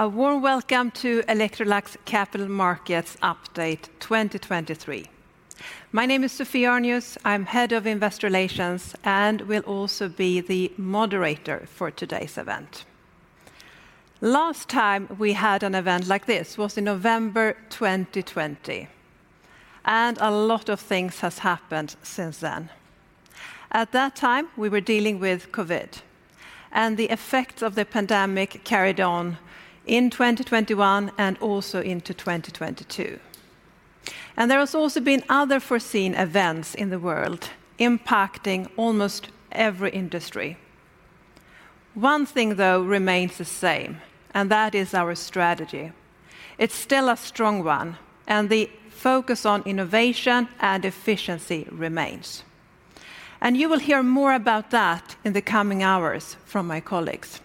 A warm welcome to Electrolux Capital Markets Update 2023. My name is Sophie Arnius, I'm Head of Investor Relations, and will also be the moderator for today's event. Last time we had an event like this was in November 2020. A lot of things has happened since then. At that time, we were dealing with COVID. The effects of the pandemic carried on in 2021 and also into 2022. There has also been other unforeseen events in the world impacting almost every industry. One thing, though, remains the same, and that is our strategy. It's still a strong one, and the focus on innovation and efficiency remains. You will hear more about that in the coming hours from my colleagues.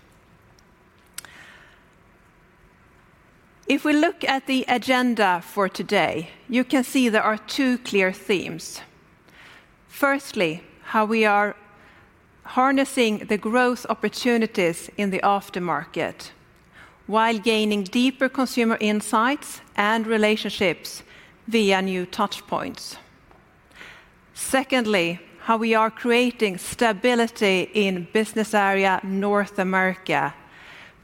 If we look at the agenda for today, you can see there are two clear themes. Firstly, how we are harnessing the growth opportunities in the aftermarket while gaining deeper consumer insights and relationships via new touchpoints. Secondly, how we are creating stability in Business Area North America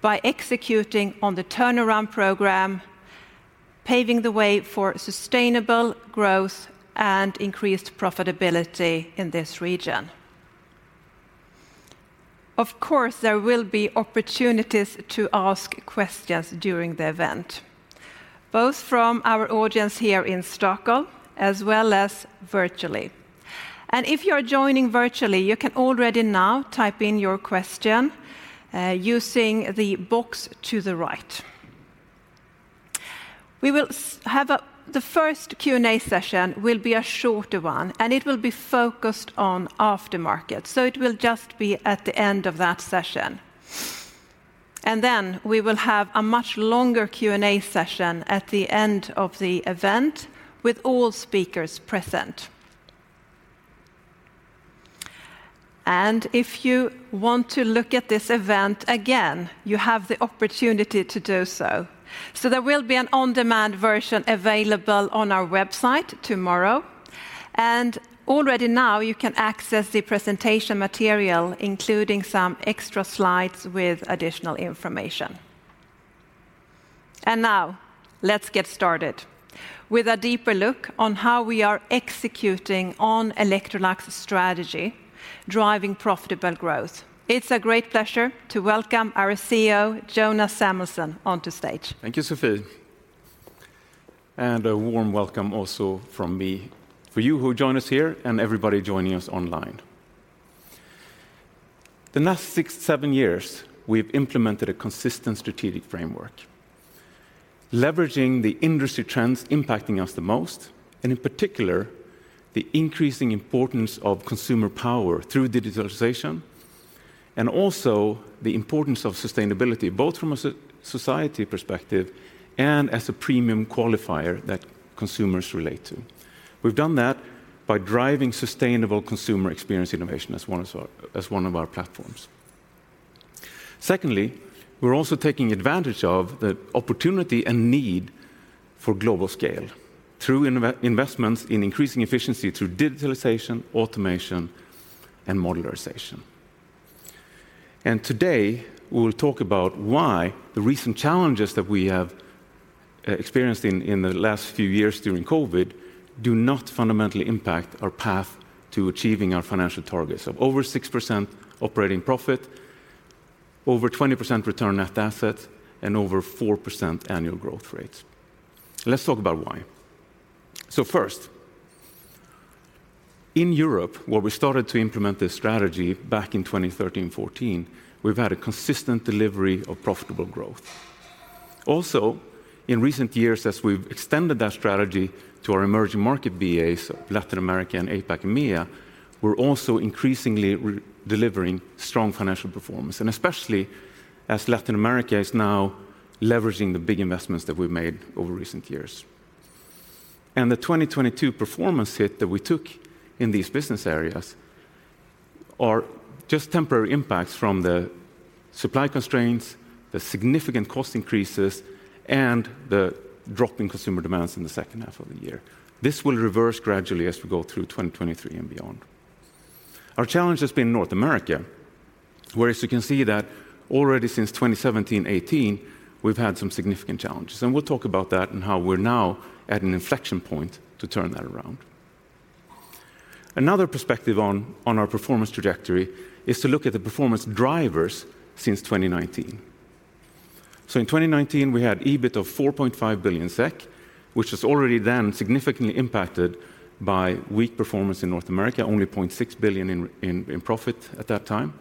by executing on the turnaround program, paving the way for sustainable growth and increased profitability in this region. Of course, there will be opportunities to ask questions during the event, both from our audience here in Stockholm as well as virtually. If you're joining virtually, you can already now type in your question using the box to the right. The first Q&A session will be a shorter one, and it will be focused on aftermarket. It will just be at the end of that session. Then we will have a much longer Q&A session at the end of the event with all speakers present. If you want to look at this event again, you have the opportunity to do so. There will be an on-demand version available on our website tomorrow. Already now you can access the presentation material, including some extra slides with additional information. Now let's get started with a deeper look on how we are executing on Electrolux strategy, driving profitable growth. It's a great pleasure to welcome our CEO, Jonas Samuelson, onto stage. Thank you, Sophie. A warm welcome also from me for you who join us here and everybody joining us online. The last six, seven years, we've implemented a consistent strategic framework, leveraging the industry trends impacting us the most, and in particular, the increasing importance of consumer power through digitalization, and also the importance of sustainability, both from a society perspective and as a premium qualifier that consumers relate to. We've done that by driving sustainable consumer experience innovation as one of our platforms. Secondly, we're also taking advantage of the opportunity and need for global scale through investments in increasing efficiency through digitalization, automation, and modularization. Today, we will talk about why the recent challenges that we have experienced in the last few years during COVID do not fundamentally impact our path to achieving our financial targets of over 6% operating profit, over 20% return net asset, and over 4% annual growth rates. Let's talk about why. First, in Europe, where we started to implement this strategy back in 2013, 2014, we've had a consistent delivery of profitable growth. In recent years, as we've extended that strategy to our emerging market BAs of Latin America and APAC, EMEA, we're also increasingly delivering strong financial performance, and especially as Latin America is now leveraging the big investments that we've made over recent years. The 2022 performance hit that we took in these business areas are just temporary impacts from the supply constraints, the significant cost increases, and the drop in consumer demands in the second half of the year. This will reverse gradually as we go through 2023 and beyond. Our challenge has been North America, where as you can see that already since 2017, 2018, we've had some significant challenges. We'll talk about that and how we're now at an inflection point to turn that around. Another perspective on our performance trajectory is to look at the performance drivers since 2019. In 2019, we had EBIT of 4.5 billion SEK, which was already then significantly impacted by weak performance in North America, only 0.6 billion in profit at that time.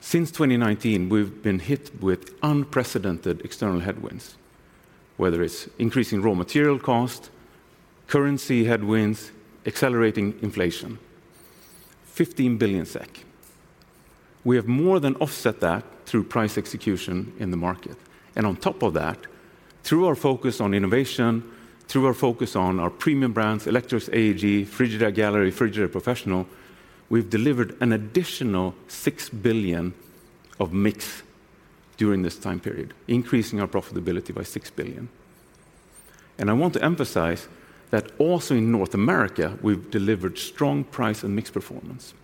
Since 2019, we've been hit with unprecedented external headwinds, whether it's increasing raw material cost, currency headwinds, accelerating inflation. 15 billion SEK. We have more than offset that through price execution in the market. Through our focus on innovation, through our focus on our premium brands, Electrolux AEG, Frigidaire Gallery, Frigidaire Professional, we've delivered an additional 6 billion of mix during this time period, increasing our profitability by 6 billion. I want to emphasize that also in North America, we've delivered strong price and mix performance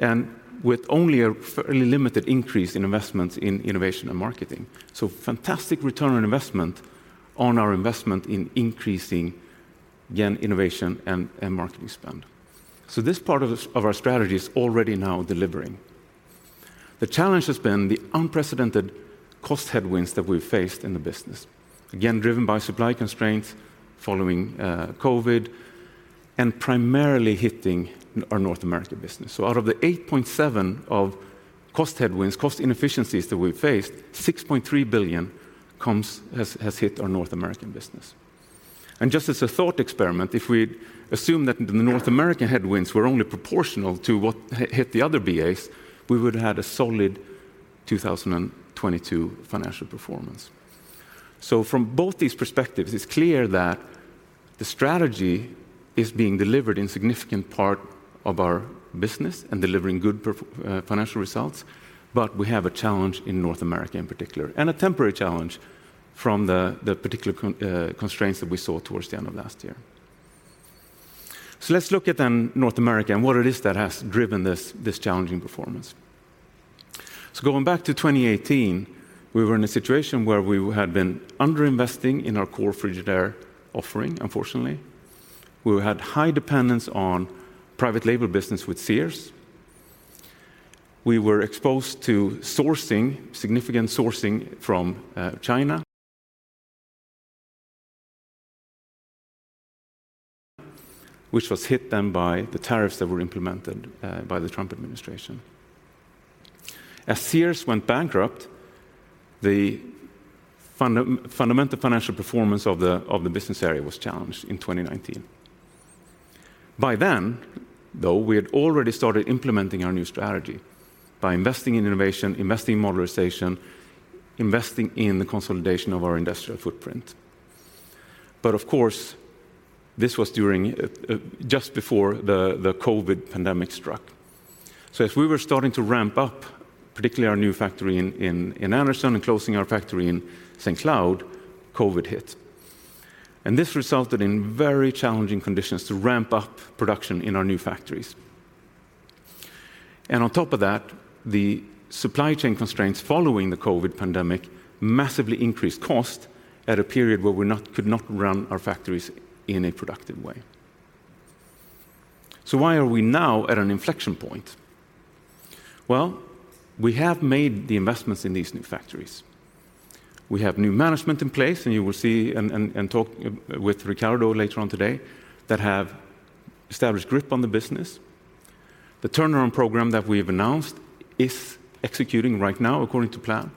and with only a fairly limited increase in investments in innovation and marketing. Fantastic ROI on our investment in increasing, again, innovation and marketing spend. This part of our strategy is already now delivering. The challenge has been the unprecedented cost headwinds that we've faced in the business. Driven by supply constraints following COVID, and primarily hitting our North American business. Out of the 8.7 billion of cost headwinds, cost inefficiencies that we've faced, 6.3 billion has hit our North American business. Just as a thought experiment, if we'd assume that the North American headwinds were only proportional to what hit the other BAs, we would have had a solid 2022 financial performance. From both these perspectives, it's clear that the strategy is being delivered in significant part of our business and delivering good financial results, but we have a challenge in North America in particular, and a temporary challenge from the particular constraints that we saw towards the end of last year. Let's look at then North America and what it is that has driven this challenging performance. Going back to 2018, we were in a situation where we had been underinvesting in our core Frigidaire offering, unfortunately. We had high dependence on private label business with Sears. We were exposed to sourcing, significant sourcing from China which was hit then by the tariffs that were implemented by the Trump administration. As Sears went bankrupt, the fundamental financial performance of the business area was challenged in 2019. By then, though, we had already started implementing our new strategy by investing in innovation, investing in modernization, investing in the consolidation of our industrial footprint. Of course, this was during just before the COVID pandemic struck. As we were starting to ramp up, particularly our new factory in Anderson and closing our factory in St. Cloud, COVID hit. This resulted in very challenging conditions to ramp up production in our new factories. On top of that, the supply chain constraints following the COVID pandemic massively increased cost at a period where we could not run our factories in a productive way. Why are we now at an inflection point? Well, we have made the investments in these new factories. We have new management in place, and you will see and talk with Ricardo later on today, that have established grip on the business. The turnaround program that we've announced is executing right now according to plan.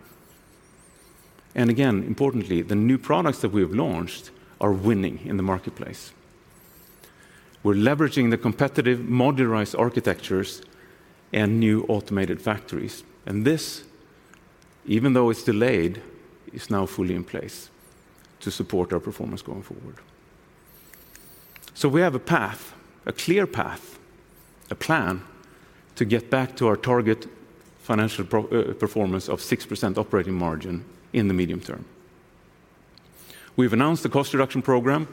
Again, importantly, the new products that we have launched are winning in the marketplace. We're leveraging the competitive modularized architectures and new automated factories. This, even though it's delayed, is now fully in place to support our performance going forward. We have a path, a clear path, a plan to get back to our target financial performance of 6% operating margin in the medium term. We've announced a cost reduction program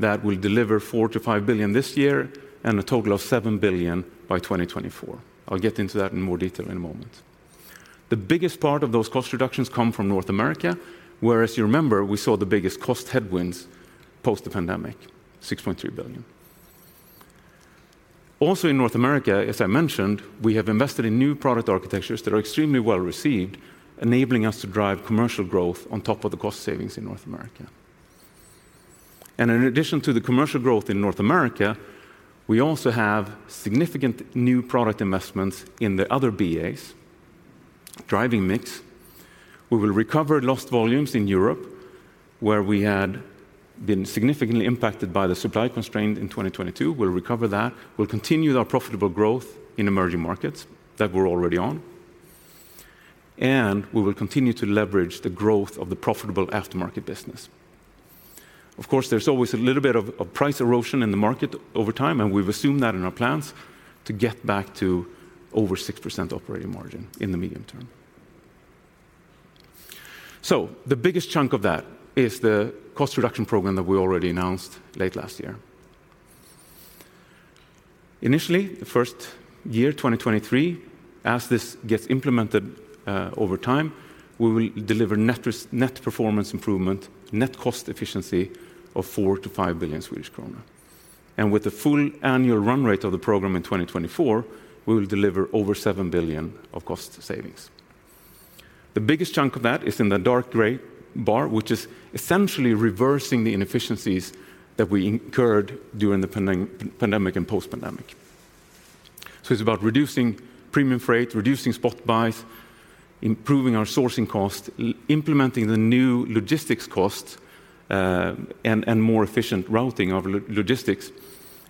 that will deliver 4 billion-5 billion this year and a total of 7 billion by 2024. I'll get into that in more detail in a moment. The biggest part of those cost reductions come from North America, where, as you remember, we saw the biggest cost headwinds post the pandemic, 6.3 billion. Also in North America, as I mentioned, we have invested in new product architectures that are extremely well-received, enabling us to drive commercial growth on top of the cost savings in North America. In addition to the commercial growth in North America, we also have significant new product investments in the other BAs, driving mix. We will recover lost volumes in Europe, where we had been significantly impacted by the supply constraint in 2022. We'll recover that. We'll continue our profitable growth in emerging markets that we're already on. We will continue to leverage the growth of the profitable aftermarket business. Of course, there's always a little bit of price erosion in the market over time, and we've assumed that in our plans to get back to over 6% operating margin in the medium term. The biggest chunk of that is the cost reduction program that we already announced late last year. Initially, the first year, 2023, as this gets implemented, over time, we will deliver net performance improvement, net cost efficiency of 4 billion-5 billion Swedish kronor. With the full annual run rate of the program in 2024, we will deliver over 7 billion of cost savings. The biggest chunk of that is in the dark gray bar, which is essentially reversing the inefficiencies that we incurred during the pandemic and post-pandemic. It's about reducing premium freight, reducing spot buys, improving our sourcing cost, implementing the new logistics cost, and more efficient routing of logistics,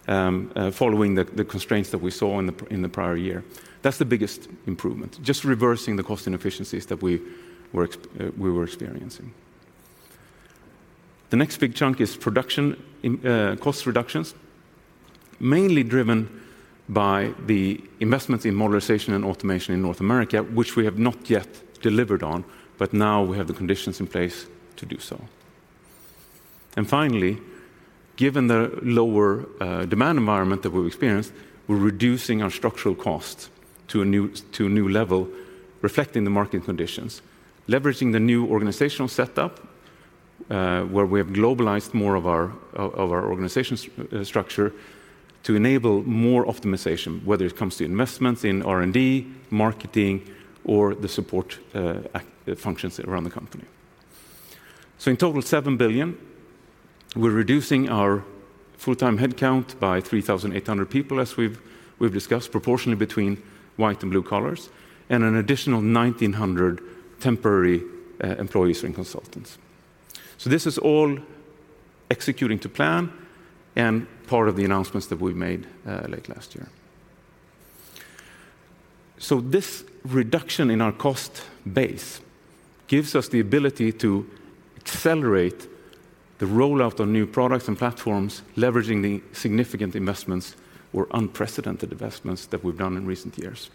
following the constraints that we saw in the prior year. That's the biggest improvement, just reversing the cost inefficiencies that we were experiencing. The next big chunk is production cost reductions, mainly driven by the investments in modularization and automation in North America, which we have not yet delivered on, but now we have the conditions in place to do so. Finally, given the lower demand environment that we've experienced, we're reducing our structural costs to a new level reflecting the market conditions, leveraging the new organizational setup, where we have globalized more of our organization's structure to enable more optimization, whether it comes to investments in R&D, marketing, or the support functions around the company. In total, 7 billion. We're reducing our full-time headcount by 3,800 people, as we've discussed, proportionally between white and blue collars, and an additional 1,900 temporary employees and consultants. This is all executing to plan and part of the announcements that we made late last year. This reduction in our cost base gives us the ability to accelerate the rollout of new products and platforms, leveraging the significant investments or unprecedented investments that we've done in recent years.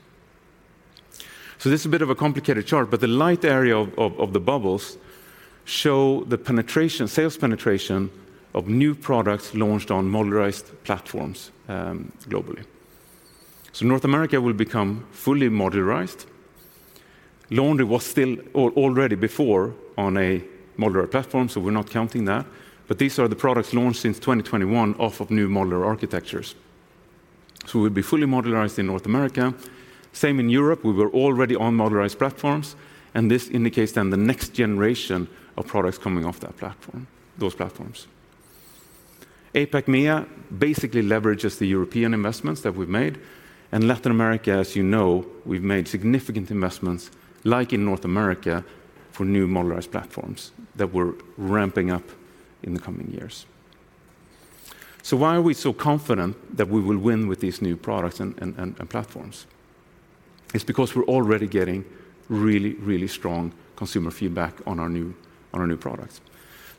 This is a bit of a complicated chart, but the light area of the bubbles show the penetration, sales penetration of new products launched on modularized platforms globally. North America will become fully modularized. Laundry was still already before on a modular platform, we're not counting that. These are the products launched since 2021 off of new modular architectures. We'll be fully modularized in North America. Same in Europe, we were already on modularized platforms, and this indicates then the next generation of products coming off that platform, those platforms. APAC-MEA basically leverages the European investments that we've made. Latin America, as you know, we've made significant investments, like in North America, for new modularized platforms that we're ramping up in the coming years. Why are we so confident that we will win with these new products and platforms? It's because we're already getting really strong consumer feedback on our new products.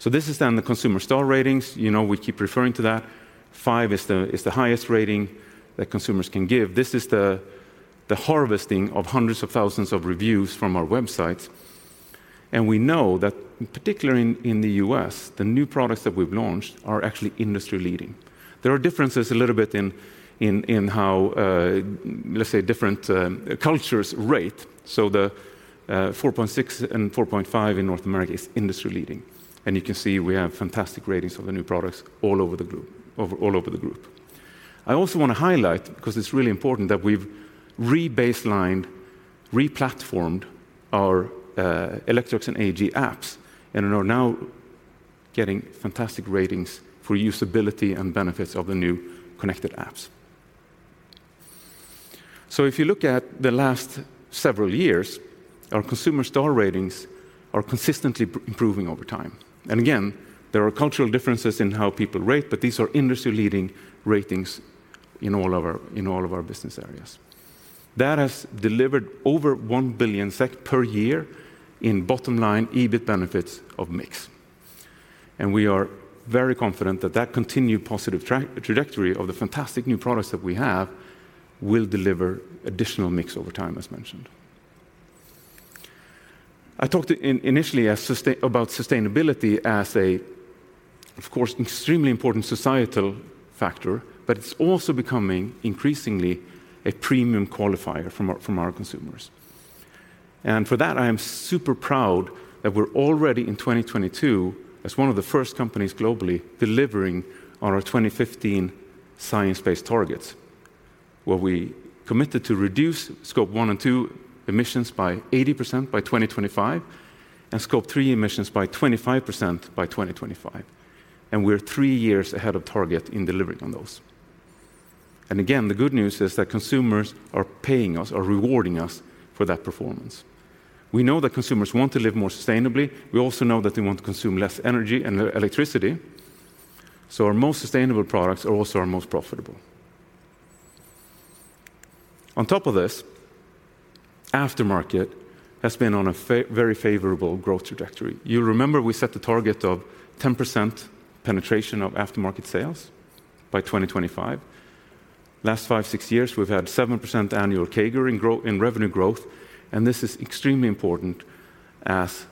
This is then the consumer star ratings. You know, we keep referring to that. 5 is the highest rating that consumers can give. This is the harvesting of hundreds of thousands of reviews from our websites. We know that particularly in the U.S., the new products that we've launched are actually industry-leading. There are differences a little bit in how, let's say, different cultures rate. The 4.6 and 4.5 in North America is industry-leading. You can see we have fantastic ratings of the new products all over the group, all over the group. I also wanna highlight, because it's really important, that we've re-baselined, re-platformed our Electrolux and AEG apps, are now getting fantastic ratings for usability and benefits of the new connected apps. If you look at the last several years, our consumer star ratings are consistently improving over time. Again, there are cultural differences in how people rate, but these are industry-leading ratings in all of our business areas. That has delivered over 1 billion SEK per year in bottom-line EBIT benefits of mix. We are very confident that continued positive trajectory of the fantastic new products that we have will deliver additional mix over time, as mentioned. I talked initially about sustainability as, of course, extremely important societal factor, but it's also becoming increasingly a premium qualifier from our consumers. For that, I am super proud that we're already in 2022, as one of the first companies globally, delivering on our 2015 science-based targets, where we committed to reduce Scope 1 and 2 emissions by 80% by 2025, and Scope 3 emissions by 25% by 2025. We're three years ahead of target in delivering on those. Again, the good news is that consumers are paying us or rewarding us for that performance. We know that consumers want to live more sustainably. We also know that they want to consume less energy and electricity. Our most sustainable products are also our most profitable. On top of this, aftermarket has been on a very favorable growth trajectory. You remember we set the target of 10% penetration of aftermarket sales by 2025. Last five, six years, we've had 7% annual CAGR in revenue growth, and this is extremely important as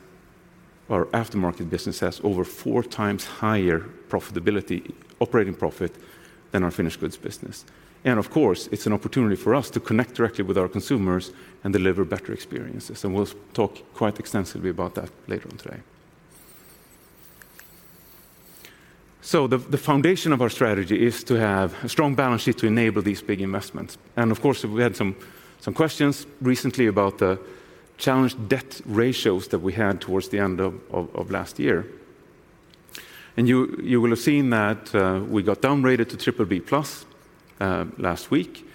our aftermarket business has over 4x higher profitability, operating profit, than our finished goods business. Of course, it's an opportunity for us to connect directly with our consumers and deliver better experiences, and we'll talk quite extensively about that later on today. The foundation of our strategy is to have a strong balance sheet to enable these big investments. Of course, we had some questions recently about the challenged debt ratios that we had towards the end of last year. You will have seen that we got downgraded to BBB+ last week.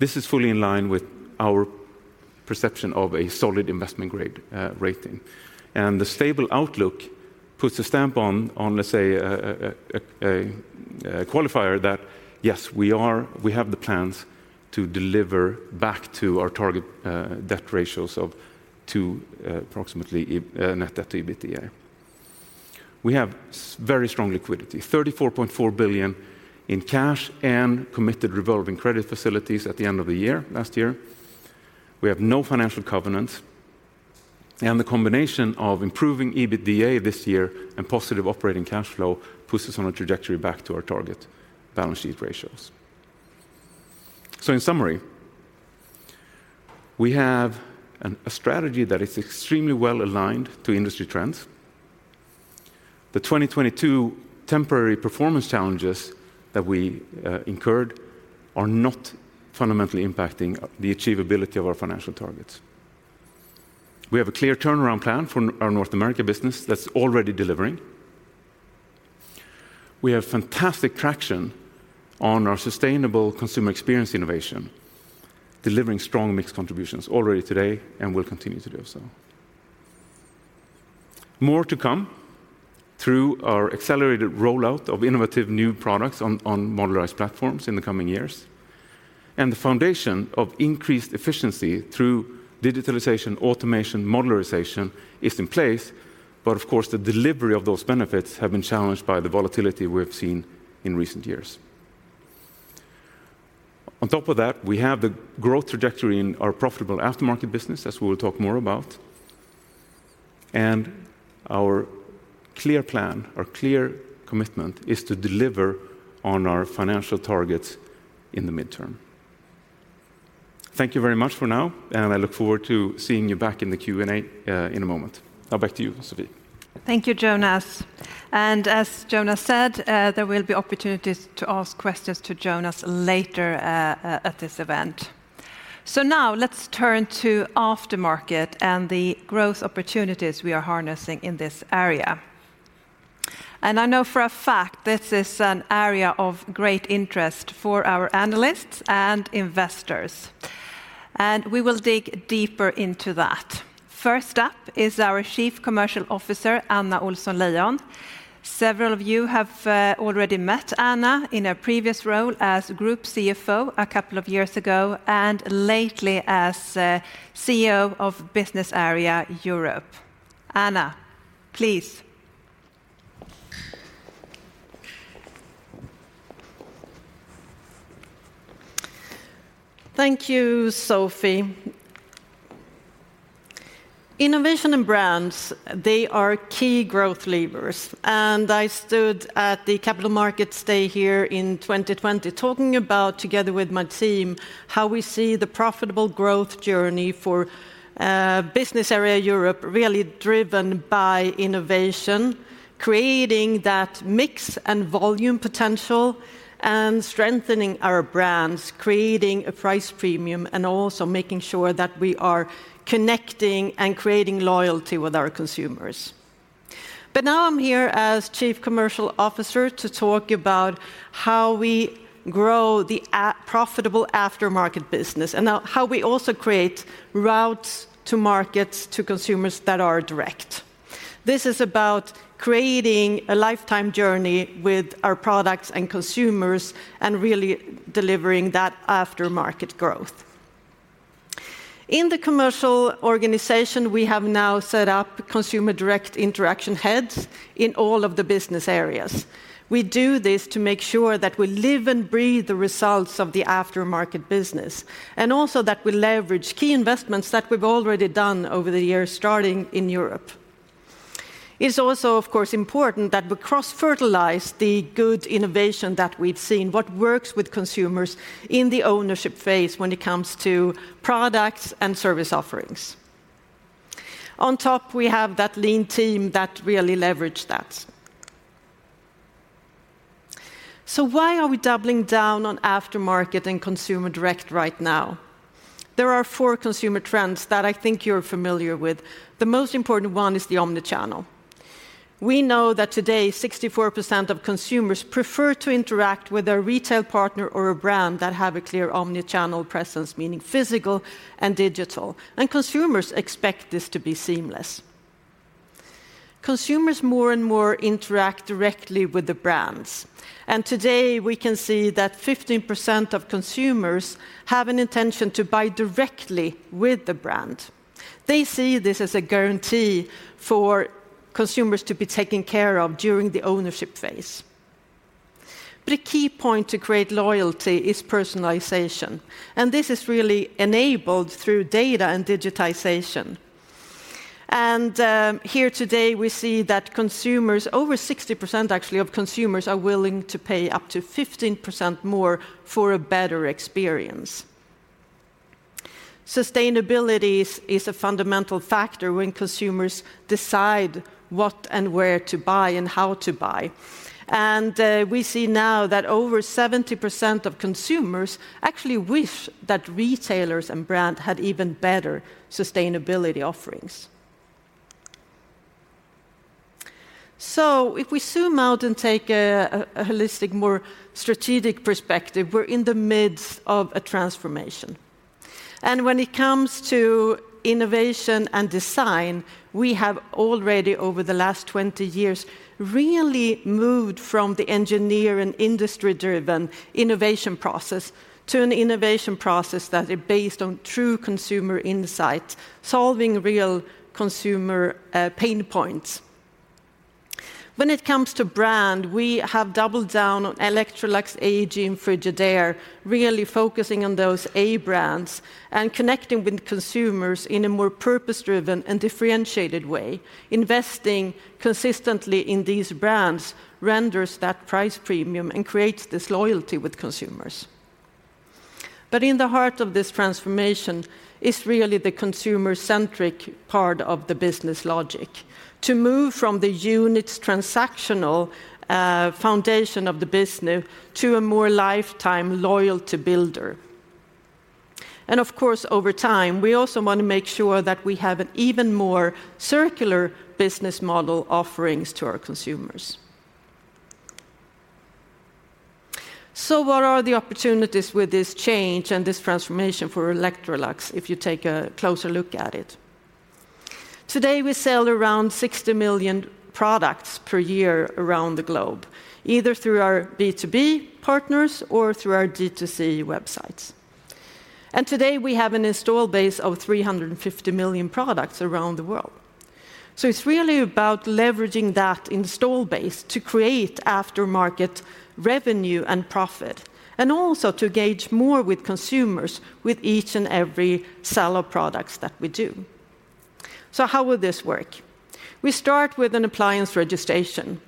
This is fully in line with our perception of a solid investment grade rating. The stable outlook puts a stamp on, let's say, a qualifier that yes, we have the plans to deliver back to our target debt ratios of 2, approximately net debt to EBITDA. We have very strong liquidity, 34.4 billion in cash and committed revolving credit facilities at the end of the year, last year. We have no financial covenants. The combination of improving EBITDA this year and positive operating cash flow puts us on a trajectory back to our target balance sheet ratios. In summary, we have a strategy that is extremely well-aligned to industry trends. The 2022 temporary performance challenges that we incurred are not fundamentally impacting the achievability of our financial targets. We have a clear turnaround plan for our North America business that's already delivering. We have fantastic traction on our sustainable consumer experience innovation, delivering strong mixed contributions already today and will continue to do so. More to come through our accelerated rollout of innovative new products on modularized platforms in the coming years. The foundation of increased efficiency through digitalization, automation, modularization is in place. Of course, the delivery of those benefits have been challenged by the volatility we have seen in recent years. On top of that, we have the growth trajectory in our profitable aftermarket business, as we will talk more about. Our clear plan, our clear commitment is to deliver on our financial targets in the midterm. Thank you very much for now. I look forward to seeing you back in the Q&A in a moment. Back to you, Sophie. Thank you, Jonas. As Jonas said, there will be opportunities to ask questions to Jonas later at this event. Now let's turn to aftermarket and the growth opportunities we are harnessing in this area. I know for a fact this is an area of great interest for our analysts and investors, and we will dig deeper into that. First up is our Chief Commercial Officer, Anna Ohlsson-Leijon. Several of you have already met Anna in her previous role as Group CFO a couple of years ago, and lately as CEO of Business Area Europe. Anna, please. Thank you, Sophie. Innovation and brands, they are key growth levers. I stood at the Capital Markets Day here in 2020 talking about, together with my team, how we see the profitable growth journey for Business Area Europe really driven by innovation, creating that mix and volume potential, and strengthening our brands, creating a price premium, and also making sure that we are connecting and creating loyalty with our consumers. Now I'm here as Chief Commercial Officer to talk about how we grow the profitable aftermarket business and how we also create routes to markets to consumers that are direct. This is about creating a lifetime journey with our products and consumers and really delivering that aftermarket growth. In the commercial organization, we have now set up consumer direct interaction heads in all of the business areas. We do this to make sure that we live and breathe the results of the aftermarket business, and also that we leverage key investments that we've already done over the years, starting in Europe. It's also, of course, important that we cross-fertilize the good innovation that we've seen, what works with consumers in the ownership phase when it comes to products and service offerings. On top, we have that lean team that really leverage that. Why are we doubling down on aftermarket and consumer direct right now? There are four consumer trends that I think you're familiar with. The most important one is the omnichannel. We know that today 64% of consumers prefer to interact with a retail partner or a brand that have a clear omnichannel presence, meaning physical and digital. Consumers expect this to be seamless. Consumers more and more interact directly with the brands. Today, we can see that 15% of consumers have an intention to buy directly with the brand. They see this as a guarantee for consumers to be taken care of during the ownership phase. A key point to create loyalty is personalization, and this is really enabled through data and digitization. Here today, we see that consumers, over 60% actually, of consumers are willing to pay up to 15% more for a better experience. Sustainability is a fundamental factor when consumers decide what and where to buy and how to buy. We see now that over 70% of consumers actually wish that retailers and brand had even better sustainability offerings. If we zoom out and take a holistic, more strategic perspective, we're in the midst of a transformation. When it comes to innovation and design, we have already over the last 20 years really moved from the engineer and industry-driven innovation process to an innovation process that is based on true consumer insight, solving real consumer pain points. When it comes to brand, we have doubled down on Electrolux, AEG, and Frigidaire, really focusing on those A brands and connecting with consumers in a more purpose-driven and differentiated way. Investing consistently in these brands renders that price premium and creates this loyalty with consumers. In the heart of this transformation is really the consumer-centric part of the business logic, to move from the unit's transactional foundation of the business to a more lifetime loyalty builder. Of course, over time, we also want to make sure that we have an even more circular business model offerings to our consumers. What are the opportunities with this change and this transformation for Electrolux if you take a closer look at it? Today, we sell around 60 million products per year around the globe, either through our B2B partners or through our D2C websites. Today, we have an install base of 350 million products around the world. It's really about leveraging that install base to create aftermarket revenue and profit, and also to engage more with consumers with each and every sell of products that we do. How will this work? We start with an appliance registration,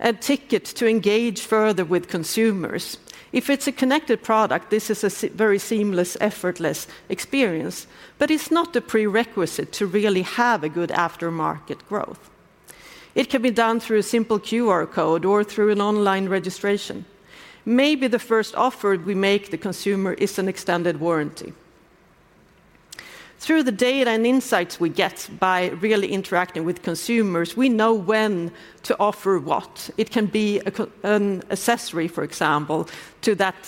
a ticket to engage further with consumers. If it's a connected product, this is a very seamless, effortless experience, but it's not a prerequisite to really have a good aftermarket growth. It can be done through a simple QR code or through an online registration. Maybe the first offer we make the consumer is an extended warranty. Through the data and insights we get by really interacting with consumers, we know when to offer what. It can be an accessory, for example, to that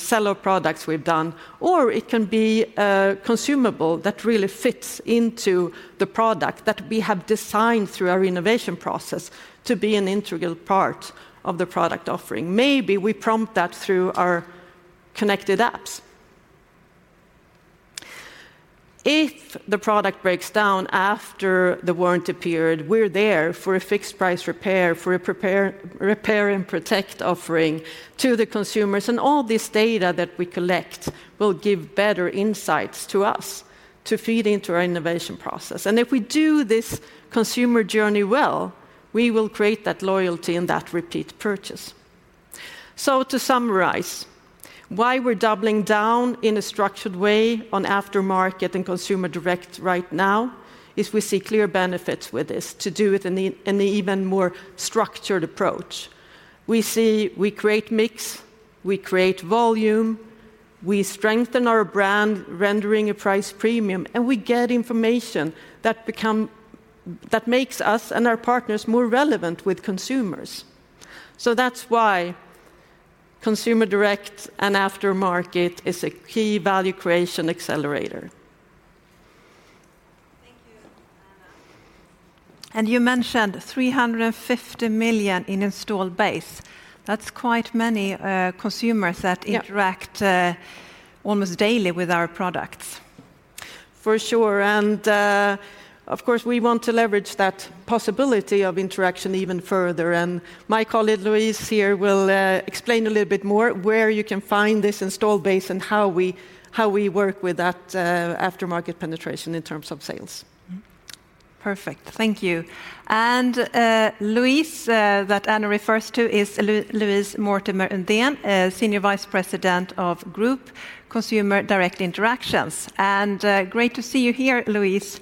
sell of products we've done, or it can be a consumable that really fits into the product that we have designed through our innovation process to be an integral part of the product offering. Maybe we prompt that through our connected apps. If the product breaks down after the warranty period, we're there for a fixed price repair, for a Repair and Protect offering to the consumers. All this data that we collect will give better insights to us to feed into our innovation process. If we do this consumer journey well, we will create that loyalty and that repeat purchase. To summarize, why we're doubling down in a structured way on aftermarket and consumer direct right now is we see clear benefits with this to do it in an even more structured approach. We create mix, we create volume, we strengthen our brand, rendering a price premium, and we get information that makes us and our partners more relevant with consumers. That's why consumer direct and aftermarket is a key value creation accelerator. Thank you, Anna. You mentioned 350 million in install base. That's quite many, consumers that interact, almost daily with our products. For sure. Of course, we want to leverage that possibility of interaction even further. My colleague, Louise, here will explain a little bit more where you can find this install base and how we work with that, aftermarket penetration in terms of sales. Perfect. Thank you. Louise that Anna refers to is Louise Mortimer Undén, Senior Vice President of Group Consumer Direct Interactions. Great to see you here, Louise.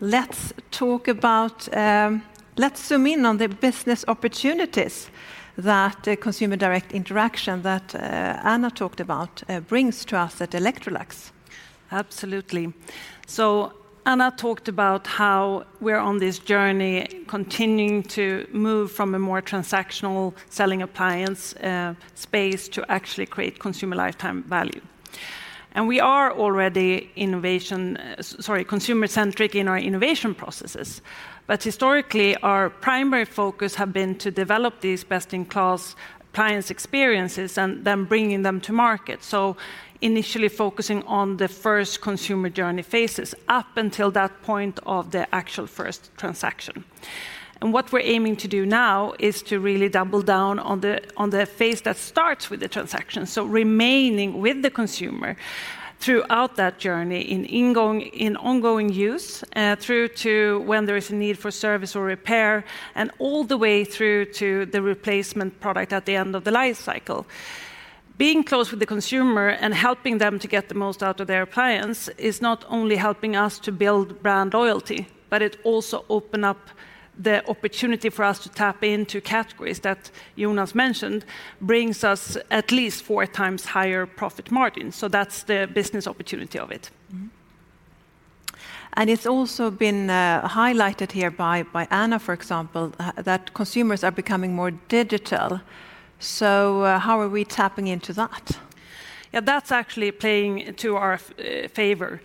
Let's talk about let's zoom in on the business opportunities that consumer direct interaction that Anna talked about brings to us at Electrolux. Absolutely. Anna talked about how we're on this journey continuing to move from a more transactional selling appliance space to actually create consumer lifetime value. We are already innovation, sorry, consumer-centric in our innovation processes. Historically, our primary focus have been to develop these best-in-class appliance experiences and then bringing them to market. Initially focusing on the first consumer journey phases up until that point of the actual first transaction. What we're aiming to do now is to really double down on the, on the phase that starts with the transaction. Remaining with the consumer throughout that journey in ongoing use, through to when there is a need for service or repair, and all the way through to the replacement product at the end of the life cycle. Being close with the consumer and helping them to get the most out of their appliance is not only helping us to build brand loyalty, but it also open up the opportunity for us to tap into categories that Jonas mentioned brings us at least 4x higher profit margin. That's the business opportunity of it. It's also been, highlighted here by Anna, for example, that consumers are becoming more digital. How are we tapping into that? Yeah, that's actually playing to our favor.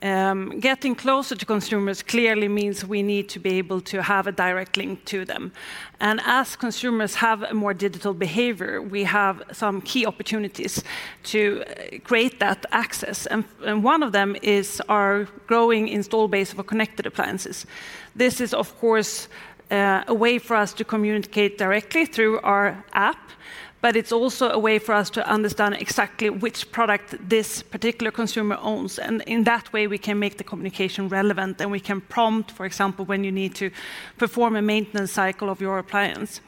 Getting closer to consumers clearly means we need to be able to have a direct link to them. As consumers have a more digital behavior, we have some key opportunities to create that access. One of them is our growing install base of our connected appliances. This is, of course, a way for us to communicate directly through our app, but it's also a way for us to understand exactly which product this particular consumer owns, and in that way we can make the communication relevant and we can prompt, for example, when you need to perform a maintenance cycle of your appliance.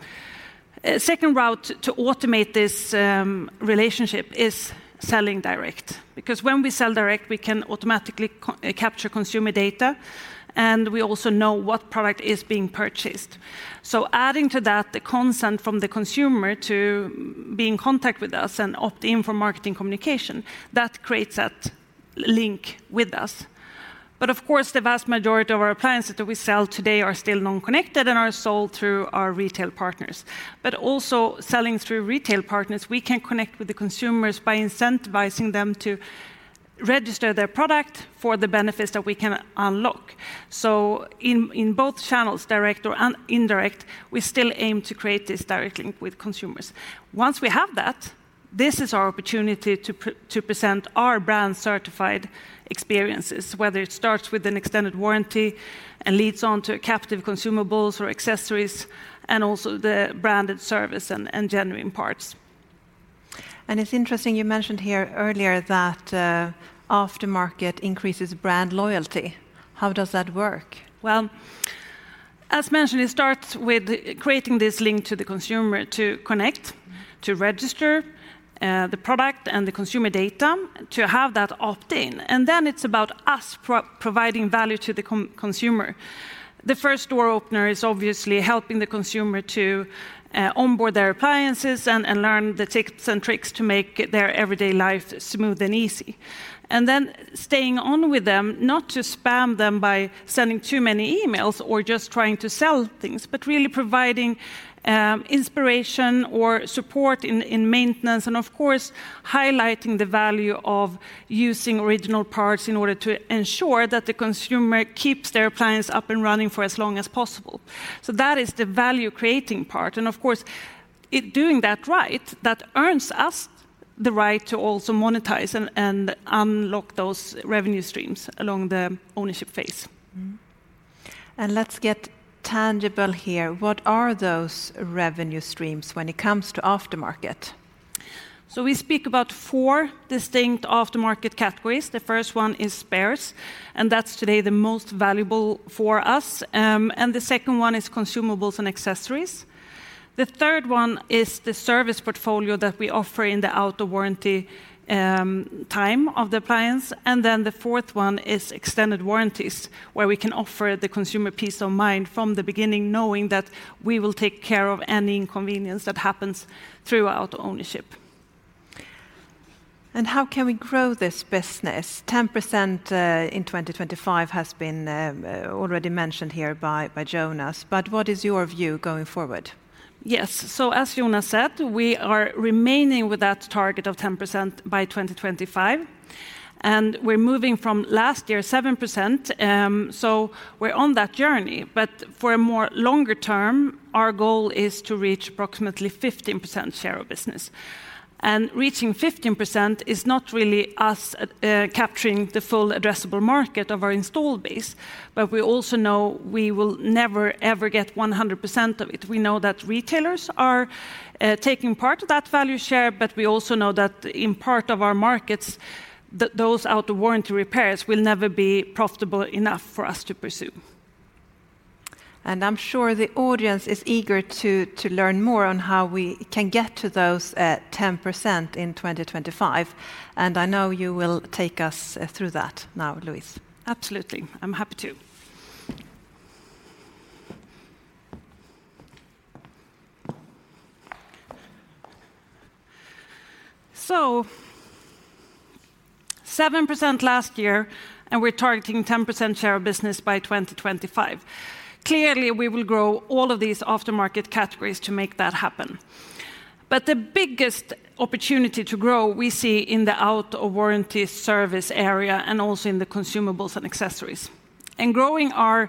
A second route to automate this relationship is selling direct. When we sell direct, we can automatically capture consumer data, and we also know what product is being purchased. Adding to that the consent from the consumer to be in contact with us and opt in for marketing communication, that creates that link with us. Of course, the vast majority of our appliances that we sell today are still non-connected and are sold through our retail partners. Also, selling through retail partners, we can connect with the consumers by incentivizing them to register their product for the benefits that we can unlock. In, in both channels, direct or indirect, we still aim to create this direct link with consumers. Once we have that, this is our opportunity to present our brand-certified experiences, whether it starts with an extended warranty and leads on to captive consumables or accessories, and also the branded service and genuine parts. It's interesting you mentioned here earlier that aftermarket increases brand loyalty. How does that work? Well, as mentioned, it starts with creating this link to the consumer to connect, to register, the product and the consumer data to have that opt-in. And then it's about us providing value to the consumer. The first door opener is obviously helping the consumer to onboard their appliances and learn the tips and tricks to make their everyday life smooth and easy. And then staying on with them, not to spam them by sending too many emails or just trying to sell things, but really providing inspiration or support in maintenance and of course highlighting the value of using original parts in order to ensure that the consumer keeps their appliance up and running for as long as possible. That is the value-creating part, and of course, it doing that right, that earns us the right to also monetize and unlock those revenue streams along the ownership phase. Let's get tangible here. What are those revenue streams when it comes to aftermarket? We speak about four distinct aftermarket categories. The first one is spares, and that's today the most valuable for us. The second one is consumables and accessories. The third one is the service portfolio that we offer in the out-of-warranty time of the appliance. The fourth one is extended warranties, where we can offer the consumer peace of mind from the beginning knowing that we will take care of any inconvenience that happens throughout ownership. How can we grow this business? 10%, in 2025 has been, already mentioned here by Jonas, but what is your view going forward? Yes. As Jonas said, we are remaining with that target of 10% by 2025, and we're moving from last year, 7%, so we're on that journey. For more longer term, our goal is to reach approximately 15% share of business. Reaching 15% is not really us capturing the full addressable market of our install base, but we also know we will never, ever get 100% of it. We know that retailers are taking part of that value share, but we also know that in part of our markets, those out-of-warranty repairs will never be profitable enough for us to pursue. I'm sure the audience is eager to learn more on how we can get to those 10% in 2025. I know you will take us through that now, Louise. Absolutely. I'm happy to. So, 7% last year, and we're targeting 10% share of business by 2025. Clearly, we will grow all of these aftermarket categories to make that happen. The biggest opportunity to grow we see in the out-of-warranty service area and also in the consumables and accessories. Growing our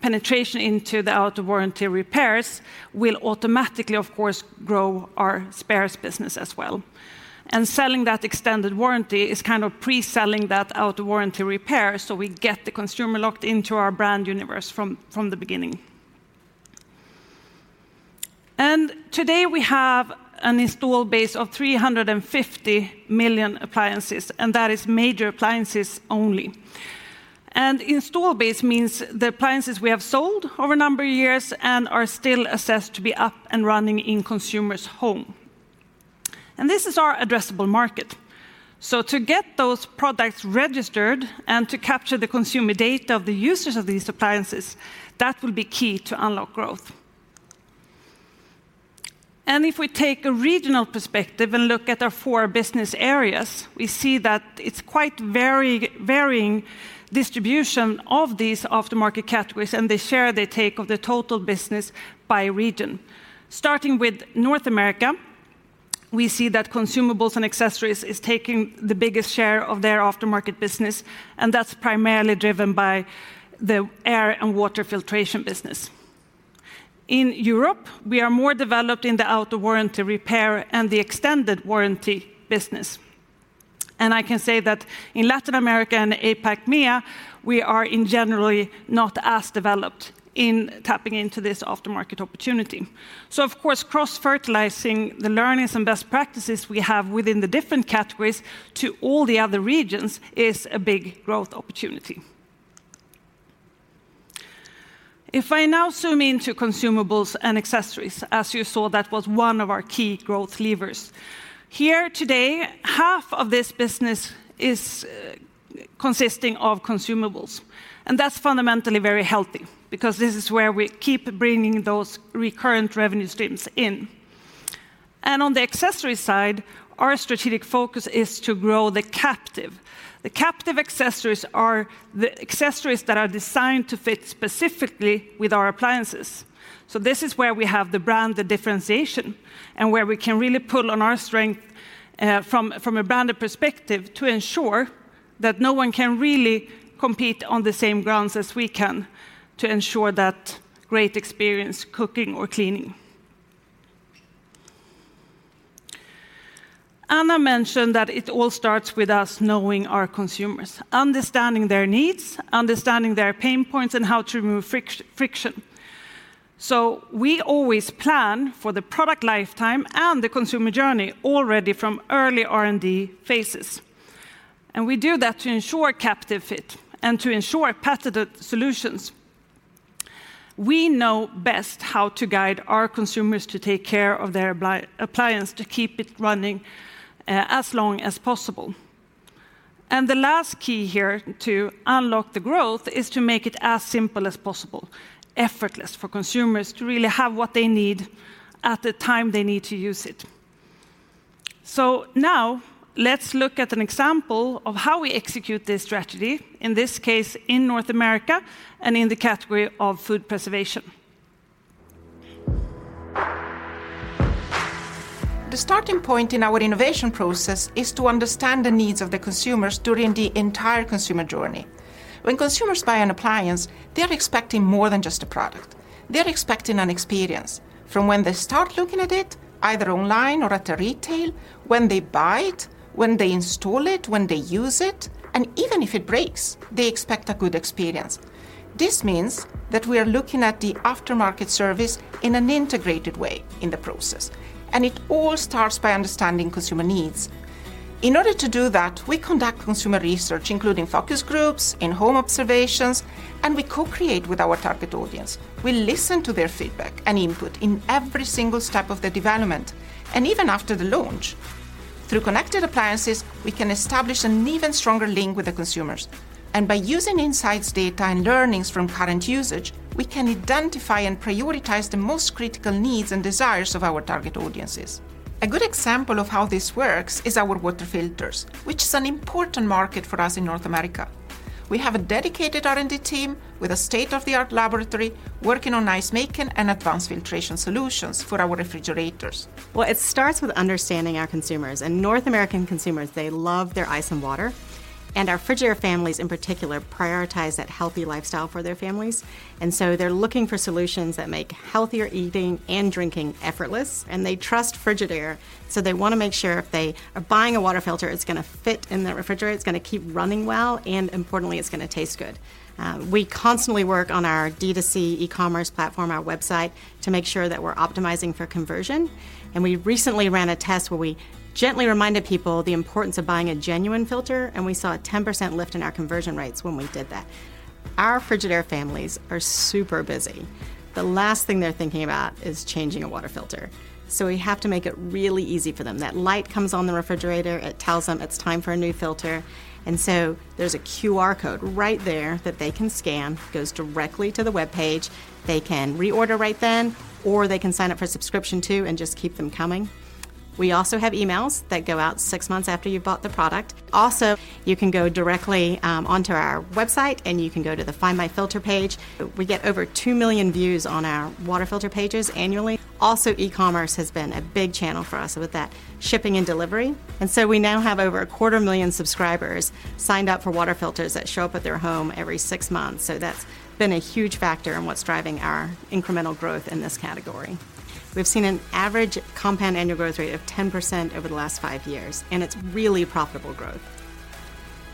penetration into the out-of-warranty repairs will automatically, of course, grow our spares business as well. Selling that extended warranty is kind of pre-selling that out-of-warranty repair, so we get the consumer locked into our brand universe from the beginning. Today, we have an install base of 350 million appliances, and that is major appliances only. Install base means the appliances we have sold over a number of years and are still assessed to be up and running in consumer's home. This is our addressable market. To get those products registered and to capture the consumer data of the users of these appliances, that will be key to unlock growth. If we take a regional perspective and look at our four business areas, we see that it's quite varying distribution of these aftermarket categories and the share they take of the total business by region. Starting with North America, we see that consumables and accessories is taking the biggest share of their aftermarket business, and that's primarily driven by the air and water filtration business. In Europe, we are more developed in the out of warranty repair and the extended warranty business. I can say that in Latin America and APAC-MEA, we are in generally not as developed in tapping into this aftermarket opportunity. Of course, cross-fertilizing the learnings and best practices we have within the different categories to all the other regions is a big growth opportunity. If I now zoom into consumables and accessories, as you saw, that was one of our key growth levers. Here today, half of this business is consisting of consumables, and that's fundamentally very healthy because this is where we keep bringing those recurrent revenue streams in. On the accessories side, our strategic focus is to grow the captive. The captive accessories are the accessories that are designed to fit specifically with our appliances. This is where we have the brand, the differentiation, and where we can really pull on our strength from a branded perspective to ensure that no one can really compete on the same grounds as we can to ensure that great experience cooking or cleaning. Anna mentioned that it all starts with us knowing our consumers, understanding their needs, understanding their pain points, and how to remove friction. We always plan for the product lifetime and the consumer journey already from early R&D phases, and we do that to ensure captive fit and to ensure patented solutions. We know best how to guide our consumers to take care of their appliance, to keep it running as long as possible. The last key here to unlock the growth is to make it as simple as possible, effortless for consumers to really have what they need at the time they need to use it. Now let's look at an example of how we execute this strategy, in this case in North America and in the category of food preservation. The starting point in our innovation process is to understand the needs of the consumers during the entire consumer journey. When consumers buy an appliance, they're expecting more than just a product. They're expecting an experience from when they start looking at it, either online or at a retail, when they buy it, when they install it, when they use it, and even if it breaks, they expect a good experience. This means that we are looking at the aftermarket service in an integrated way in the process, and it all starts by understanding consumer needs. In order to do that, we conduct consumer research, including focus groups, in-home observations, and we co-create with our target audience. We listen to their feedback and input in every single step of the development and even after the launch. Through connected appliances, we can establish an even stronger link with the consumers. By using insights data and learnings from current usage, we can identify and prioritize the most critical needs and desires of our target audiences. A good example of how this works is our water filters, which is an important market for us in North America. We have a dedicated R&D team with a state-of-the-art laboratory working on ice making and advanced filtration solutions for our refrigerators. It starts with understanding our consumers, and North American consumers, they love their ice and water, and our Frigidaire families in particular prioritize that healthy lifestyle for their families. They're looking for solutions that make healthier eating and drinking effortless, and they trust Frigidaire, so they wanna make sure if they are buying a water filter, it's gonna fit in the refrigerator, it's gonna keep running well, and importantly, it's gonna taste good. We constantly work on our D2C e-commerce platform, our website, to make sure that we're optimizing for conversion. We recently ran a test where we gently reminded people the importance of buying a genuine filter, and we saw a 10% lift in our conversion rates when we did that. Our Frigidaire families are super busy. The last thing they're thinking about is changing a water filter. We have to make it really easy for them. That light comes on the refrigerator, it tells them it's time for a new filter. There's a QR code right there that they can scan, goes directly to the webpage. They can reorder right then. They can sign up for subscription, too, and just keep them coming. We also have emails that go out six months after you've bought the product. You can go directly onto our website and you can go to the Find My Filter page. We get over 2 million views on our water filter pages annually. E-commerce has been a big channel for us with that shipping and delivery. We now have over a quarter million subscribers signed up for water filters that show up at their home every six months. That's been a huge factor in what's driving our incremental growth in this category. We've seen an average compound annual growth rate of 10% over the last five years, and it's really profitable growth.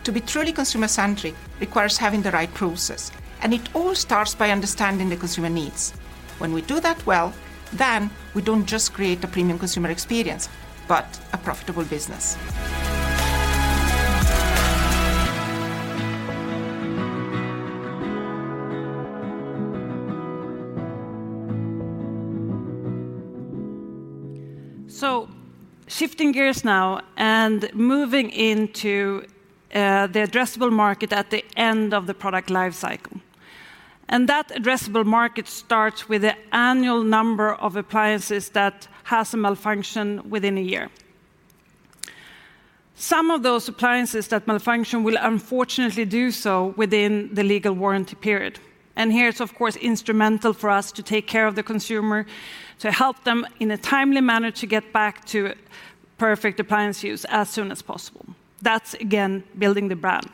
To be truly consumer-centric requires having the right process, and it all starts by understanding the consumer needs. When we do that well, then we don't just create a premium consumer experience, but a profitable business. Shifting gears now and moving into the addressable market at the end of the product life cycle. That addressable market starts with the annual number of appliances that has a malfunction within a year. Some of those appliances that malfunction will unfortunately do so within the legal warranty period. Here it's of course instrumental for us to take care of the consumer to help them in a timely manner to get back to perfect appliance use as soon as possible. That's again building the brand.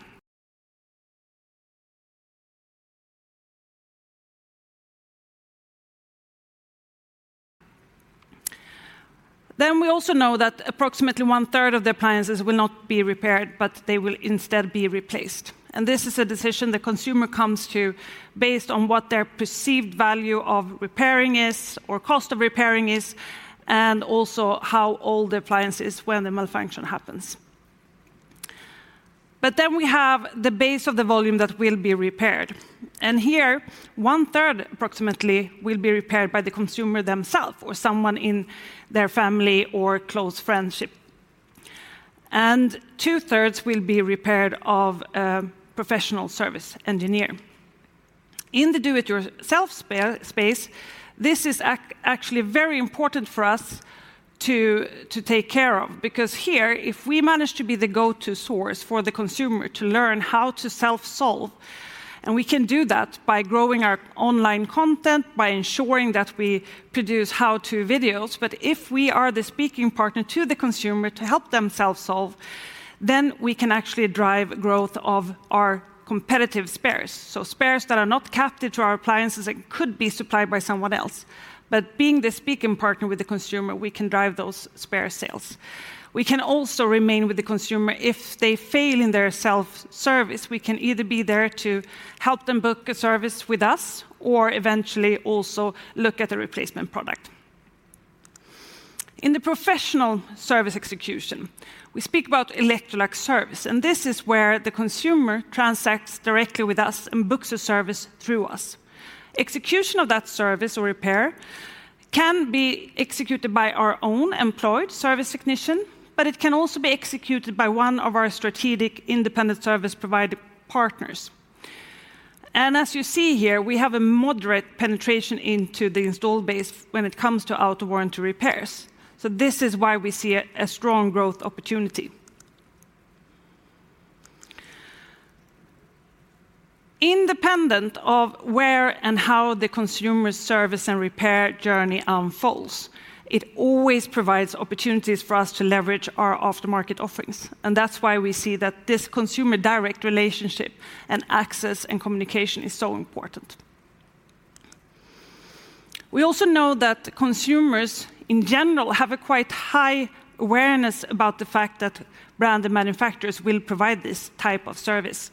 We also know that approximately 1/3 of the appliances will not be repaired, but they will instead be replaced. This is a decision the consumer comes to based on what their perceived value of repairing is or cost of repairing is, and also how old the appliance is when the malfunction happens. We have the base of the volume that will be repaired, and here 1/3 approximately will be repaired by the consumer themself or someone in their family or close friendship, and 2/3 will be repaired of a professional service engineer. In the do it yourself space, this is actually very important for us to take care of because here, if we manage to be the go-to source for the consumer to learn how to self-solve, and we can do that by growing our online content, by ensuring that we produce how-to videos, but if we are the speaking partner to the consumer to help them self-solve, then we can actually drive growth of our competitive spares. Spares that are not captive to our appliances that could be supplied by someone else. Being the speaking partner with the consumer, we can drive those spare sales. We can also remain with the consumer if they fail in their self-service, we can either be there to help them book a service with us or eventually also look at a replacement product. In the professional service execution, we speak about Electrolux service. This is where the consumer transacts directly with us and books a service through us. Execution of that service or repair can be executed by our own employed service technician. It can also be executed by one of our strategic independent service provider partners. As you see here, we have a moderate penetration into the installed base when it comes to out of warranty repairs, so this is why we see a strong growth opportunity. Independent of where and how the consumer service and repair journey unfolds, it always provides opportunities for us to leverage our aftermarket offerings, and that's why we see that this consumer direct relationship and access and communication is so important. We also know that consumers in general have a quite high awareness about the fact that branded manufacturers will provide this type of service.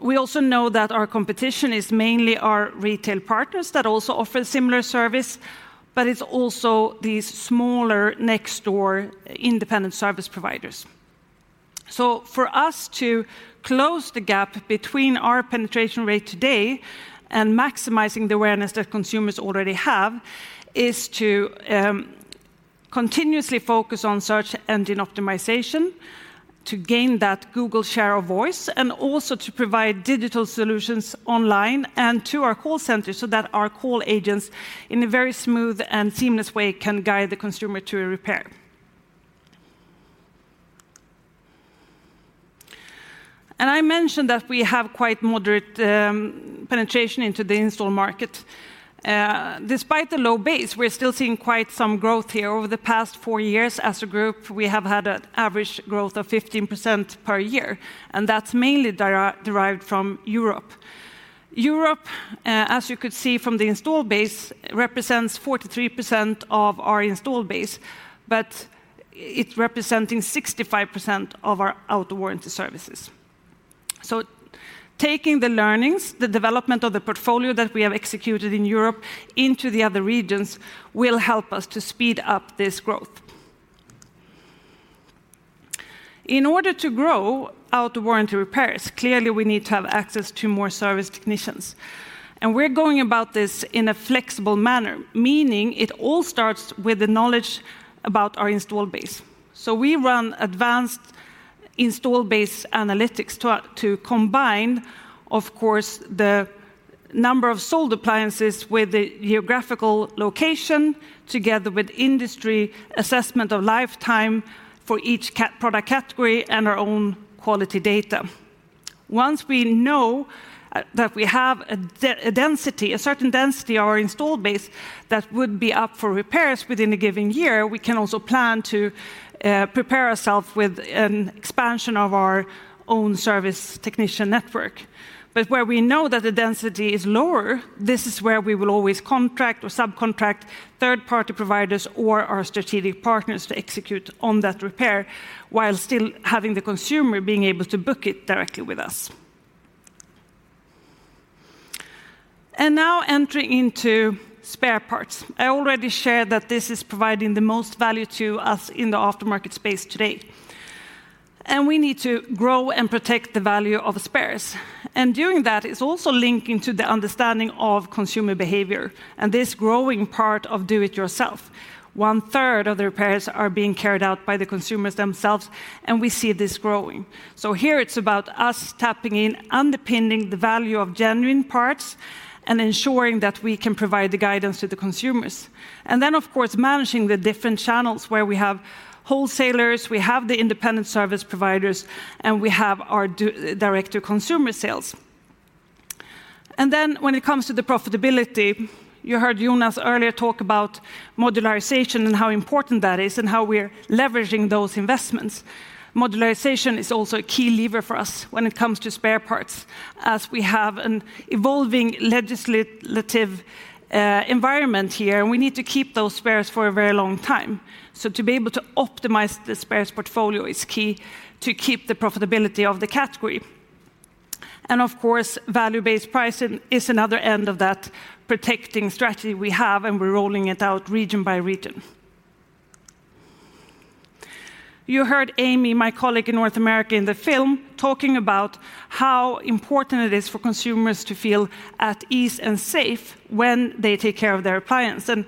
We also know that our competition is mainly our retail partners that also offer similar service, but it's also these smaller next door independent service providers. For us to close the gap between our penetration rate today and maximizing the awareness that consumers already have is to continuously focus on search engine optimization to gain that Google share of voice, and also to provide digital solutions online and to our call center so that our call agents in a very smooth and seamless way can guide the consumer to a repair. I mentioned that we have quite moderate penetration into the installed market. Despite the low base, we're still seeing quite some growth here. Over the past four years as a group, we have had an average growth of 15% per year, and that's mainly derived from Europe. Europe, as you could see from the installed base, represents 43% of our installed base, but it representing 65% of our out of warranty services. Taking the learnings, the development of the portfolio that we have executed in Europe into the other regions will help us to speed up this growth. In order to grow out of warranty repairs, clearly we need to have access to more service technicians, and we're going about this in a flexible manner, meaning it all starts with the knowledge about our installed base. We run advanced installed base analytics to combine, of course, the number of sold appliances with the geographical location together with industry assessment of lifetime for each product category and our own quality data. Once we know that we have a density, a certain density or installed base that would be up for repairs within a given year, we can also plan to prepare ourself with an expansion of our own service technician network. Where we know that the density is lower, this is where we will always contract or subcontract third party providers or our strategic partners to execute on that repair while still having the consumer being able to book it directly with us. Now entering into spare parts. I already shared that this is providing the most value to us in the aftermarket space today. We need to grow and protect the value of spares. Doing that is also linking to the understanding of consumer behavior and this growing part of do it yourself. 1/3 of the repairs are being carried out by the consumers themselves, and we see this growing. Here it's about us tapping in, underpinning the value of genuine parts, and ensuring that we can provide the guidance to the consumers. Of course, managing the different channels where we have wholesalers, we have the independent service providers, and we have our direct-to-consumer sales. When it comes to the profitability, you heard Jonas earlier talk about modularization and how important that is and how we're leveraging those investments. Modularization is also a key lever for us when it comes to spare parts as we have an evolving legislative environment here, and we need to keep those spares for a very long time. To be able to optimize the spares portfolio is key to keep the profitability of the category. Of course, value-based pricing is another end of that protecting strategy we have, and we're rolling it out region by region. You heard Amy, my colleague in North America, in the film talking about how important it is for consumers to feel at ease and safe when they take care of their appliance, and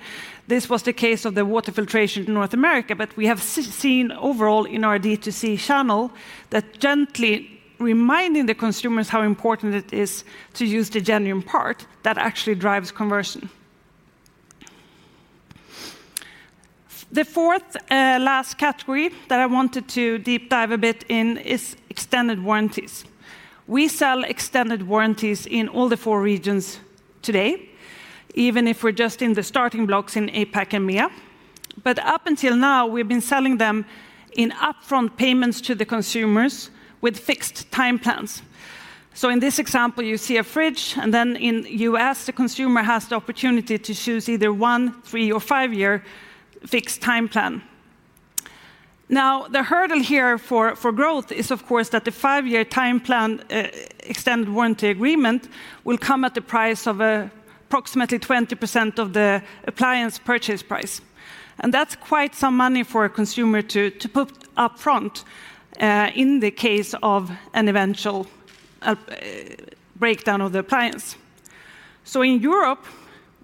this was the case of the water filtration in North America. We have seen overall in our D2C channel that gently reminding the consumers how important it is to use the genuine part, that actually drives conversion. The fourth last category that I wanted to deep dive a bit in is extended warranties. We sell extended warranties in all the four regions today, even if we're just in the starting blocks in APAC and MEA. Up until now, we've been selling them in upfront payments to the consumers with fixed time plans. In this example, you see a fridge, and then in the U.S., the consumer has the opportunity to choose either one, three, or five-year fixed time plan. The hurdle here for growth is of course that the five-year time plan, extended warranty agreement will come at the price of approximately 20% of the appliance purchase price, and that's quite some money for a consumer to put upfront in the case of an eventual breakdown of the appliance. In Europe,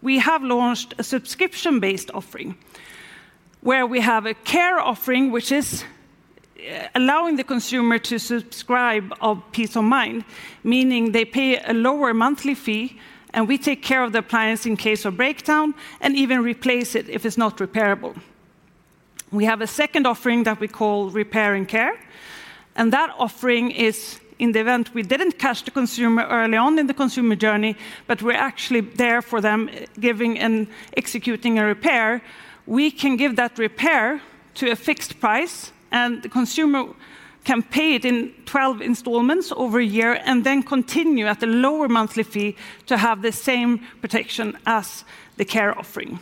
we have launched a subscription-based offering where we have a care offering which is allowing the consumer to subscribe of peace of mind, meaning they pay a lower monthly fee, and we take care of the appliance in case of breakdown and even replace it if it's not repairable. We have a second offering that we call Repair and Care. That offering is in the event we didn't catch the consumer early on in the consumer journey. We're actually there for them giving and executing a repair. We can give that repair to a fixed price. The consumer can pay it in 12 installments over a year and then continue at a lower monthly fee to have the same protection as the care offering.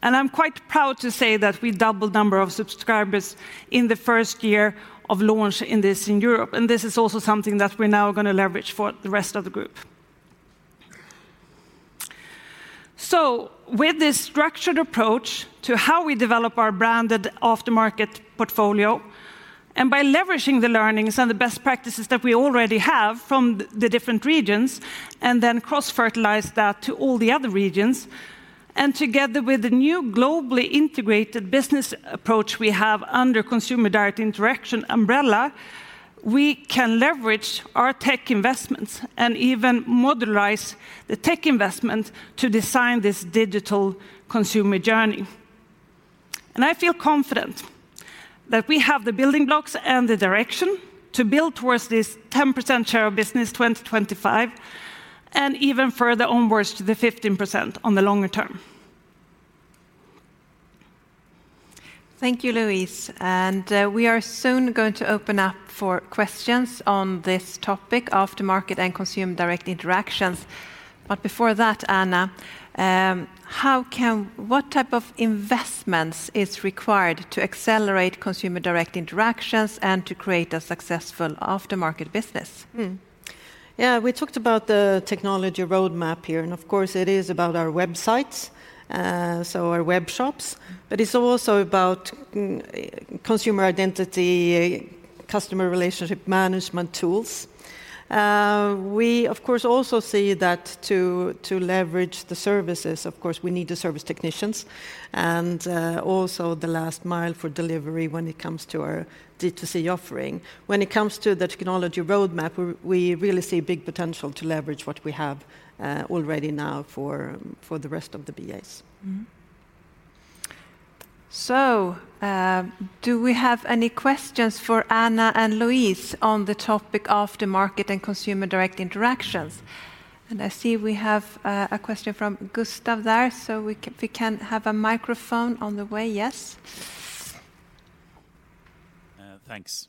I'm quite proud to say that we doubled number of subscribers in the first year of launch in this in Europe. This is also something that we're now gonna leverage for the rest of the Group. With this structured approach to how we develop our branded aftermarket portfolio and by leveraging the learnings and the best practices that we already have from the different regions and then cross-fertilize that to all the other regions and together with the new globally integrated business approach we have under consumer direct interaction umbrella, we can leverage our tech investments and even modularize the tech investment to design this digital consumer journey. I feel confident that we have the building blocks and the direction to build towards this 10% share of business 2025 and even further onwards to the 15% on the longer term. Thank you, Louise. We are soon going to open up for questions on this topic, aftermarket and consumer direct interactions. Before that, Anna, what type of investments is required to accelerate consumer direct interactions and to create a successful aftermarket business? Yeah, we talked about the technology roadmap here. Of course, it is about our websites, so our web shops, it's also about consumer identity, customer relationship management tools. We of course also see that to leverage the services, of course, we need the service technicians and also the last mile for delivery when it comes to our D2C offering. When it comes to the technology roadmap, we really see big potential to leverage what we have already now for the rest of the BAs. Do we have any questions for Anna and Louise on the topic aftermarket and consumer direct interactions? I see we have a question from Gustav there, so we can have a microphone on the way. Yes. Thanks.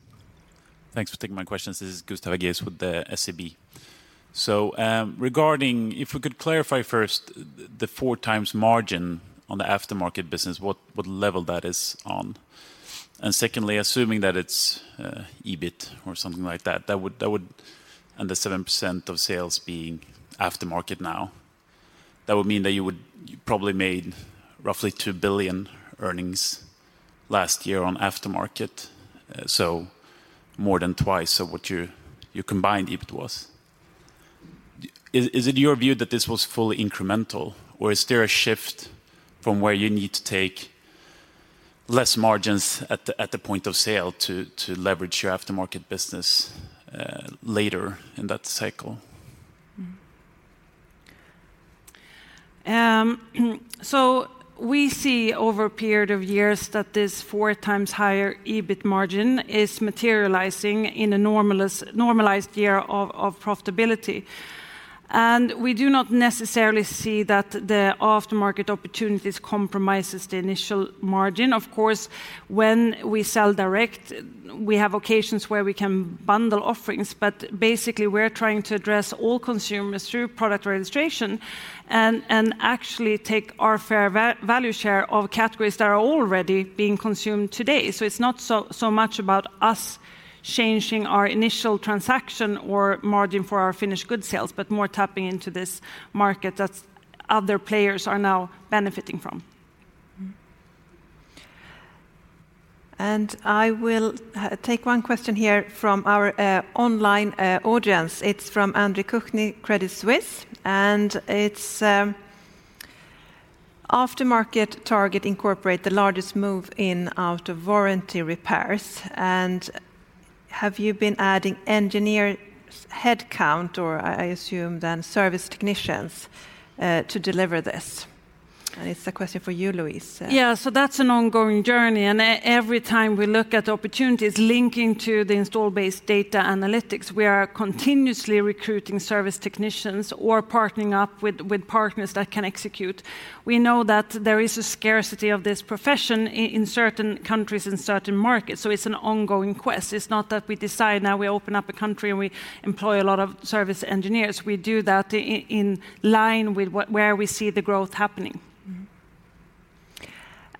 Thanks for taking my questions. This is Gustav Hagéus with the SEB. If we could clarify first the four times margin on the aftermarket business, what level that is on. Secondly, assuming that it's EBIT or something like that would and the 7% of sales being aftermarket now. That would mean that you probably made roughly 2 billion earnings last year on aftermarket, so more than twice of what your combined EBIT was. Is it your view that this was fully incremental, or is there a shift from where you need to take less margins at the point of sale to leverage your aftermarket business later in that cycle? We see over a period of years that this 4x higher EBIT margin is materializing in a normalized year of profitability. We do not necessarily see that the aftermarket opportunities compromises the initial margin. Of course, when we sell direct, we have occasions where we can bundle offerings, but basically we're trying to address all consumers through product registration and actually take our fair value share of categories that are already being consumed today. It's not so much about us changing our initial transaction or margin for our finished good sales, but more tapping into this market that other players are now benefiting from. I will take one question here from our online audience. It's from Andre Kukhnin, Credit Suisse: Aftermarket target incorporate the largest move in out of warranty repairs, have you been adding engineer headcount, or I assume then service technicians, to deliver this? It's a question for you, Louise. Yeah. That's an ongoing journey, and every time we look at opportunities linking to the install-based data analytics, we are continuously recruiting service technicians or partnering up with partners that can execute. We know that there is a scarcity of this profession in certain countries and certain markets, so it's an ongoing quest. It's not that we decide now we open up a country and we employ a lot of service engineers. We do that in line with where we see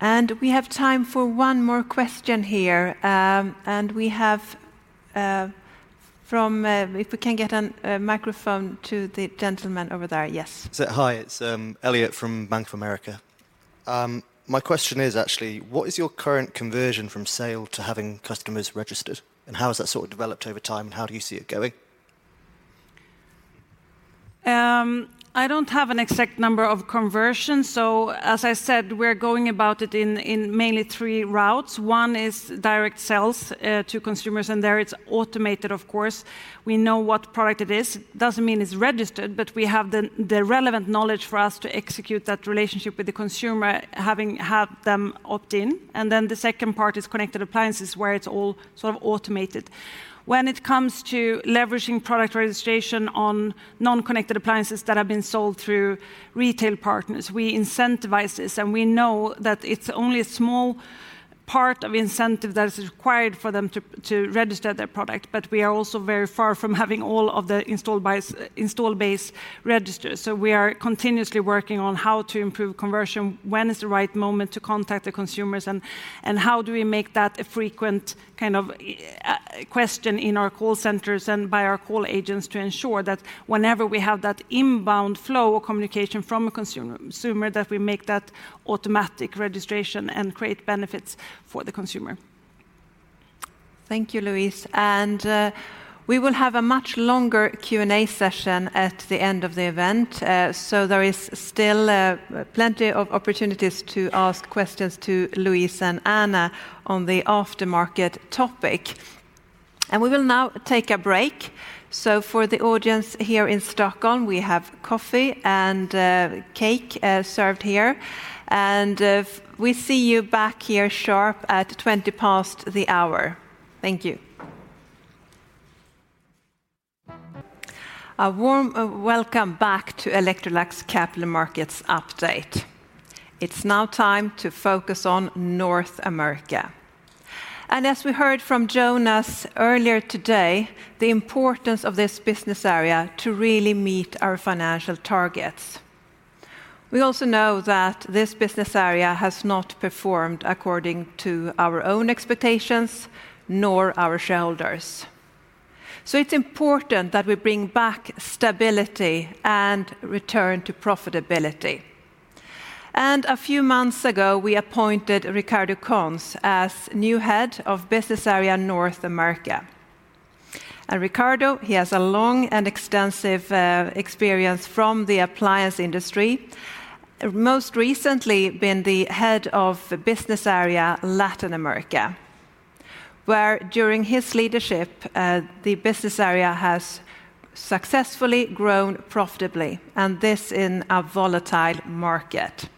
the growth happening. And we have time for one more question here, and we have, from, if we can get an microphone to the gentleman over there. Yes. Hi. It's Elliot from Bank of America. My question is actually, what is your current conversion from sale to having customers registered, and how has that sort of developed over time, and how do you see it going? I don't have an exact number of conversions. As I said, we're going about it in mainly three routes. One is direct sales to consumers, and there it's automated, of course. We know what product it is. Doesn't mean it's registered, but we have the relevant knowledge for us to execute that relationship with the consumer having had them opt in. Then the second part is connected appliances, where it's all sort of automated. When it comes to leveraging product registration on non-connected appliances that have been sold through retail partners, we incentivize this, and we know that it's only a small part of incentive that is required for them to register their product, but we are also very far from having all of the installed base registered. We are continuously working on how to improve conversion, when is the right moment to contact the consumers, and how do we make that a frequent kind of question in our call centers and by our call agents to ensure that whenever we have that inbound flow of communication from a consumer that we make that automatic registration and create benefits for the consumer. Thank you, Louise. We will have a much longer Q&A session at the end of the event, so there is still plenty of opportunities to ask questions to Louise and Anna on the aftermarket topic. We will now take a break, so for the audience here in Stockholm, we have coffee and cake served here. We see you back here sharp at 20 past the hour. Thank you. A warm welcome back to Electrolux Capital Markets Update. It's now time to focus on North America, as we heard from Jonas earlier today, the importance of this business area to really meet our financial targets. We also know that this business area has not performed according to our own expectations nor our shareholders. It's important that we bring back stability and return to profitability. A few months ago, we appointed Ricardo Cons as new head of Business Area North America. Ricardo, he has a long and extensive experience from the appliance industry, most recently been the head of the Business Area Latin America, where during his leadership, the business area has successfully grown profitably, and this in a volatile market.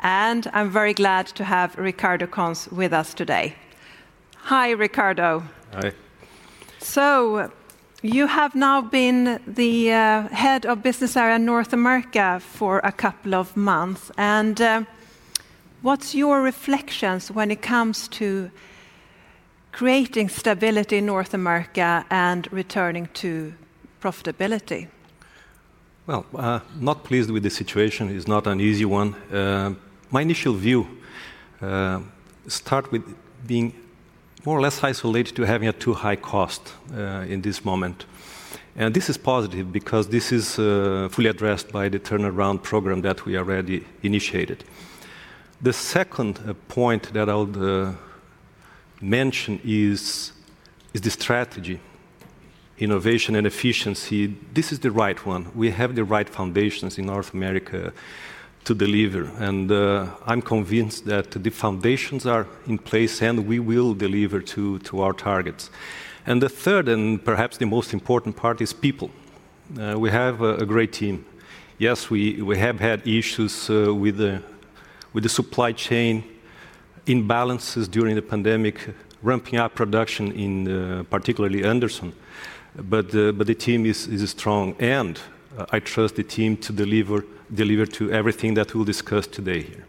I'm very glad to have Ricardo Cons with us today. Hi, Ricardo. Hi. So, you have now been the head of Business Area North America for a couple of months, and, what's your reflections when it comes to creating stability in North America and returning to profitability? Not pleased with the situation. It's not an easy one. My initial view, start with being more or less isolated to having a too high cost in this moment. This is positive because this is fully addressed by the turnaround program that we already initiated. The second point that I would mention is the strategy. Innovation and efficiency, this is the right one. We have the right foundations in North America to deliver, and I'm convinced that the foundations are in place and we will deliver to our targets. The third, and perhaps the most important part, is people. We have a great team. Yes, we have had issues with the supply chain imbalances during the pandemic, ramping up production in particularly Anderson. The team is strong, and I trust the team to deliver to everything that we'll discuss today here.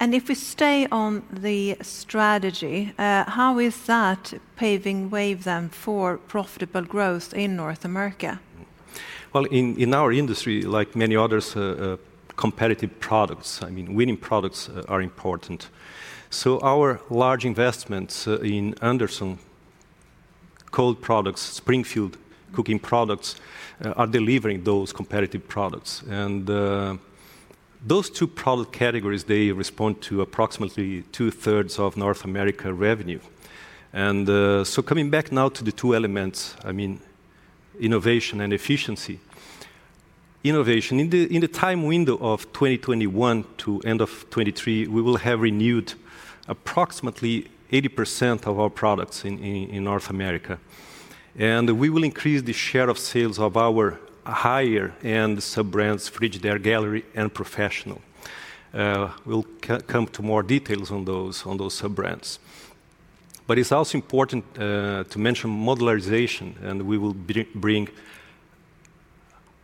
If we stay on the strategy, how is that paving way then for profitable growth in North America? Well, in our industry, like many others, competitive products, I mean, winning products are important. Our large investments in Anderson cold products, Springfield cooking products, are delivering those competitive products. Those two product categories, they respond to approximately 2/3 of North America revenue. Coming back now to the two elements, I mean, innovation and efficiency. Innovation. In the time window of 2021 to end of 2023, we will have renewed approximately 80% of our products in North America. We will increase the share of sales of our higher-end sub-brands, Frigidaire Gallery and Professional. We'll come to more details on those, on those sub-brands. It's also important to mention modularization, and we will bring,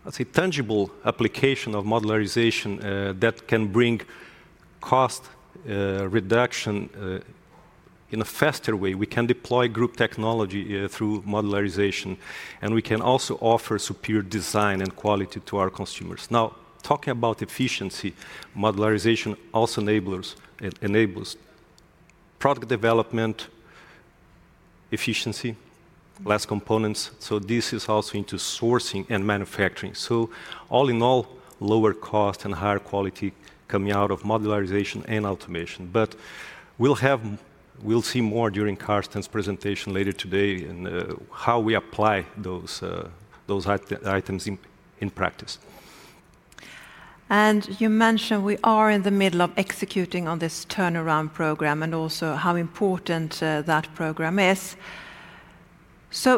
let's say, tangible application of modularization that can bring cost reduction in a faster way. We can deploy group technology through modularization, and we can also offer superior design and quality to our consumers. Now, talking about efficiency, modularization also it enables product development efficiency, less components, so this is also into sourcing and manufacturing. All in all, lower cost and higher quality coming out of modularization and automation. We'll see more during Carsten's presentation later today in how we apply those items in practice. You mentioned we are in the middle of executing on this turnaround program and also how important that program is.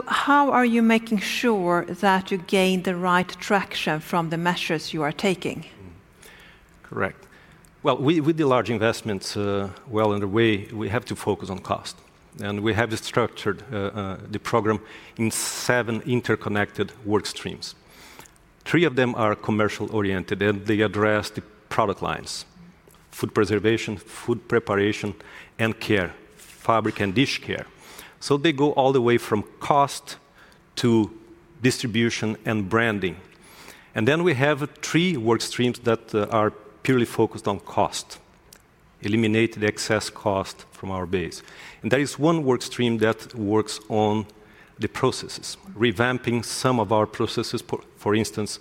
How are you making sure that you gain the right traction from the measures you are taking? Correct. Well, with the large investments, well, in a way, we have to focus on cost. We have structured, the program in seven interconnected work streams. Three of them are commercial oriented, and they address the product lines: food preservation, food preparation, and care, fabric and dish care. They go all the way from cost to distribution and branding. Then we have three work streams that are purely focused on cost, eliminate the excess cost from our base. There is one work stream that works on the processes, revamping some of our processes. For instance,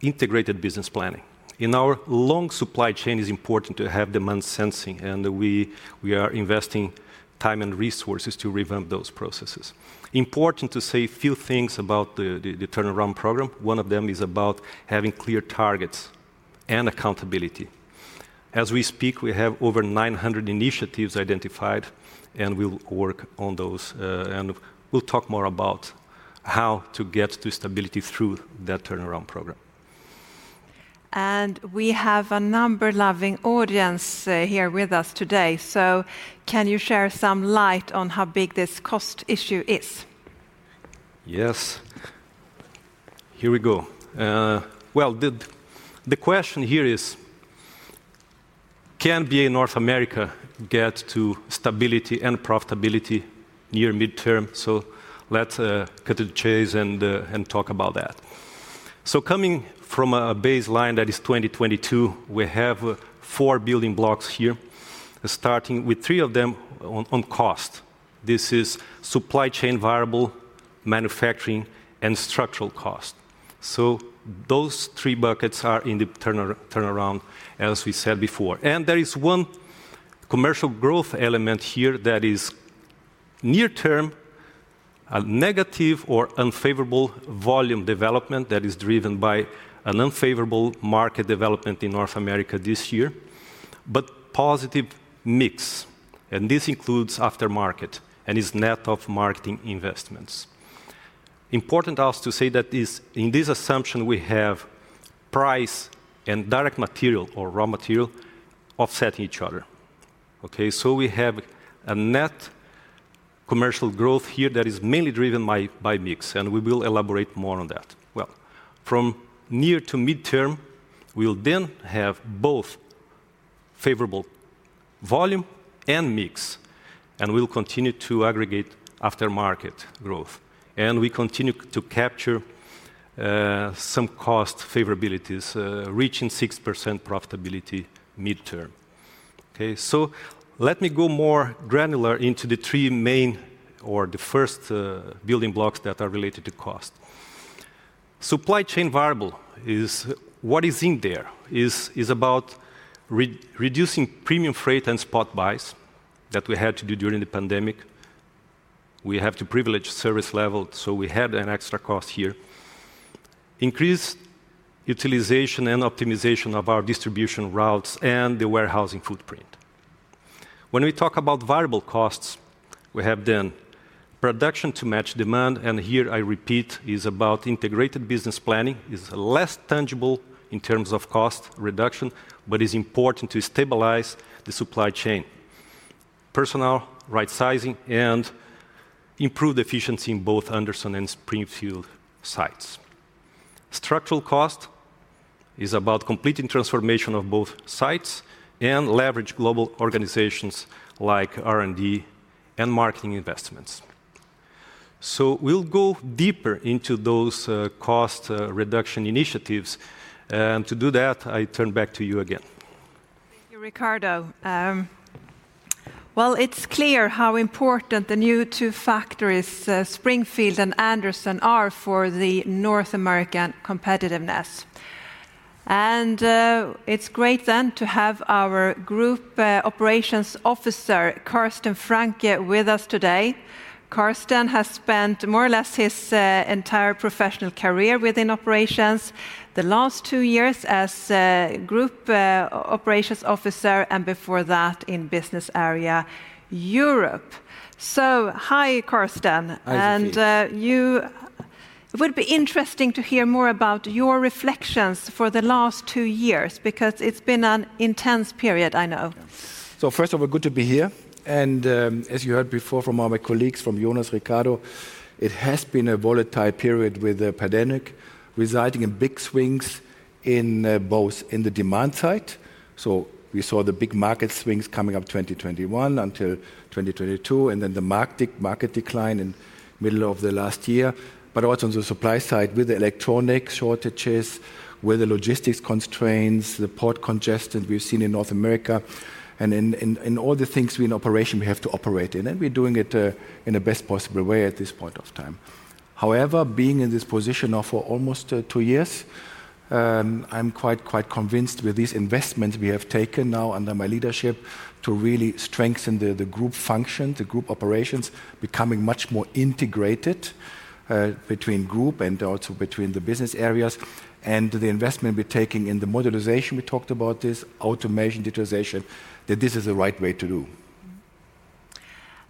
integrated business planning. In our long supply chain, it's important to have demand sensing, and we are investing time and resources to revamp those processes. Important to say a few things about the turnaround program. One of them is about having clear targets and accountability. As we speak, we have over 900 initiatives identified. We'll work on those. We'll talk more about how to get to stability through that turnaround program. We have a number-loving audience, here with us today. Can you share some light on how big this cost issue is? Yes. Here we go. Well, the question here is, can BA North America get to stability and profitability near-midterm? Let's cut to the chase and talk about that. Coming from a baseline that is 2022, we have four building blocks here, starting with three of them on cost. This is supply chain variable, manufacturing, and structural cost. Those three buckets are in the turnaround, as we said before. There is one commercial growth element here that is near term, a negative or unfavorable volume development that is driven by an unfavorable market development in North America this year, but positive mix, and this includes aftermarket and is net of marketing investments. Important also to say that this, in this assumption, we have price and direct material or raw material offsetting each other. Okay? We have a net commercial growth here that is mainly driven by mix, and we will elaborate more on that. From near to midterm, we will then have both favorable volume and mix, and we will continue to aggregate aftermarket growth. We continue to capture some cost favorabilities, reaching 6% profitability midterm. Let me go more granular into the three main or the first building blocks that are related to cost. Supply chain variable is what is in there, is about reducing premium freight and spot buys that we had to do during the pandemic. We have to privilege service level, so we had an extra cost here. Increase utilization and optimization of our distribution routes and the warehousing footprint. When we talk about variable costs, we have then production to match demand, and here I repeat, is about integrated business planning, is less tangible in terms of cost reduction, but is important to stabilize the supply chain. Personnel, right sizing, and improved efficiency in both Anderson and Springfield sites. Structural cost is about completing transformation of both sites and leverage global organizations like R&D and marketing investments. We'll go deeper into those cost reduction initiatives. To do that, I turn back to you again. Thank you, Ricardo. Well, it's clear how important the new two factories, Springfield and Anderson, are for the North American competitiveness. It's great then to have our Group Operations Officer, Carsten Franke, with us today. Carsten has spent more or less his entire professional career within operations. The last two years as Group Operations Officer, and before that in Business Area Europe. Hi, Carsten. Hi, Sophie. It would be interesting to hear more about your reflections for the last two years because it's been an intense period, I know. First of all, good to be here. As you heard before from all my colleagues, from Jonas, Ricardo, it has been a volatile period with the pandemic, resulting in big swings in both in the demand side. We saw the big market swings coming up 2021 until 2022, and then the market decline in middle of the last year. Also on the supply side, with the electronic shortages, with the logistics constraints, the port congestion we've seen in North America and in all the things we in operation we have to operate in. We're doing it in the best possible way at this point of time. However, being in this position now for almost two years, I'm quite convinced with these investments we have taken now under my leadership to really strengthen the group function, the group operations becoming much more integrated between group and also between the business areas and the investment we're taking in the modularization, we talked about this, automation, digitalization, that this is the right way to do.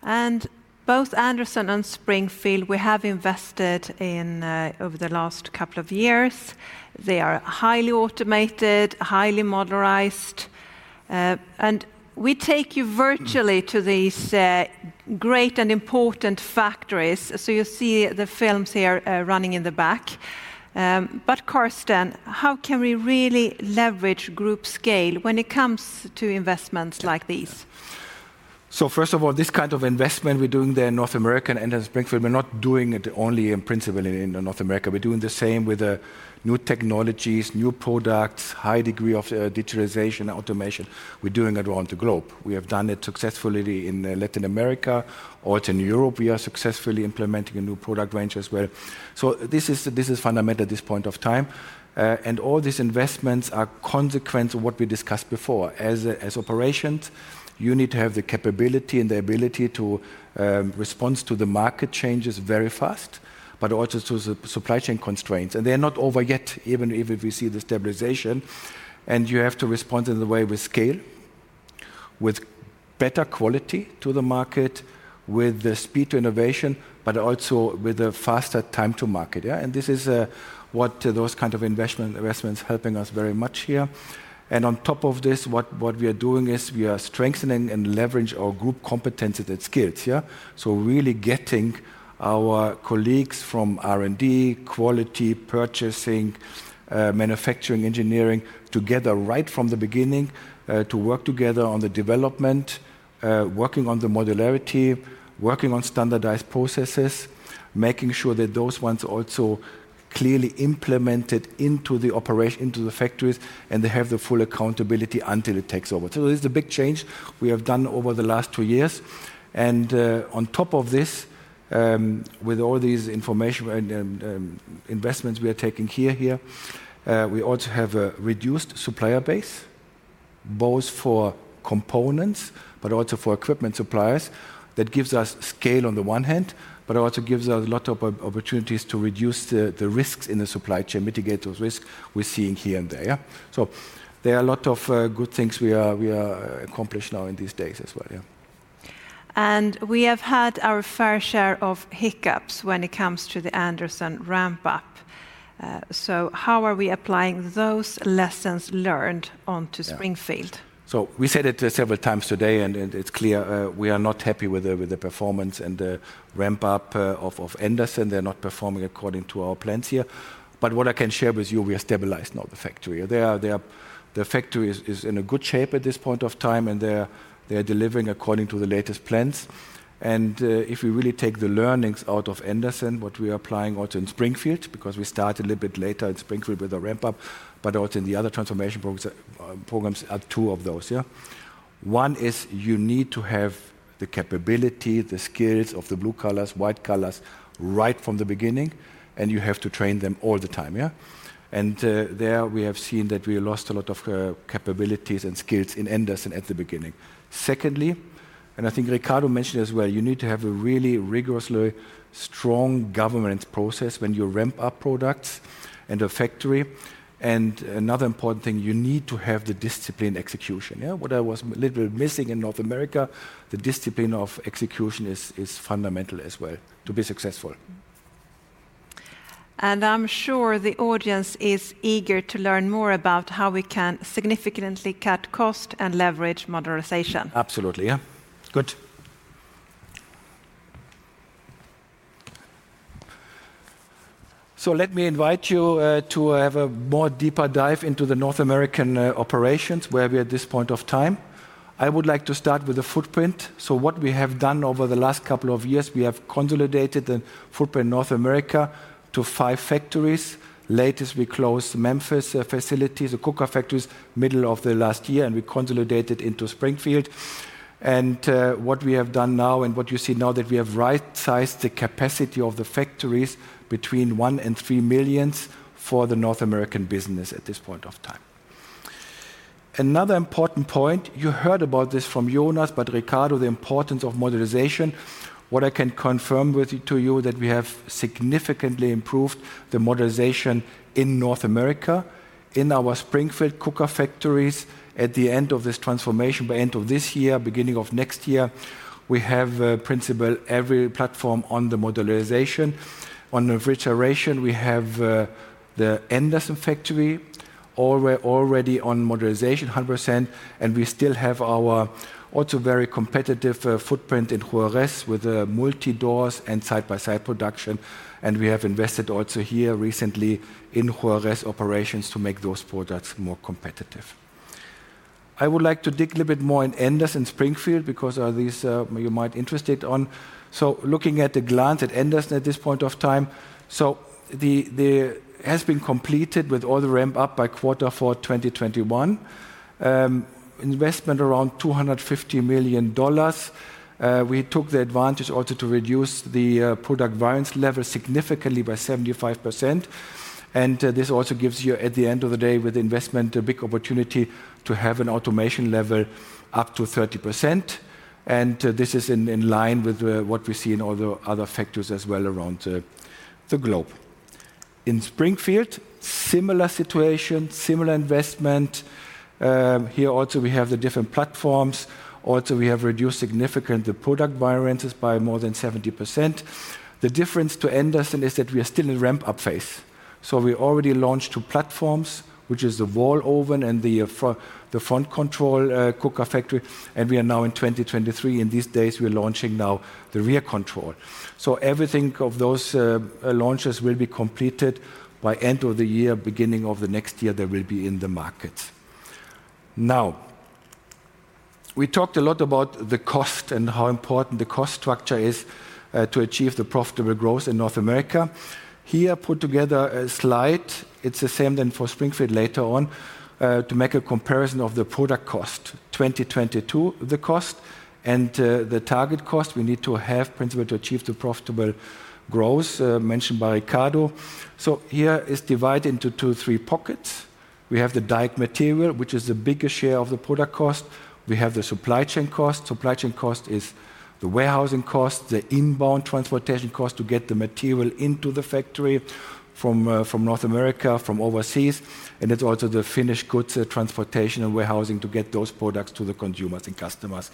And both Anderson and Springfield, we have invested in over the last couple of years. They are highly automated, highly modularized. We take you virtually to these great and important factories. You see the films here running in the back. Carsten, how can we really leverage group scale when it comes to investments like these? First of all, this kind of investment we're doing there in North America and in Springfield, we're not doing it only in principle in North America. We're doing the same with new technologies, new products, high degree of digitalization, automation. We're doing it around the globe. We have done it successfully in Latin America or in Europe. We are successfully implementing a new product range as well. This is fundamental at this point of time. All these investments are consequence of what we discussed before. As operations, you need to have the capability and the ability to response to the market changes very fast, but also to the supply chain constraints. They're not over yet, even if we see the stabilization. You have to respond in a way with scale, with better quality to the market, with the speed to innovation, but also with a faster time to market, yeah? This is what those kind of investments helping us very much here. On top of this, what we are doing is we are strengthening and leverage our group competencies and skills, yeah? Really getting our colleagues from R&D, quality, purchasing, manufacturing, engineering together right from the beginning to work together on the development, working on the modularity, working on standardized processes, making sure that those ones also clearly implemented into the factories, and they have the full accountability until it takes over. This is a big change we have done over the last two years. On top of this, with all these information and investments we are taking here, we also have a reduced supplier base, both for components, but also for equipment suppliers. That gives us scale on the one hand, but it also gives us a lot of opportunities to reduce the risks in the supply chain, mitigate those risks we're seeing here and there. There are a lot of good things we are accomplish now in these days as well. We have had our fair share of hiccups when it comes to the Anderson ramp up. How are we applying those lessons learned onto Springfield? We said it several times today, and it's clear, we are not happy with the performance and the ramp up of Anderson. They're not performing according to our plans here. What I can share with you, we are stabilized now the factory. The factory is in a good shape at this point of time, and they are delivering according to the latest plans. If we really take the learnings out of Anderson, what we are applying also in Springfield, because we start a little bit later in Springfield with the ramp up, but also in the other transformation programs are two of those. One is you need to have the capability, the skills of the blue collars, white collars right from the beginning, and you have to train them all the time. There we have seen that we lost a lot of capabilities and skills in Anderson at the beginning. Secondly, and I think Ricardo mentioned as well, you need to have a really rigorously strong governance process when you ramp up products in a factory. Another important thing, you need to have the discipline execution. What I was little bit missing in North America, the discipline of execution is fundamental as well to be successful. I'm sure the audience is eager to learn more about how we can significantly cut cost and leverage modularization. Absolutely, yeah. Good. Let me invite you to have a more deeper dive into the North American operations, where we're at this point of time. I would like to start with the footprint. What we have done over the last couple of years, we have consolidated the footprint North America to five factories. Latest we closed Memphis facility, the cooker factories, middle of the last year, and we consolidated into Springfield. What we have done now and what you see now that we have right-sized the capacity of the factories between 1 million and 3 million for the North American business at this point of time. Another important point, you heard about this from Jonas, but Ricardo, the importance of modularization. What I can confirm with to you that we have significantly improved the modularization in North America. In our Springfield cooker factories, at the end of this transformation, by end of this year, beginning of next year, we have principle every platform on the modularization. On refrigeration, we have the Anderson factory already on modularization 100%, and we still have our also very competitive footprint in Juarez with multi-doors and side-by-side production, and we have invested also here recently in Juarez operations to make those products more competitive. I would like to dig a little bit more in Anderson Springfield because are these you might interested on. Looking at a glance at Anderson at this point of time, the has been completed with all the ramp up by Q4 2021. Investment around $250 million. We took the advantage also to reduce the product variance level significantly by 75%. This also gives you, at the end of the day with investment, a big opportunity to have an automation level up to 30%. This is in line with what we see in all the other factories as well around the globe. In Springfield, similar situation, similar investment. Here also we have the different platforms. Also we have reduced significant the product variances by more than 70%. The difference to Anderson is that we are still in ramp-up phase. We already launched two platforms, which is the wall oven and the front control cooker factory, and we are now in 2023. In these days, we are launching now the rear control. Everything of those launches will be completed by end of the year. Beginning of the next year, they will be in the market. We talked a lot about the cost and how important the cost structure is to achieve the profitable growth in North America. Here I put together a slide, it's the same then for Springfield later on, to make a comparison of the product cost. 2022, the cost and the target cost we need to have principally to achieve the profitable growth, mentioned by Ricardo. Here is divided into two, three pockets. We have the direct material, which is the biggest share of the product cost. We have the supply chain cost. Supply chain cost is the warehousing cost, the inbound transportation cost to get the material into the factory from North America, from overseas, and it's also the finished goods, transportation and warehousing to get those products to the consumers and customers.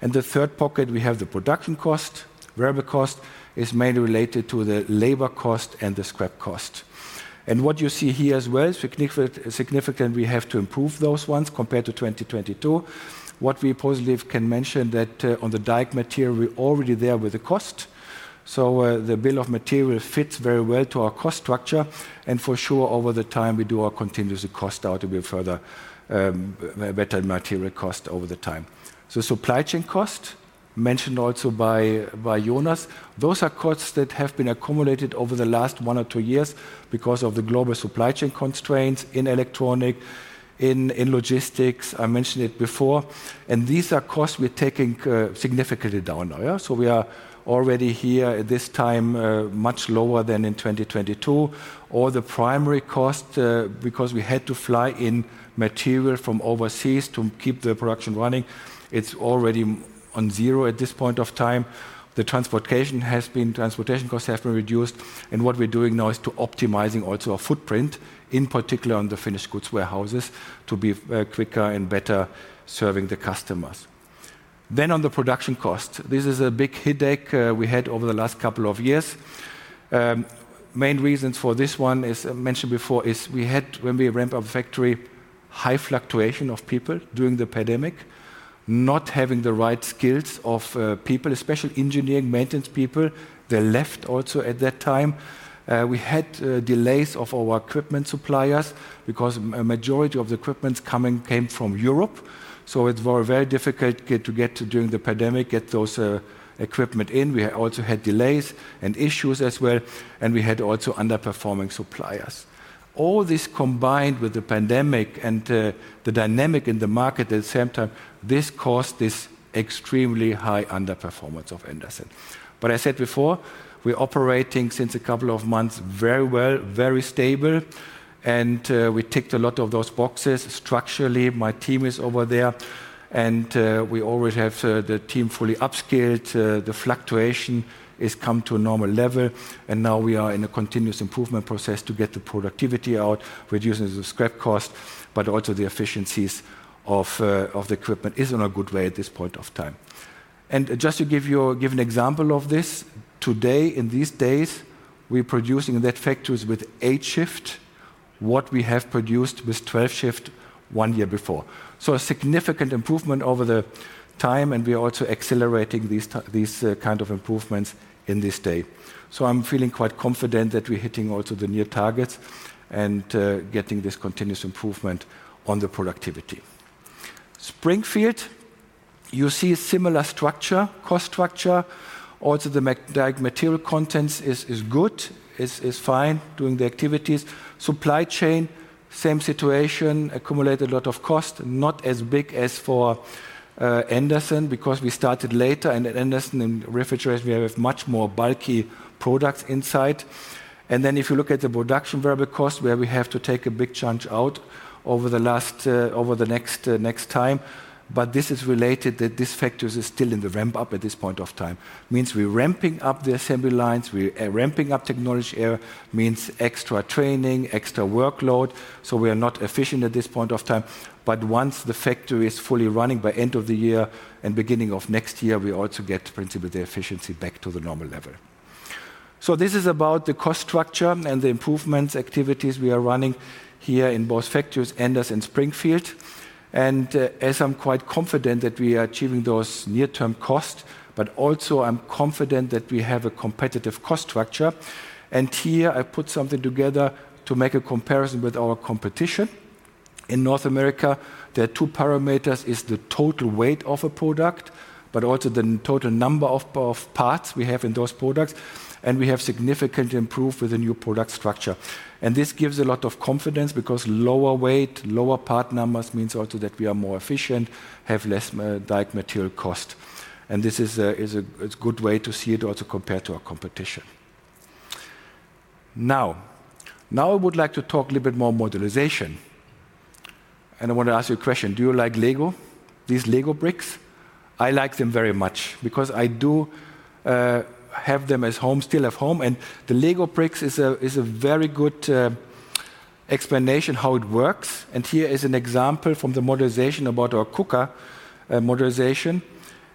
The third pocket, we have the production cost, variable cost, is mainly related to the labor cost and the scrap cost. What you see here as well is significant we have to improve those ones compared to 2022. What we positive can mention that, on the direct material, we're already there with the cost. The bill of material fits very well to our cost structure. And for sure, over the time, we do our continuous cost out to be further, better material cost over the time. Supply chain cost, mentioned also by Jonas, those are costs that have been accumulated over the last one or two years because of the global supply chain constraints in electronic, in logistics, I mentioned it before. These are costs we're taking significantly down. We are already here at this time, much lower than in 2022. All the primary cost, because we had to fly in material from overseas to keep the production running, it's already on zero at this point of time. The transportation costs have been reduced, and what we're doing now is to optimizing also our footprint, in particular on the finished goods warehouses, to be quicker and better serving the customers. On the production cost. This is a big headache we had over the last couple of years. Main reasons for this one, as mentioned before, is we had, when we ramp up factory. High fluctuation of people during the pandemic. Not having the right skills of people, especially engineering maintenance people, they left also at that time. We had delays of our equipment suppliers because a majority of the equipment came from Europe, so it were very difficult to get to, during the pandemic, get those equipment in. We also had delays and issues as well, and we had also underperforming suppliers. All this combined with the pandemic and the dynamic in the market at the same time, this caused this extremely high underperformance of Anderson. I said before, we're operating since a couple of months very well, very stable, and we ticked a lot of those boxes structurally. My team is over there and we always have the team fully upskilled. The fluctuation is come to a normal level and now we are in a continuous improvement process to get the productivity out, reducing the scrap cost, but also the efficiencies of the equipment is in a good way at this point of time. Just to give you a given example of this, today, in these days, we're producing in that factories with eight shift what we have produced with 12 shift one year before. A significant improvement over the time, and we are also accelerating these kind of improvements in this day. I'm feeling quite confident that we're hitting also the near targets and getting this continuous improvement on the productivity. Springfield, you see a similar structure, cost structure. Also the direct material contents is good, is fine doing the activities. Supply chain, same situation. Accumulated a lot of cost. Not as big as for Anderson because we started later, and at Anderson in refrigerators we have much more bulky products inside. If you look at the production variable cost where we have to take a big chunk out over the last, over the next time. This is related that this factors is still in the ramp up at this point of time. Means we're ramping up the assembly lines, we ramping up technology. Means extra training, extra workload, so we are not efficient at this point of time. Once the factory is fully running by end of the year and beginning of next year, we also get principally the efficiency back to the normal level. This is about the cost structure and the improvements, activities we are running here in both factories, Anderson, Springfield. As I'm quite confident that we are achieving those near-term costs, but also I'm confident that we have a competitive cost structure. Here I put something together to make a comparison with our competition. In North America, there are two parameters, is the total weight of a product, but also the total number of parts we have in those products, and we have significantly improved with the new product structure. This gives a lot of confidence because lower weight, lower part numbers means also that we are more efficient, have less direct material cost. This is a good way to see it also compared to our competition. Now, I would like to talk a little bit more modularization. I wanna ask you a question: Do you like LEGO? These LEGO bricks? I like them very much because I do have them as home, still at home. The LEGO bricks is a very good explanation how it works, and here is an example from the modularization about our cooker modularization.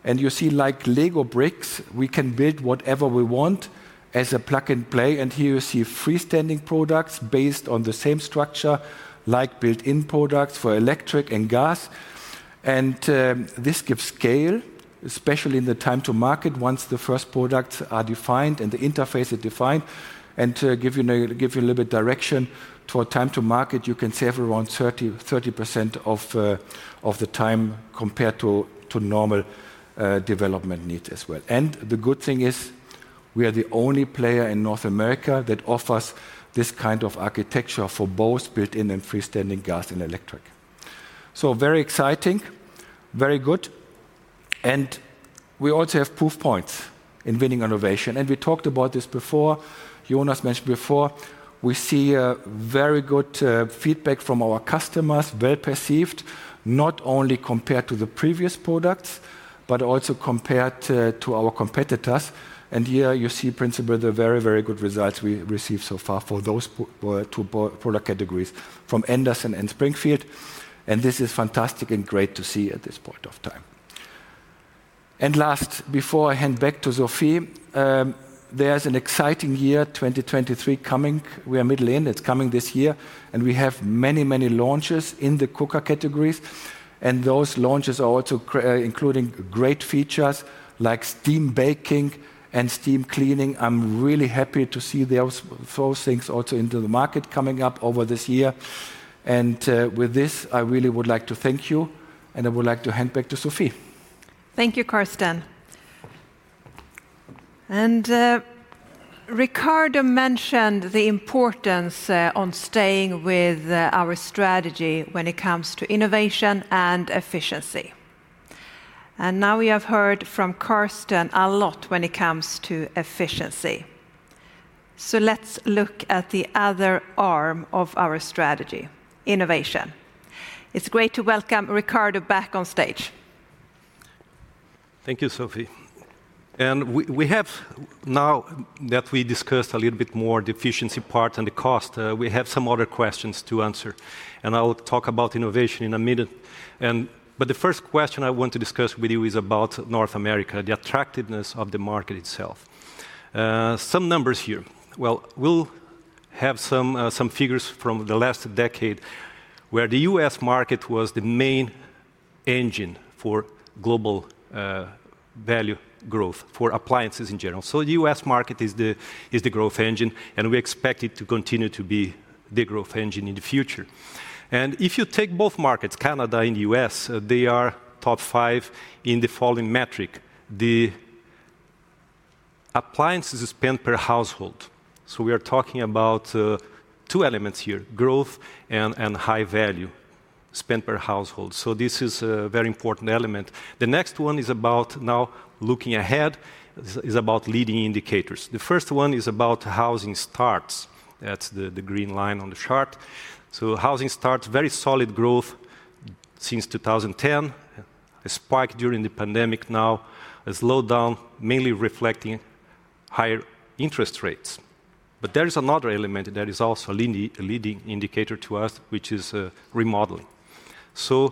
You see, like LEGO bricks, we can build whatever we want as a plug and play. Here you see freestanding products based on the same structure, like built-in products for electric and gas. This gives scale, especially in the time to market once the first products are defined and the interface is defined. To give you a little bit direction, for time to market you can save around 30% of the time compared to normal development need as well. The good thing is we are the only player in North America that offers this kind of architecture for both built-in and freestanding gas and electric. Very exciting. Very good. We also have proof points in winning innovation, and we talked about this before. Jonas mentioned before, we see very good feedback from our customers. Well perceived, not only compared to the previous products, but also compared to our competitors. Here you see principally the very, very good results we received so far for those two product categories from Anderson and Springfield, and this is fantastic and great to see at this point of time. At last before I hand back to Sophie, there's an exciting year, 2023, coming. We are middle in, it's coming this year, and we have many, many launches in the cooker categories, and those launches are also including great features like steam baking and steam cleaning. I'm really happy to see those things also into the market coming up over this year. With this, I really would like to thank you, and I would like to hand back to Sophie. Thank you, Carsten. Ricardo mentioned the importance on staying with our strategy when it comes to innovation and efficiency. Now we have heard from Carsten a lot when it comes to efficiency. Let's look at the other arm of our strategy, innovation. It's great to welcome Ricardo back on stage. Thank you, Sophie. We have now that we discussed a little bit more the efficiency part and the cost, we have some other questions to answer, and I will talk about innovation in a minute. But the first question I want to discuss with you is about North America, the attractiveness of the market itself. Some numbers here. Well, we'll have some figures from the last decade where the U.S. market was the main engine for global value growth for appliances in general. The U.S. market is the growth engine, and we expect it to continue to be the growth engine in the future. If you take both markets, Canada and U.S., they are top five in the following metric, the appliances spent per household. We are talking about two elements here, growth and high value spent per household. This is a very important element. The next one is about now looking ahead, is about leading indicators. The first one is about housing starts. That's the green line on the chart. Housing starts, very solid growth since 2010. A spike during the pandemic, now a slowdown, mainly reflecting higher interest rates. There is another element that is also a leading indicator to us, which is remodeling.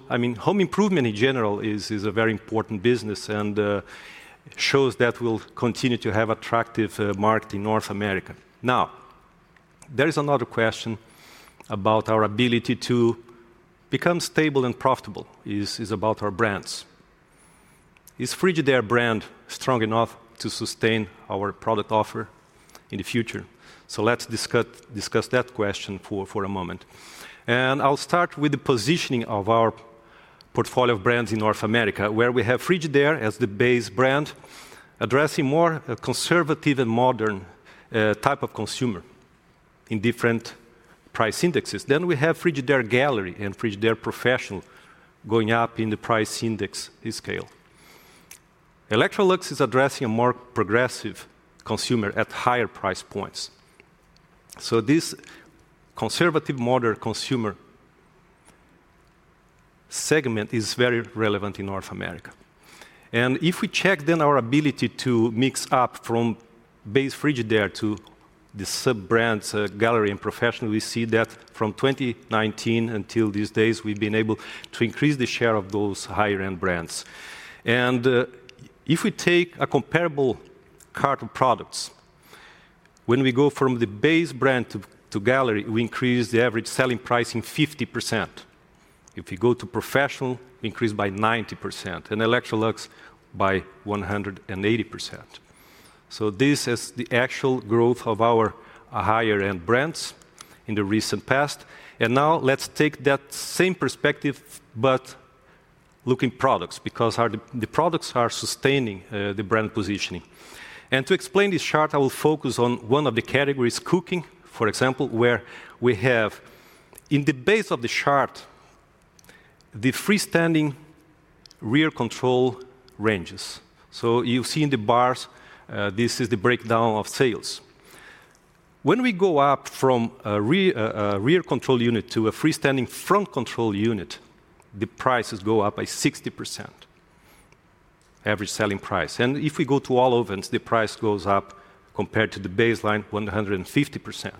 I mean, home improvement in general is a very important business and shows that we'll continue to have attractive market in North America. There is another question about our ability to become stable and profitable. Is about our brands. Is Frigidaire brand strong enough to sustain our product offer in the future? Let's discuss that question for a moment. I'll start with the positioning of our portfolio of brands in North America, where we have Frigidaire as the base brand, addressing more a conservative and modern type of consumer in different price indexes. We have Frigidaire Gallery and Frigidaire Professional going up in the price index scale. Electrolux is addressing a more progressive consumer at higher price points. This conservative modern consumer segment is very relevant in North America. If we check then our ability to mix up from base Frigidaire to the sub-brands, Gallery and Professional, we see that from 2019 until these days, we've been able to increase the share of those higher end brands. If we take a comparable cart of products, when we go from the base brand to Gallery, we increase the average selling price in 50%. If you go to Professional, increase by 90%, and Electrolux by 180%. This is the actual growth of our higher end brands in the recent past. Now let's take that same perspective, but looking products, because the products are sustaining the brand positioning. To explain this chart, I will focus on one of the categories, cooking, for example, where we have in the base of the chart, the freestanding rear control ranges. You see in the bars, this is the breakdown of sales. When we go up from a rear control unit to a freestanding front control unit, the prices go up by 60%, average selling price. If we go to all ovens, the price goes up compared to the baseline 150%.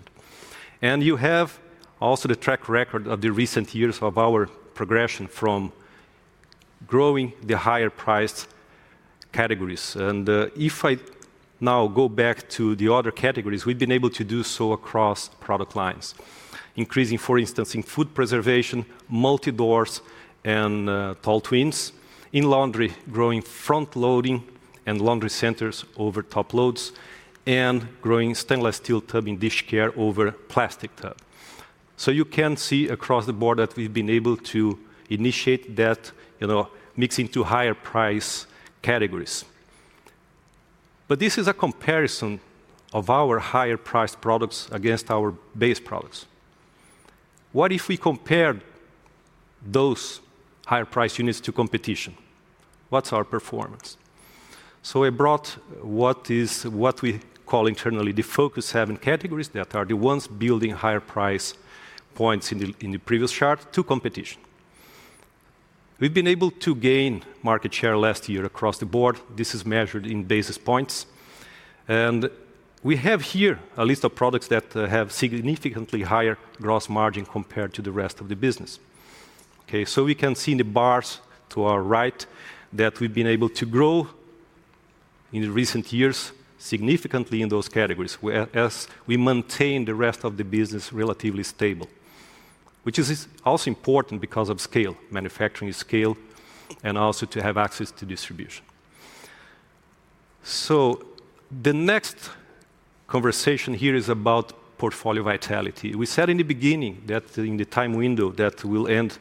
You have also the track record of the recent years of our progression from growing the higher priced categories. If I now go back to the other categories, we've been able to do so across product lines. Increasing, for instance, in food preservation, multi-doors and tall twins. In laundry, growing front loading and laundry centers over top loads, and growing stainless steel tub in dish care over plastic tub. You can see across the board that we've been able to initiate that, you know, mixing to higher price categories. This is a comparison of our higher priced products against our base products. What if we compared those higher priced units to competition? What's our performance? I brought what we call internally the focus seven categories, that are the ones building higher price points in the, in the previous chart, to competition. We've been able to gain market share last year across the board. This is measured in basis points. We have here a list of products that have significantly higher gross margin compared to the rest of the business. Okay, we can see in the bars to our right that we've been able to grow in recent years significantly in those categories, where as we maintain the rest of the business relatively stable. Which is also important because of scale, manufacturing scale, and also to have access to distribution. The next conversation here is about portfolio vitality. We said in the beginning that in the time window that will end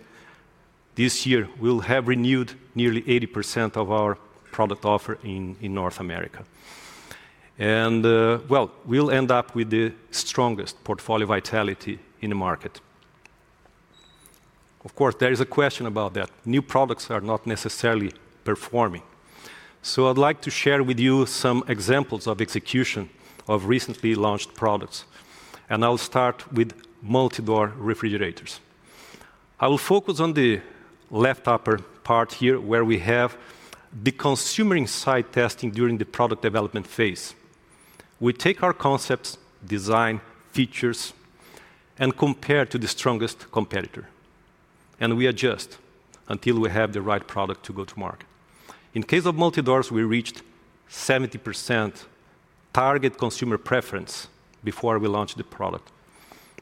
this year, we'll have renewed nearly 80% of our product offer in North America. Well, we'll end up with the strongest portfolio vitality in the market. Of course, there is a question about that. New products are not necessarily performing. I'd like to share with you some examples of execution of recently launched products, and I'll start with multi-door refrigerators. I will focus on the left upper part here, where we have the consumer insight testing during the product development phase. We take our concepts, design, features, and compare to the strongest competitor. We adjust until we have the right product to go to market. In case of multi-doors, we reached 70% target consumer preference before we launched the product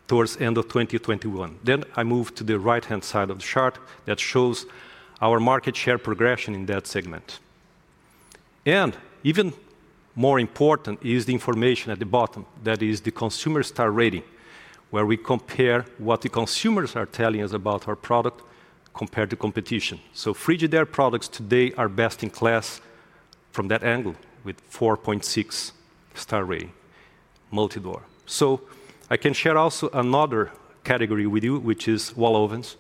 towards end of 2021. I moved to the right-hand side of the chart that shows our market share progression in that segment. Even more important is the information at the bottom, that is the consumer star rating, where we compare what the consumers are telling us about our product compared to competition. Frigidaire products today are best in class from that angle with 4.6 star rating multi-door. I can share also another category with you, which is wall ovens.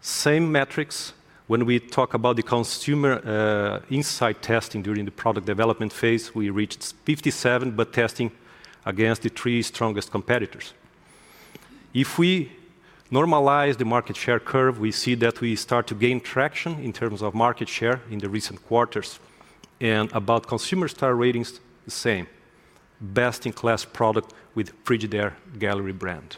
Same metrics when we talk about the consumer insight testing during the product development phase, we reached 57%, testing against the three strongest competitors. If we normalize the market share curve, we see that we start to gain traction in terms of market share in the recent quarters. About consumer star ratings, the same. Best in class product with Frigidaire Gallery brand.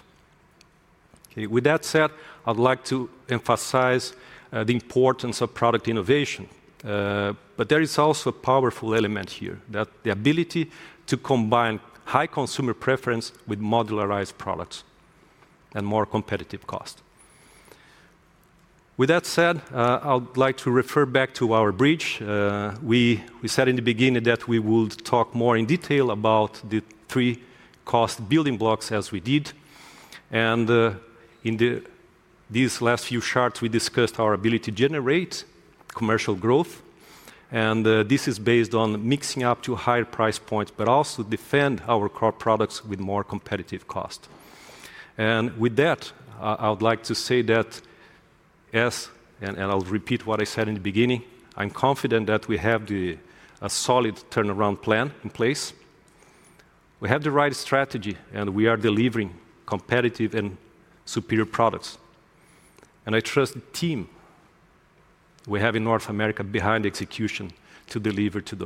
With that said, I'd like to emphasize the importance of product innovation. There is also a powerful element here that the ability to combine high consumer preference with modularized products and more competitive cost. With that said, I would like to refer back to our bridge. We said in the beginning that we would talk more in detail about the three cost building blocks as we did. In these last few charts, we discussed our ability to generate commercial growth, this is based on mixing up to higher price points, but also defend our core products with more competitive cost. With that, I would like to say that yes, I'll repeat what I said in the beginning, I'm confident that we have a solid turnaround plan in place. We have the right strategy, and we are delivering competitive and superior products. I trust the team we have in North America behind execution to deliver to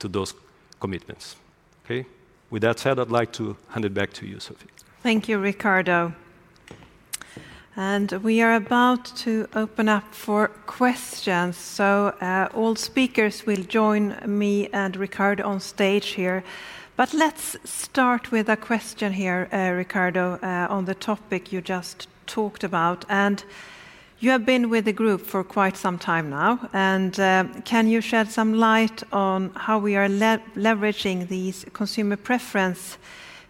those commitments. With that said, I'd like to hand it back to you, Sophie. Thank you, Ricardo. We are about to open up for questions, so, all speakers will join me and Ricardo on stage here. Let's start with a question here, Ricardo, on the topic you just talked about. You have been with the group for quite some time now, and, can you shed some light on how we are leveraging these consumer preference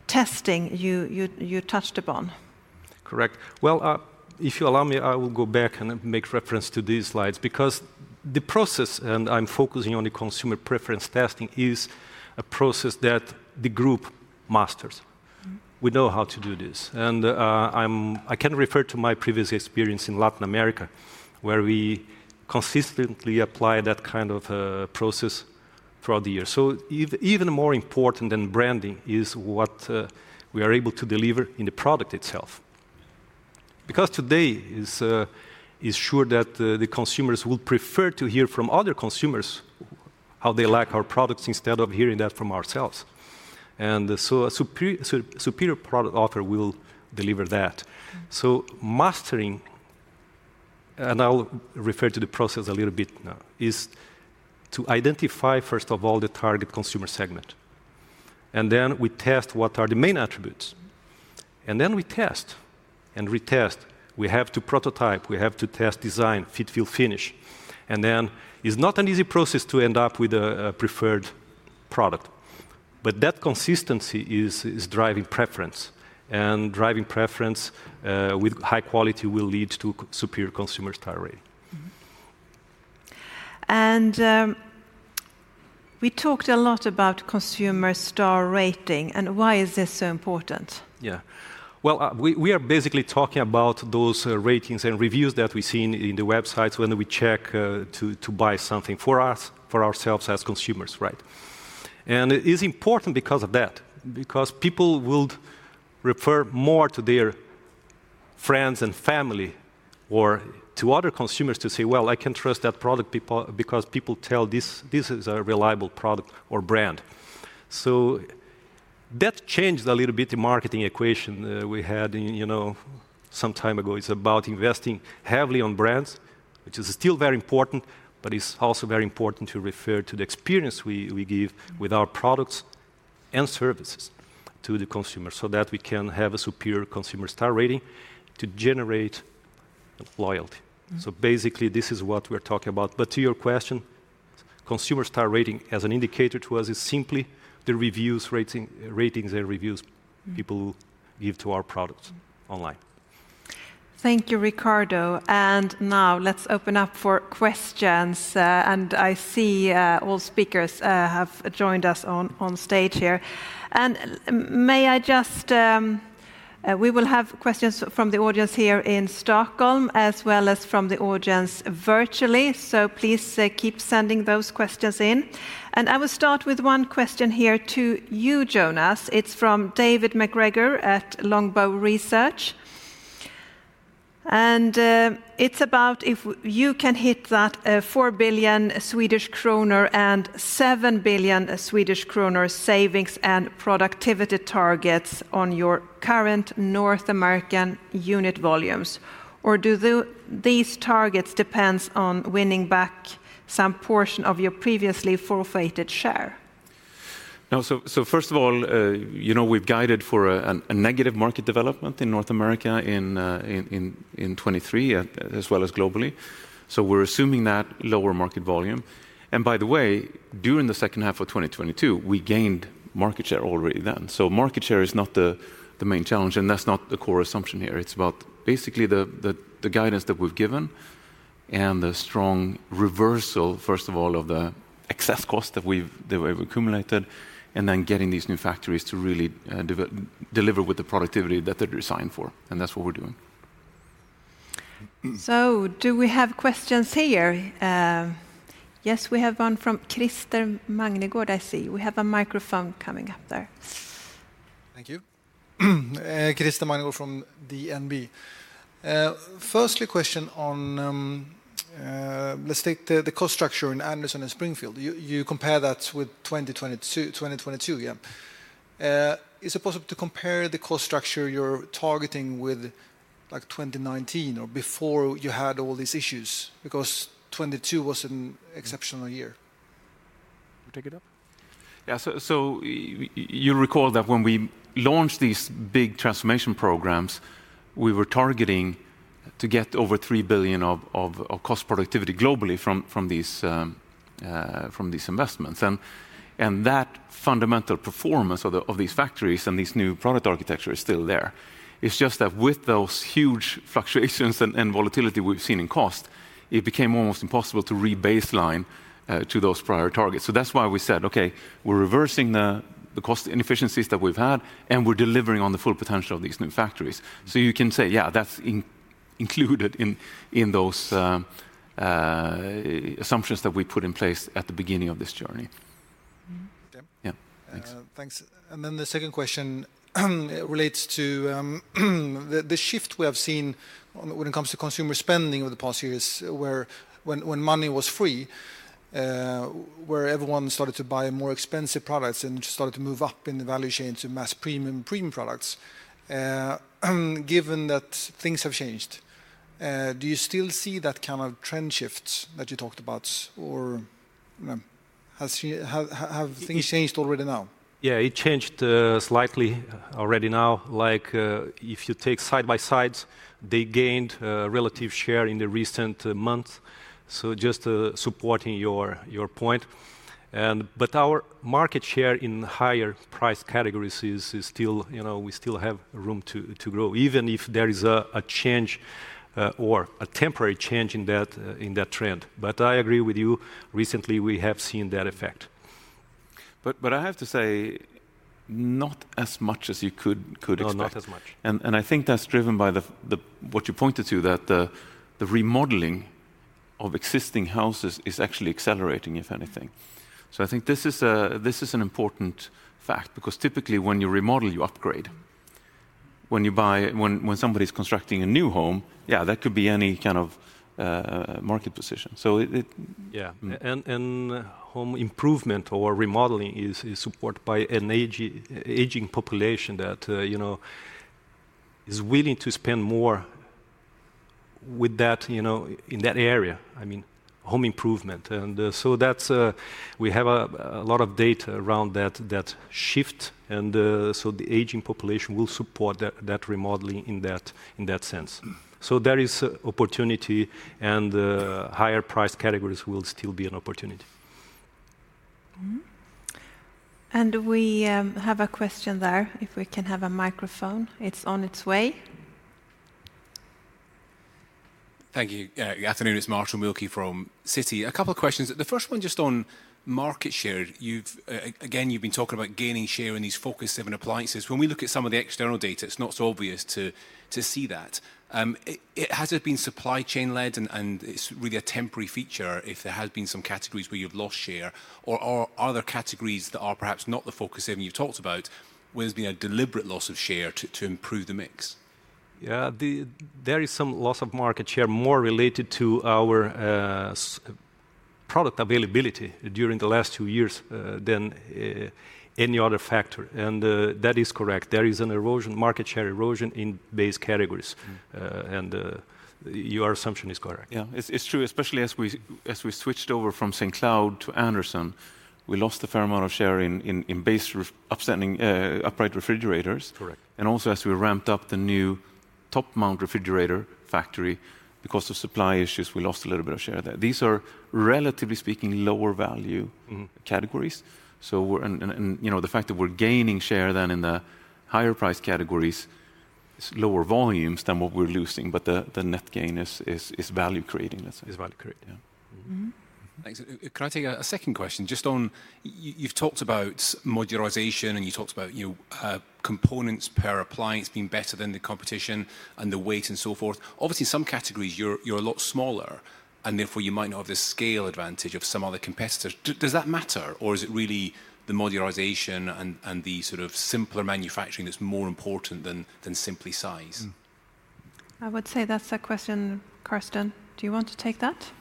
testing you touched upon? Correct. Well, if you allow me, I will go back and make reference to these slides because the process, and I'm focusing on the consumer preference testing, is a process that the group masters. We know how to do this. I can refer to my previous experience in Latin America, where we consistently apply that kind of process throughout the year. Even more important than branding is what we are able to deliver in the product itself. Because today is sure that the consumers would prefer to hear from other consumers how they like our products instead of hearing that from ourselves. A superior product offer will deliver that. So, mastering, and I'll refer to the process a little bit now, is to identify first of all the target consumer segment. Then we test what are the main attributes. Then we test and retest. We have to prototype, we have to test design, fit, feel, finish. Then it's not an easy process to end up with a preferred product. That consistency is driving preference. Driving preference with high quality will lead to superior consumer star rating. And, we talked a lot about consumer star rating, and why is this so important? Yeah. Well, we are basically talking about those ratings and reviews that we see in the websites when we check to buy something for ourselves as consumers, right? It is important because of that, because people would refer more to their friends and family or to other consumers to say, "Well, I can trust that product because people tell this is a reliable product or brand." That changed a little bit the marketing equation we had in, you know, some time ago. It's about investing heavily on brands, which is still very important, but it's also very important to refer to the experience we give with our products and services to the consumer, so that we can have a superior consumer star rating to generate loyalty. Basically, this is what we're talking about. To your question, consumer star rating as an indicator to us is simply the reviews rating, ratings and reviews people give to our products online. Thank you, Ricardo. Now let's open up for questions. I see all speakers have joined us on stage here. May I just, we will have questions from the audience here in Stockholm as well as from the audience virtually. Please keep sending those questions in. I will start with one question here to you, Jonas. It's from David MacGregor at Longbow Research. It's about if you can hit that 4 billion Swedish kronor and 7 billion Swedish kronor savings and productivity targets on your current North American unit volumes, or do these targets depends on winning back some portion of your previously forfeited share? No, first of all, you know, we've guided for a negative market development in North America in 2023, as well as globally, we're assuming that lower market volume. By the way, during the second half of 2022, we gained market share already then. Market share is not the main challenge, and that's not the core assumption here. It's about basically the guidance that we've given and the strong reversal, first of all, of the excess cost that we've accumulated, and then getting these new factories to really deliver with the productivity that they're designed for, and that's what we're doing. Do we have questions here? Yes, we have one from Christer Magnergård I see. We have a microphone coming up there. Thank you. Christer Magnergård from DNB. Firstly question on, let's take the cost structure in Anderson and Springfield. You compare that with 2022, yeah. Is it possible to compare the cost structure you're targeting with like 2019 or before you had all these issues? Because 2022 was an exceptional year. You take it up? Yeah, so you'll recall that when we launched these big transformation programs, we were targeting to get over 3 billion of cost productivity globally from these investments. That fundamental performance of these factories and these new product architecture is still there. It's just that with those huge fluctuations and volatility we've seen in cost, it became almost impossible to re-baseline to those prior targets. That's why we said, "Okay, we're reversing the cost inefficiencies that we've had, and we're delivering on the full potential of these new factories." You can say, yeah, that's included in those assumptions that we put in place at the beginning of this journey. Yep. Yeah. Thanks. Thanks. The second question relates to the shift we have seen when it comes to consumer spending over the past years where when money was free, where everyone started to buy more expensive products and just started to move up in the value chain to mass premium products. Given that things have changed, do you still see that kind of trend shifts that you talked about, or has things changed already now? Yeah, it changed slightly already now. Like, if you take side-by-sides, they gained relative share in the recent months, so just supporting your point. Our market share in higher price categories is still, you know, we still have room to grow, even if there is a change or a temporary change in that in that trend. I agree with you, recently we have seen that effect. I have to say not as much as you could expect. No, not as much. I think that's driven by the what you pointed to, that the remodeling of existing houses is actually accelerating, if anything. I think this is an important fact, because typically when you remodel, you upgrade. When somebody's constructing a new home, yeah, that could be any kind of market position. It. Yeah. And, home improvement or remodeling is supported by an aging population that, you know, is willing to spend more with that, you know, in that area, I mean, home improvement. That's, we have a lot of data around that shift, the aging population will support that remodeling in that sense. There is opportunity, higher price categories will still be an opportunity. We have a question there, if we can have a microphone. It's on its way. Thank you. Good afternoon. It's Martin Wilkie from Citi. A couple of questions. The first one just on market share. You've again, you've been talking about gaining share in these focus seven appliances. When we look at some of the external data, it's not so obvious to see that. Has it been supply chain led, and it's really a temporary feature if there has been some categories where you've lost share? Or are there categories that are perhaps not the focus seven you've talked about where there's been a deliberate loss of share to improve the mix? Yeah. There is some loss of market share more related to our product availability during the last two years than any other factor. That is correct. There is an erosion, market share erosion in base categories. And your assumption is correct. Yeah. It's true, especially as we switched over from St. Cloud to Anderson, we lost a fair amount of share in base upstanding upright refrigerators. Correct. Also, as we ramped up the new top mount refrigerator factory, because of supply issues, we lost a little bit of share there. These are relatively speaking lower value categories. You know, the fact that we're gaining share then in the higher price categories is lower volumes than what we're losing, the net gain is value creating, let's say. Is value creating, yeah. Thanks. Can I take a second question just on you've talked about modularization, and you talked about, you know, components per appliance being better than the competition and the weight and so forth. Obviously, in some categories you're a lot smaller, and therefore you might not have the scale advantage of some other competitors. Does that matter, or is it really the modularization and the sort of simpler manufacturing that's more important than simply size? I would say that's a question, Carsten, do you want to take that?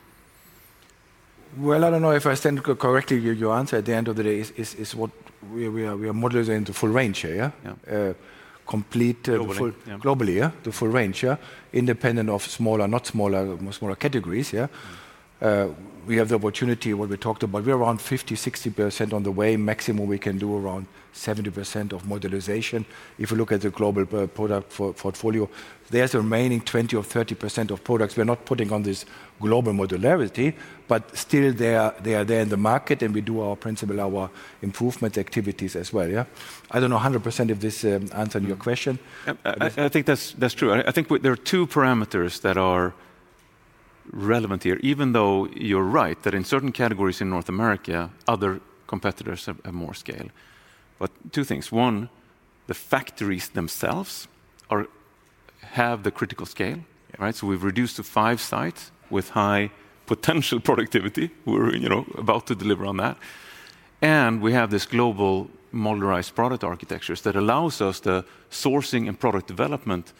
Well, I don't know if I understand correctly your answer. At the end of the day is what we are modularizing the full range here, yeah? Complete- Globally, yeah. Globally, the full range. Independent of smaller, more smaller categories? We have the opportunity, what we talked about, we're around 50%-60% on the way. Maximum we can do around 70% of modularization. If you look at the global product portfolio, there's remaining 20% or 30% of products we're not putting on this global modularity, but still they are there in the market, and we do our principle, our improvement activities as well. I don't know 100% if this answered your question. I think that's true. I think they are two parameters that are relevant here, even though you're right that in certain categories in North America, other competitors have more scale. Two things. One, the factories themselves have the critical scale, right? We've reduced to five sites with high potential productivity. We're, you know, about to deliver on that. We have this global modularized product architectures that allows us the sourcing and product development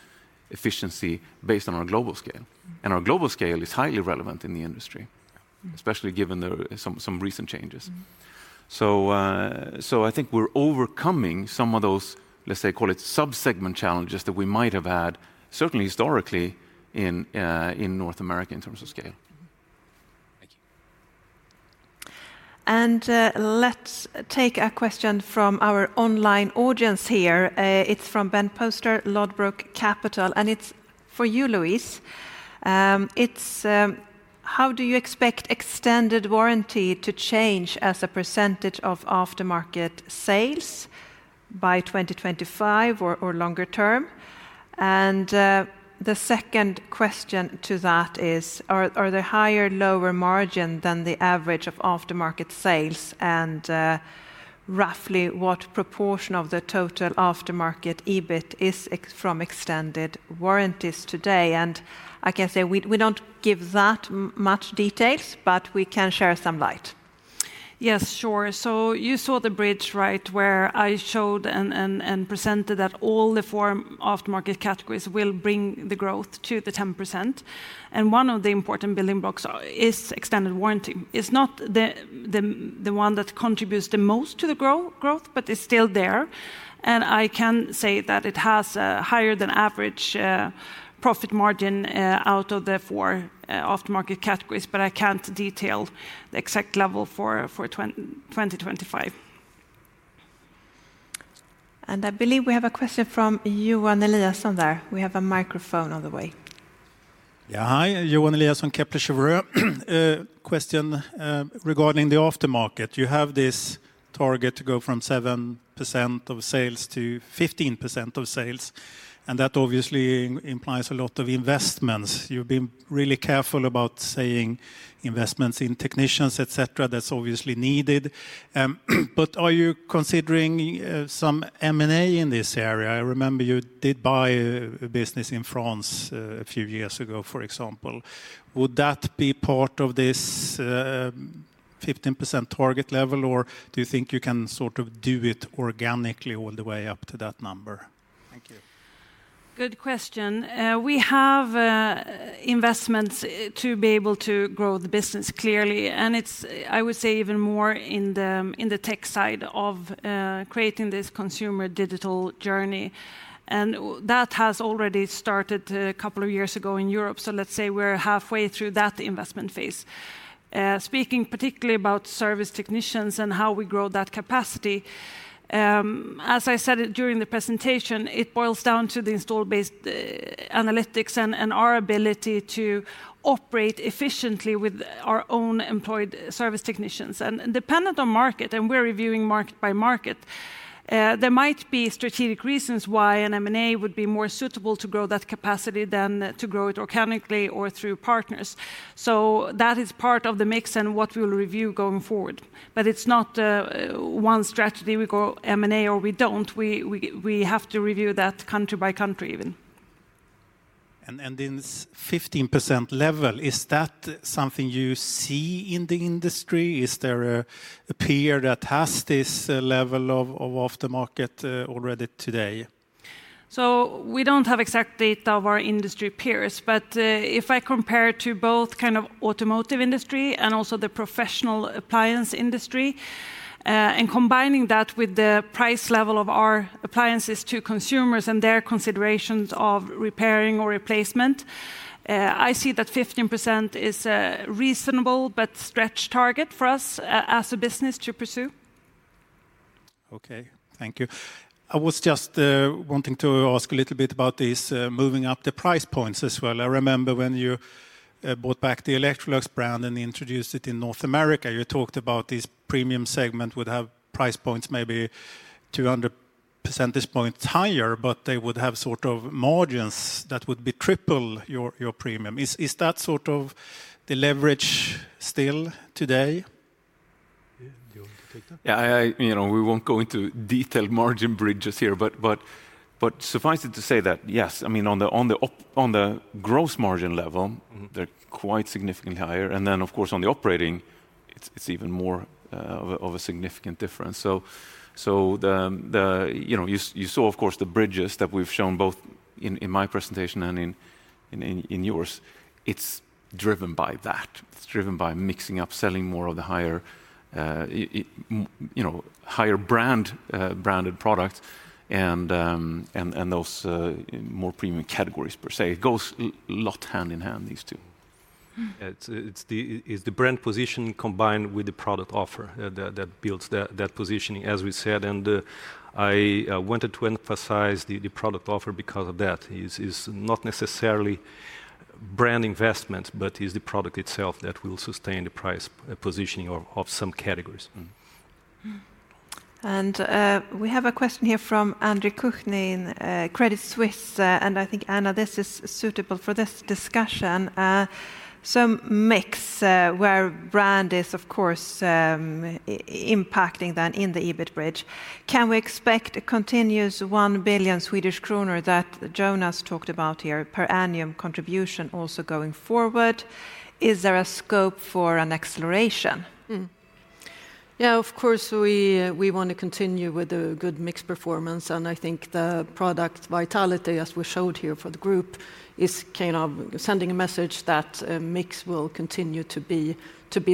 efficiency based on our global scale. Our global scale is highly relevant in the industry, especially given the some recent changes. So, I think we're overcoming some of those, let's say, call it sub-segment challenges that we might have had, certainly historically, in North America in terms of scale. Thank you. Let's take a question from our online audience here. It's from Ben Poster, Lodbrok Capital, and it's for you, Louise. It's, how do you expect extended warranty to change as a percentage of aftermarket sales by 2025 or longer term? The second question to that is, are there higher, lower margin than the average of aftermarket sales and, roughly what proportion of the total aftermarket EBIT is from extended warranties today? I can say we don't give that much details, but we can share some light. Yes, sure. You saw the bridge, right, where I showed and presented that all the four aftermarket categories will bring the growth to the 10%, and one of the important building blocks is extended warranty. It's not the one that contributes the most to the growth, but it's still there. I can say that it has a higher than average profit margin out of the four aftermarket categories, but I can't detail the exact level for 2025. I believe we have a question from Johan Eliason there. We have a microphone on the way. Yeah, hi. Johan Eliason, Kepler Cheuvreux. A question regarding the aftermarket. You have this target to go from 7% of sales to 15% of sales. That obviously implies a lot of investments. You've been really careful about saying investments in technicians, et cetera, that's obviously needed. Are you considering some M&A in this area? I remember you did buy a business in France a few years ago, for example. Would that be part of this 15% target level, or do you think you can sort of do it organically all the way up to that number? Thank you. Good question. We have investments to be able to grow the business clearly, and it's, I would say, even more in the tech side of creating this consumer digital journey. That has already started a couple of years ago in Europe, so let's say we're halfway through that investment phase. Speaking particularly about service technicians and how we grow that capacity, as I said it during the presentation, it boils down to the install base analytics and our ability to operate efficiently with our own employed service technicians. Dependent on market, and we're reviewing market by market, there might be strategic reasons why an M&A would be more suitable to grow that capacity than to grow it organically or through partners. That is part of the mix and what we'll review going forward. But it's not one strategy we go M&A or we don't. We have to review that country by country even. In this 15% level, is that something you see in the industry? Is there a peer that has this level of aftermarket already today? We don't have exact data of our industry peers, but if I compare to both kind of automotive industry and also the professional appliance industry, and combining that with the price level of our appliances to consumers and their considerations of repairing or replacement, I see that 15% is a reasonable but stretched target for us as a business to pursue. Okay, thank you. I was just wanting to ask a little bit about this moving up the price points as well. I remember when you bought back the Electrolux brand and introduced it in North America, you talked about this premium segment would have price points maybe 200 percentage points higher, but they would have sort of margins that would be triple your premium. Is that sort of the leverage still today? Yeah. Do you want to take that? Yeah, you know, we won't go into detailed margin bridges here, but suffice it to say that yes, I mean, on the gross margin level, they're quite significantly higher. Of course, on the operating. It's even more of a significant difference. You know, you saw, of course, the bridges that we've shown both in my presentation and in yours. It's driven by that. It's driven by mixing up, selling more of the higher, you know, higher brand branded product and those more premium categories per se. It goes lot hand in hand, these two. It's the brand position combined with the product offer that builds that positioning, as we said. I wanted to emphasize the product offer because of that. Is not necessarily brand investment, but is the product itself that will sustain the price positioning of some categories. We have a question here from Andre Kukhnin in Credit Suisse. I think, Anna, this is suitable for this discussion. Some mix, where brand is of course, impacting then in the EBIT bridge. Can we expect a continuous 1 billion Swedish kronor that Jonas talked about here per annum contribution also going forward? Is there a scope for an acceleration? Of course, we want to continue with the good mix performance. I think the product vitality, as we showed here for the group, is kind of sending a message that mix will continue to be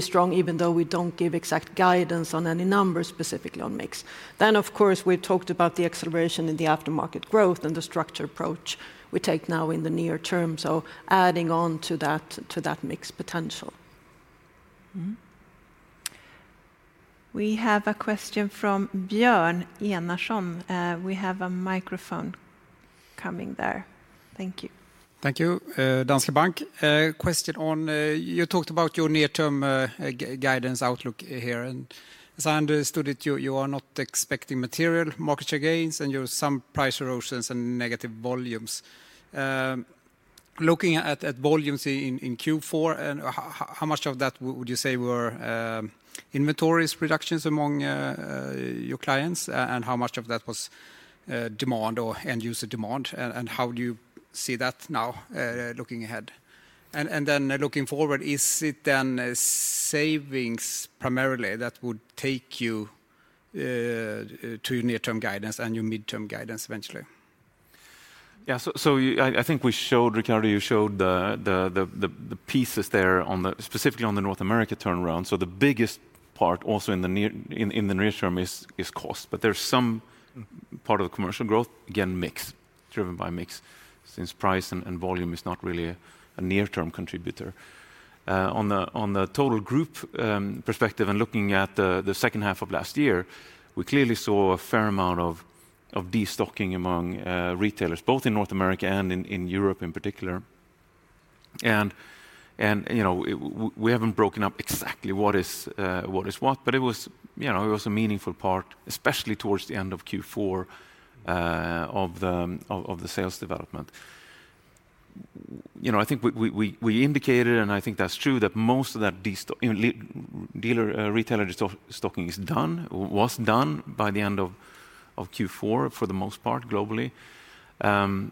strong, even though we don't give exact guidance on any numbers specifically on mix. Of course, we talked about the acceleration in the aftermarket growth and the structure approach we take now in the near term. Adding on to that mix potential. We have a question from Björn Enarson. We have a microphone coming there. Thank you. Thank you. Danske Bank. Question on, you talked about your near-term guidance outlook here. As I understood it, you are not expecting material market share gains, and you have some price erosions and negative volumes. Looking at volumes in Q4, and how much of that would you say were, inventories reductions among, your clients, and how much of that was, demand or end user demand? And how do you see that now, looking ahead? Then looking forward, is it then, savings primarily that would take you, to near-term guidance and your midterm guidance eventually? Yeah. I think we showed, Ricardo, you showed the pieces specifically on the North America turnaround. The biggest part also in the near term is cost. There's some part of the commercial growth, again, mix, driven by mix, since price and volume is not really a near-term contributor. On the total group perspective and looking at the second half of last year, we clearly saw a fair amount of destocking among retailers, both in North America and in Europe in particular. You know, we haven't broken up exactly what is what. It was, you know, it was a meaningful part, especially towards the end of Q4, of the sales development. You know, I think we indicated, and I think that's true, that most of that you know, dealer, retailer destocking is done, was done by the end of Q4 for the most part globally. The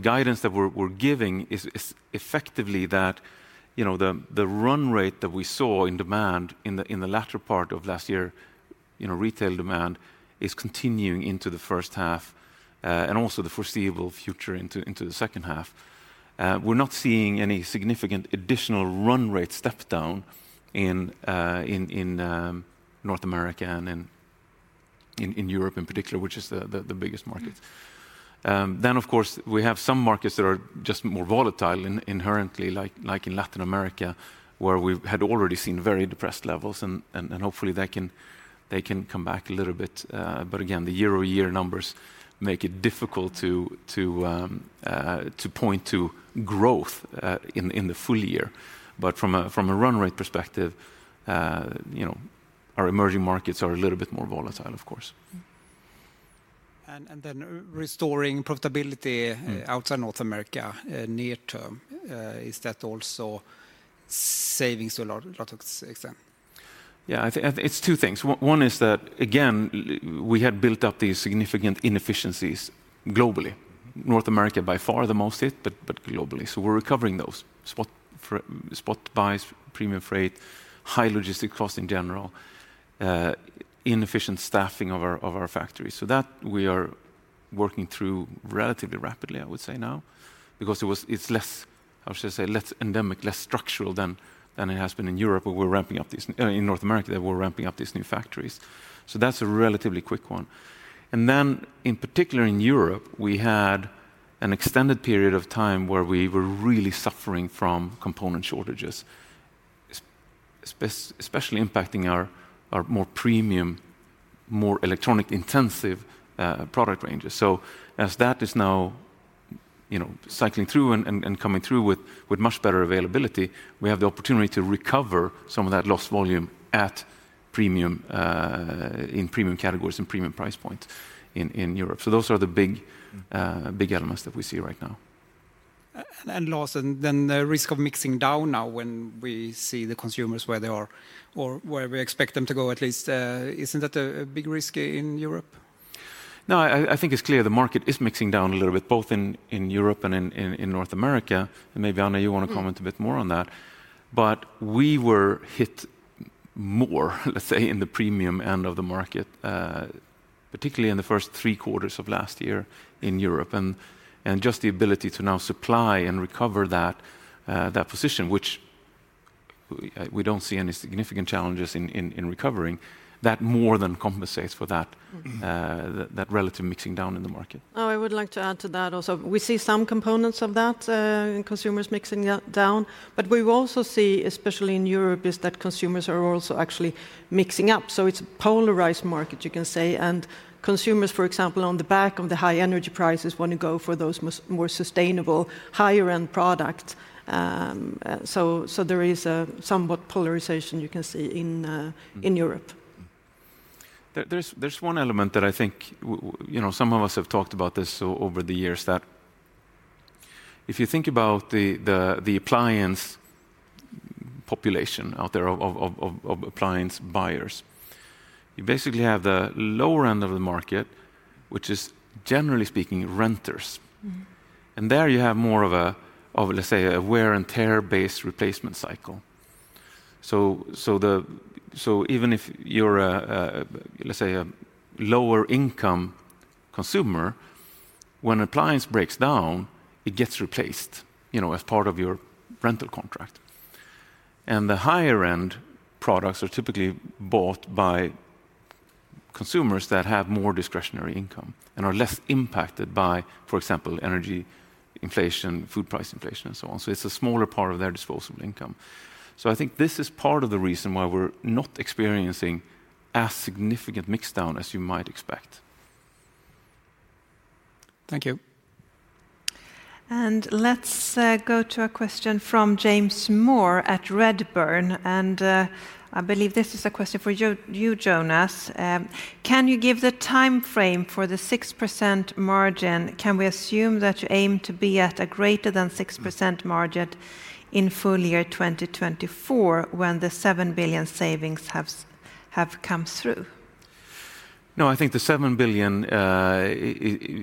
guidance that we're giving is effectively that, you know, the run rate that we saw in demand in the latter part of last year, you know, retail demand is continuing into the first half, and also the foreseeable future into the second half. We're not seeing any significant additional run rate step down in North America and in Europe in particular, which is the biggest market. Of course, we have some markets that are just more volatile inherently like in Latin America, where we've had already seen very depressed levels. Hopefully they can come back a little bit. Again, the year-over-year numbers make it difficult to point to growth in the full year. From a run rate perspective, you know, our emerging markets are a little bit more volatile, of course. Then restoring profitability outside North America, near term, is that also savings to a lot of extent? It's two things. One is that, again, we had built up these significant inefficiencies globally. North America by far the most hit, but globally. We're recovering those. Spot buys, premium freight, high logistic cost in general, inefficient staffing of our factories. That we are working through relatively rapidly, I would say now, because it was. It's less, how should I say, less endemic, less structural than it has been in Europe, where we're ramping up these in North America, that we're ramping up these new factories. That's a relatively quick one. Then in particular, in Europe, we had an extended period of time where we were really suffering from component shortages, especially impacting our more premium, more electronic intensive product ranges. As that is now, you know, cycling through and coming through with much better availability, we have the opportunity to recover some of that lost volume at premium in premium categories and premium price points in Europe. Those are the big elements that we see right now. Last, and then the risk of mixing down now when we see the consumers where they are or where we expect them to go, at least, isn't that a big risk in Europe? No, I think it's clear the market is mixing down a little bit, both in Europe and in North America, and maybe Anna you wanna comment a bit more on that. We were hit more, let's say, in the premium end of the market, particularly in the first three quarters of last year in Europe. Just the ability to now supply and recover that position which we don't see any significant challenges in recovering, that more than compensates for that, that relative mixing down in the market. I would like to add to that also. We see some components of that in consumers mixing down. We will also see, especially in Europe, is that consumers are also actually mixing up. It's a polarized market you can say, and consumers, for example, on the back of the high energy prices wanna go for those more sustainable higher end product. So there is a somewhat polarization you can see in Europe. There's one element that I think, you know, some of us have talked about this over the years, that if you think about the appliance population out there of appliance buyers, you basically have the lower end of the market, which is generally speaking renters. There you have more of a let's say a wear and tear-based replacement cycle. Even if you're a let's say a lower income consumer, when appliance breaks down, it gets replaced, you know, as part of your rental contract. The higher end products are typically bought by consumers that have more discretionary income and are less impacted by, for example, energy inflation, food price inflation, and so on. It's a smaller part of their disposable income. I think this is part of the reason why we're not experiencing as significant mix-down as you might expect. Thank you. Let's go to a question from James Moore at Redburn, and I believe this is a question for you, Jonas. Can you give the timeframe for the 6% margin? Can we assume that you aim to be at a greater than 6% margin in full year 2024 when the 7 billion savings have come through? No, I think the 7 billion,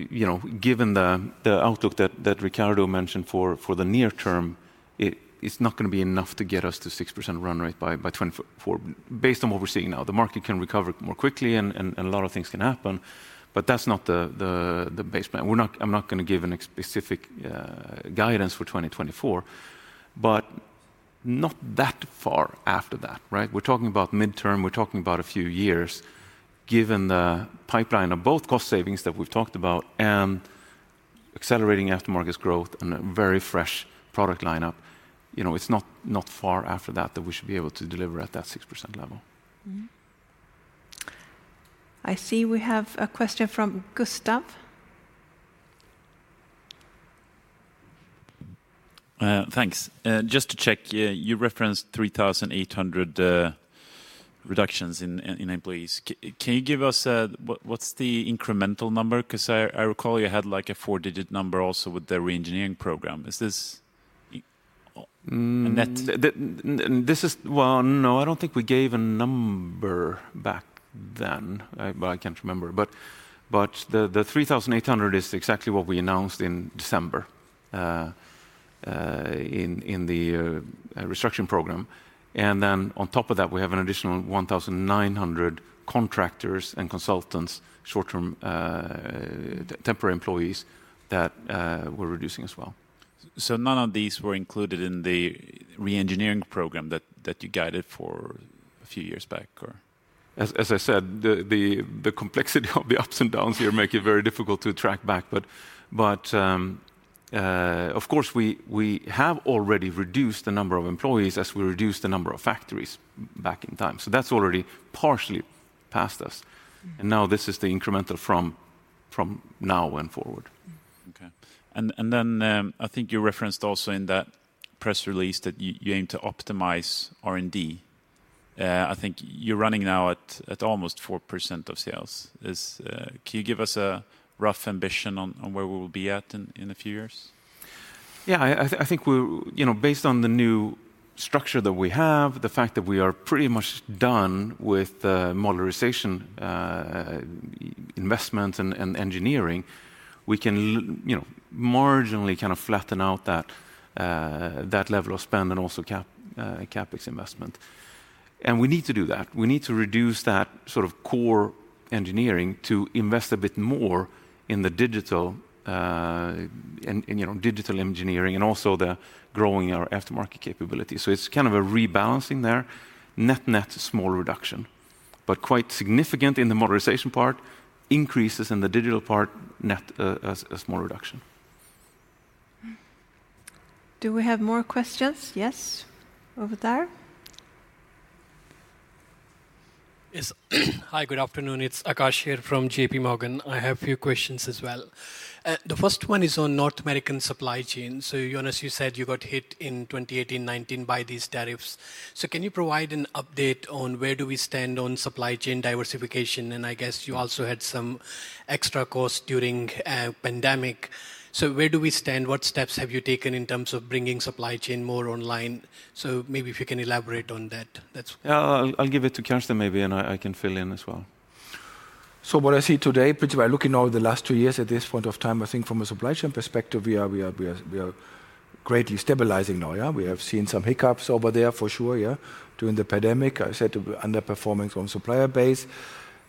you know, given the outlook that Ricardo mentioned for the near term is not gonna be enough to get us to 6% run rate by 2024 based on what we're seeing now. The market can recover more quickly and a lot of things can happen, but that's not the baseline. I'm not gonna give a specific guidance for 2024, but not that far after that, right? We're talking about midterm, we're talking about a few years given the pipeline of both cost savings that we've talked about and accelerating aftermarket's growth and a very fresh product lineup. You know, it's not far after that that we should be able to deliver at that 6% level. I see we have a question from Gustav. Thanks. Just to check, you referenced 3,800 reductions in employees. Can you give us what's the incremental number? 'Cause I recall you had like a four-digit number also with the re-engineering program. Is this a net-? This is. Well, no, I don't think we gave a number back then. I, well I can't remember. But the 3,800 is exactly what we announced in December in the restructuring program. On top of that we have an additional 1,900 contractors and consultants, short-term, temporary employees that we're reducing as well. None of these were included in the re-engineering program that you guided for a few years back or? As I said, the complexity of the ups and downs here make it very difficult to track back. Of course, we have already reduced the number of employees as we reduced the number of factories back in time. That's already partially past us, and now this is the incremental from now and forward. Okay. Then, I think you referenced also in that press release that you aim to optimize R&D. I think you're running now at almost 4% of sales. Can you give us a rough ambition on where we'll be at in a few years? I think we're you know, based on the new structure that we have, the fact that we are pretty much done with the modularization investments and engineering, we can you know, marginally kind of flatten out that level of spend and also CapEx investment. We need to do that. We need to reduce that sort of core engineering to invest a bit more in the digital, in you know, digital engineering and also the growing our aftermarket capability. It's kind of a rebalancing there. Net/net, a small reduction, but quite significant in the modularization part, increases in the digital part, net a small reduction. Do we have more questions? Yes. Over there. Yes. Hi, good afternoon. It's Akash here from JPMorgan. I have a few questions as well. The first one is on North American supply chain. Jonas, you said you got hit in 2018, 2019 by these tariffs. Can you provide an update on where do we stand on supply chain diversification? I guess you also had some extra costs during pandemic. Where do we stand? What steps have you taken in terms of bringing supply chain more online? Maybe if you can elaborate on that. Yeah. I'll give it to Carsten maybe and I can fill in as well. What I see today, particularly looking over the last two years at this point of time, I think from a supply chain perspective, we are greatly stabilizing now, yeah. We have seen some hiccups over there for sure, yeah, during the pandemic. I said underperforming from supplier base.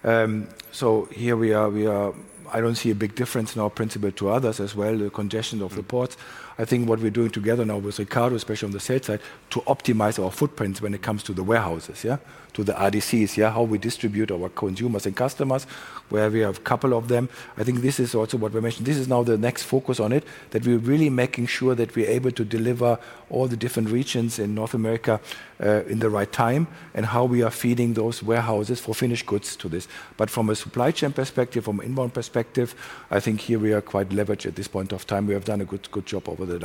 Here we are. I don't see a big difference in our principle to others as well, the congestion of reports. I think what we're doing together now with Ricardo, especially on the sales side, to optimize our footprints when it comes to the warehouses, yeah. To the RDCs. How we distribute our consumers and customers, where we have couple of them. I think this is also what we mentioned. This is now the next focus on it, that we're really making sure that we're able to deliver all the different regions in North America in the right time and how we are feeding those warehouses for finished goods to this. But from a supply chain perspective, from inbound perspective, I think here we are quite leveraged at this point of time. We have done a good job over the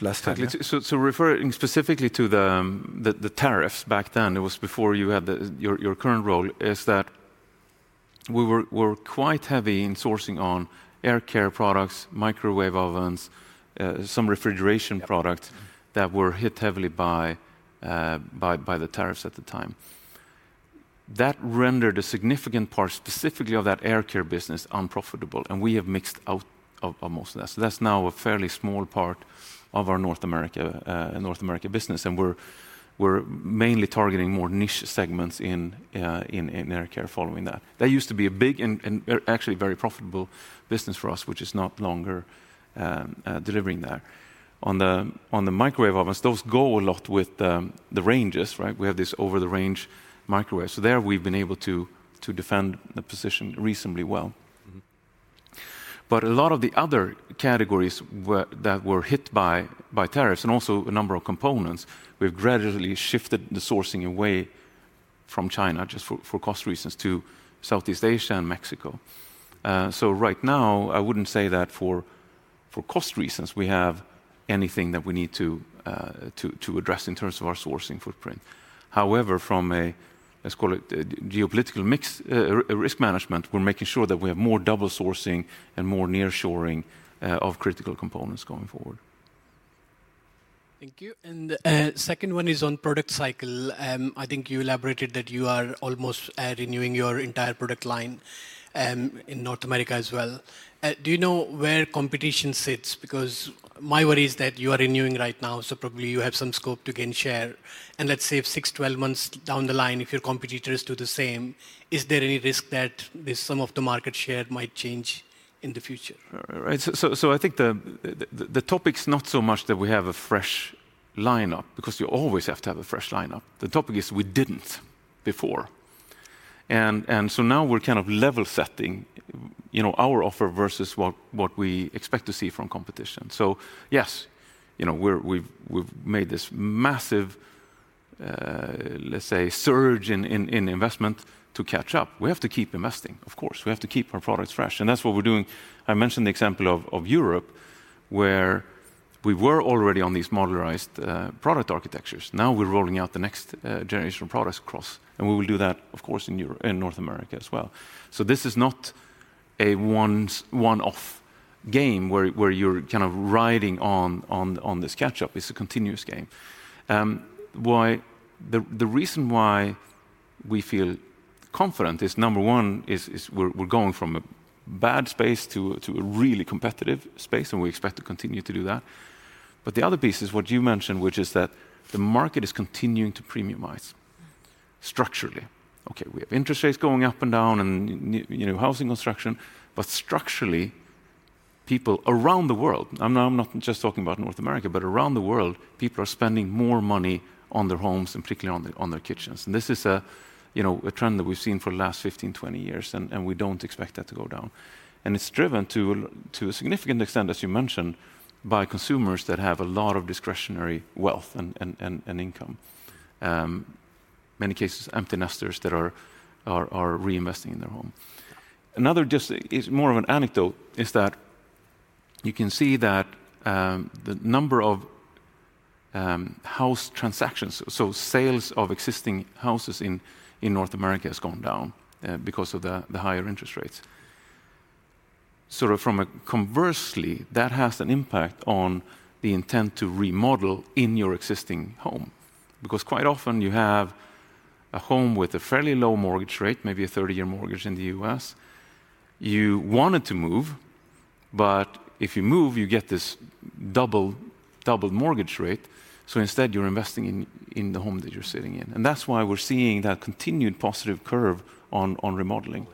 last time, yeah. Actually, so referring specifically to the tariffs back then, it was before you had your current role, is that we were quite heavy in sourcing on air care products, microwave ovens, some refrigeration products that were hit heavily by the tariffs at the time. That rendered a significant part specifically of that air care business unprofitable, and we have mixed out of most of that. That's now a fairly small part of our North America business, and we're mainly targeting more niche segments in air care following that. That used to be a big and actually very profitable business for us, which is not longer delivering that. On the microwave ovens, those go a lot with the ranges, right? We have this over the range microwave. There we've been able to defend the position reasonably well. But a lot of the other categories were, that were hit by tariffs and also a number of components, we've gradually shifted the sourcing away from China just for cost reasons to Southeast Asia and Mexico. Right now, I wouldn't say that for cost reasons we have anything that we need to address in terms of our sourcing footprint. However, from a, let's call it a geopolitical mix, risk management, we're making sure that we have more double sourcing and more nearshoring, of critical components going forward. Thank you. Second one is on product cycle. I think you elaborated that you are almost renewing your entire product line in North America as well. Do you know where competition sits? Because my worry is that you are renewing right now, so probably you have some scope to gain share. Let's say if six to 12 months down the line, if your competitors do the same, is there any risk that the some of the market share might change in the future? Right. I think the topic's not so much that we have a fresh lineup, because you always have to have a fresh lineup. The topic is we didn't before. Now we're kind of level setting, you know, our offer versus what we expect to see from competition. Yes, you know, we're, we've made this massive, let's say, surge in investment to catch up. We have to keep investing, of course. We have to keep our products fresh, and that's what we're doing. I mentioned the example of Europe, where we were already on these modularized product architectures. Now we're rolling out the next generation of products across, and we will do that, of course, in North America as well. This is not a one-off game where you're kind of riding on this catch-up. It's a continuous game. The reason why we feel confident is, number one, is we're going from a bad space to a really competitive space, and we expect to continue to do that. The other piece is what you mentioned, which is that the market is continuing to premiumize structurally. Okay, we have interest rates going up and down and you know, housing construction. Structurally, people around the world, I'm not, I'm not just talking about North America, but around the world, people are spending more money on their homes and particularly on their kitchens. This is a, you know, a trend that we've seen for the last 15, 20 years, and we don't expect that to go down. It's driven to a significant extent, as you mentioned, by consumers that have a lot of discretionary wealth and income. Many cases, empty nesters that are reinvesting in their home. Another just is more of an anecdote, is that you can see that the number of house transactions, so sales of existing houses in North America has gone down because of the higher interest rates. Sort of from a conversely, that has an impact on the intent to remodel in your existing home. Quite often you have a home with a fairly low mortgage rate, maybe a 30-year mortgage in the U.S. You wanted to move, if you move, you get this double mortgage rate. Instead, you're investing in the home that you're sitting in. That's why we're seeing that continued positive curve on remodeling.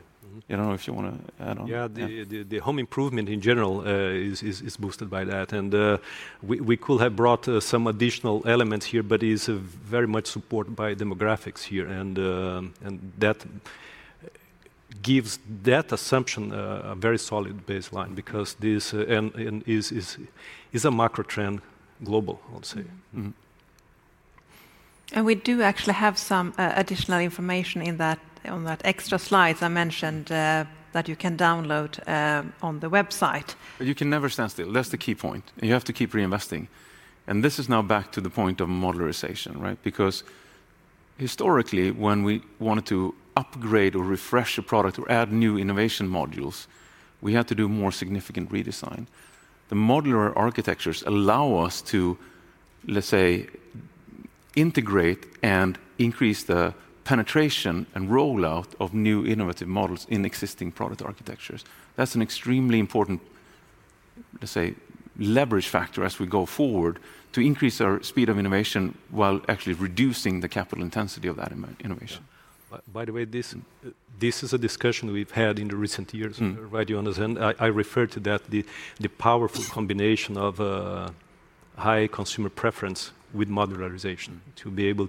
You know, if you wanna add on. Yeah. The home improvement in general is boosted by that. We could have brought some additional elements here, but it's very much supported by demographics here. That gives that assumption a very solid baseline because this and is a macro trend global, I would say. We do actually have some additional information in that, on that extra slides I mentioned, that you can download on the website. You can never stand still. That's the key point, and you have to keep reinvesting. This is now back to the point of modularization, right? Historically, when we wanted to upgrade or refresh a product or add new innovation modules, we had to do more significant redesign. The modular architectures allow us to, let's say, integrate and increase the penetration and rollout of new innovative models in existing product architectures. That's an extremely important, let's say, leverage factor as we go forward to increase our speed of innovation while actually reducing the capital intensity of that innovation. Yeah. By the way, this is a discussion we've had in the recent years with Ricardo Anderson. I refer to that the powerful combination of high consumer preference with modularization to be able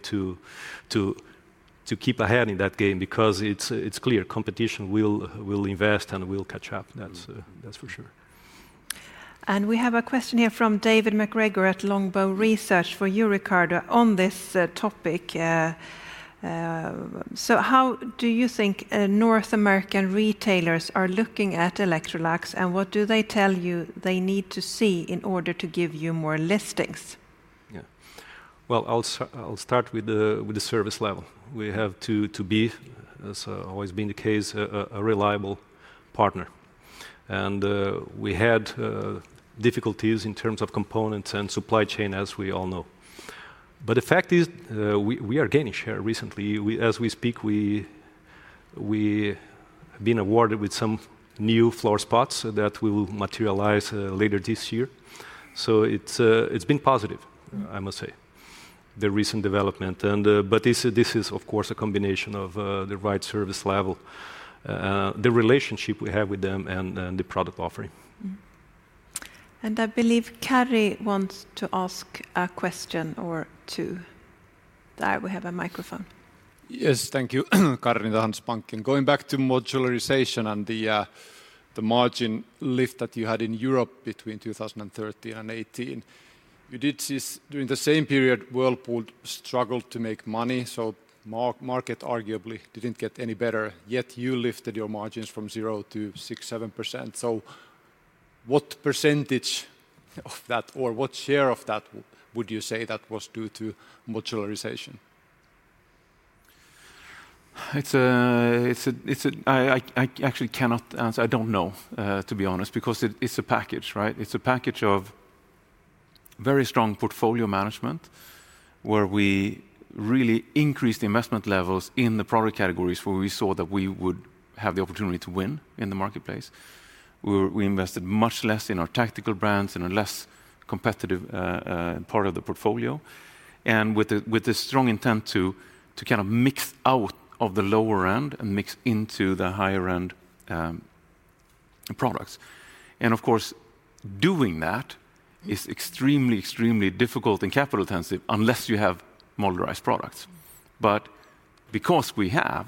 to keep ahead in that game because it's clear competition will invest and will catch up. That's for sure. We have a question here from David MacGregor at Longbow Research for you, Ricardo, on this topic. How do you think North American retailers are looking at Electrolux, and what do they tell you they need to see in order to give you more listings? Yeah. Well, I'll start with the service level. We have to be, as always been the case, a reliable partner. We had difficulties in terms of components and supply chain, as we all know. The fact is, we are gaining share recently. We, as we speak, have been awarded with some new floor spots that will materialize later this year. It's been positive, I must say, the recent development. This is of course a combination of the right service level, the relationship we have with them, and the product offering. I believe Carrie wants to ask a question or two. There, we have a microphone. Thank you. Carrie, Danske Bank. Going back to modularization and the margin lift that you had in Europe between 2013 and 2018. You did this during the same period Whirlpool struggled to make money, market arguably didn't get any better, yet you lifted your margins from 0% to 6%, 7%. What percentage of that or what share of that would you say that was due to modularization? I actually cannot answer. I don't know, to be honest, because it's a package, right? It's a package of very strong portfolio management where we really increased the investment levels in the product categories where we saw that we would have the opportunity to win in the marketplace. We invested much less in our tactical brands and in less competitive part of the portfolio, and with the strong intent to kind of mix out of the lower end and mix into the higher-end products. Of course, doing that is extremely difficult and capital intensive unless you have modularized products. Because we have,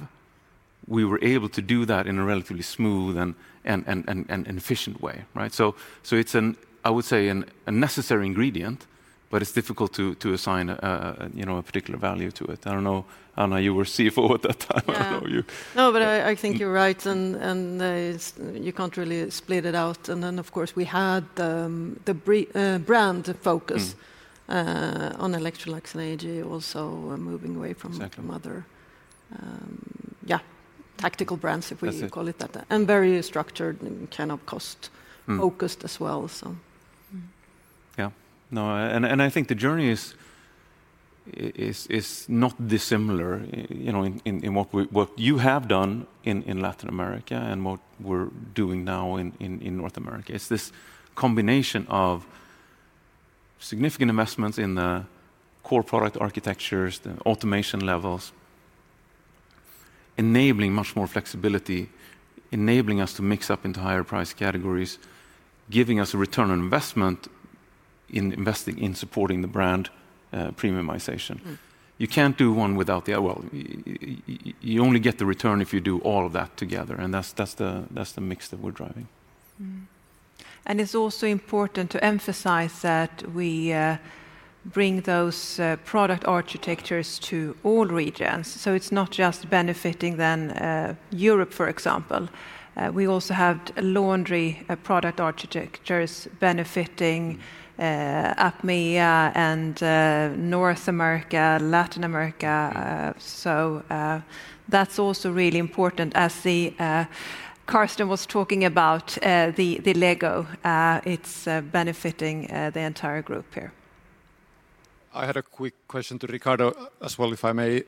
we were able to do that in a relatively smooth and efficient way, right? So, it's, I would say, a necessary ingredient, but it's difficult to assign a, you know, a particular value to it. I don't know. Anna, you were CFO at that time. I know you. Yeah. No, I think you're right and, it's you can't really split it out. Of course we had the brand focus on Electrolux and AEG also moving away from other, yeah, tactical brands if- That's it. You call it that. Very structured and kind of cost focused as well, so. Yeah. No, I think the journey is not dissimilar, you know, in what we, what you have done in Latin America and what we're doing now in North America. It's this combination of significant investments in the core product architectures, the automation levels, enabling much more flexibility, enabling us to mix up into higher price categories, giving us a return on investment in investing in supporting the brand, premiumization. You can't do one without the other. Well, you only get the return if you do all of that together, and that's the mix that we're driving. And, it's also important to emphasize that we bring those product architectures to all regions, so it's not just benefiting then Europe, for example. We also have laundry product architectures benefiting APMEA and North America, Latin America. That's also really important. As Carsten was talking about, the LEGO, it's benefiting the entire group here. I had a quick question to Ricardo as well, if I may.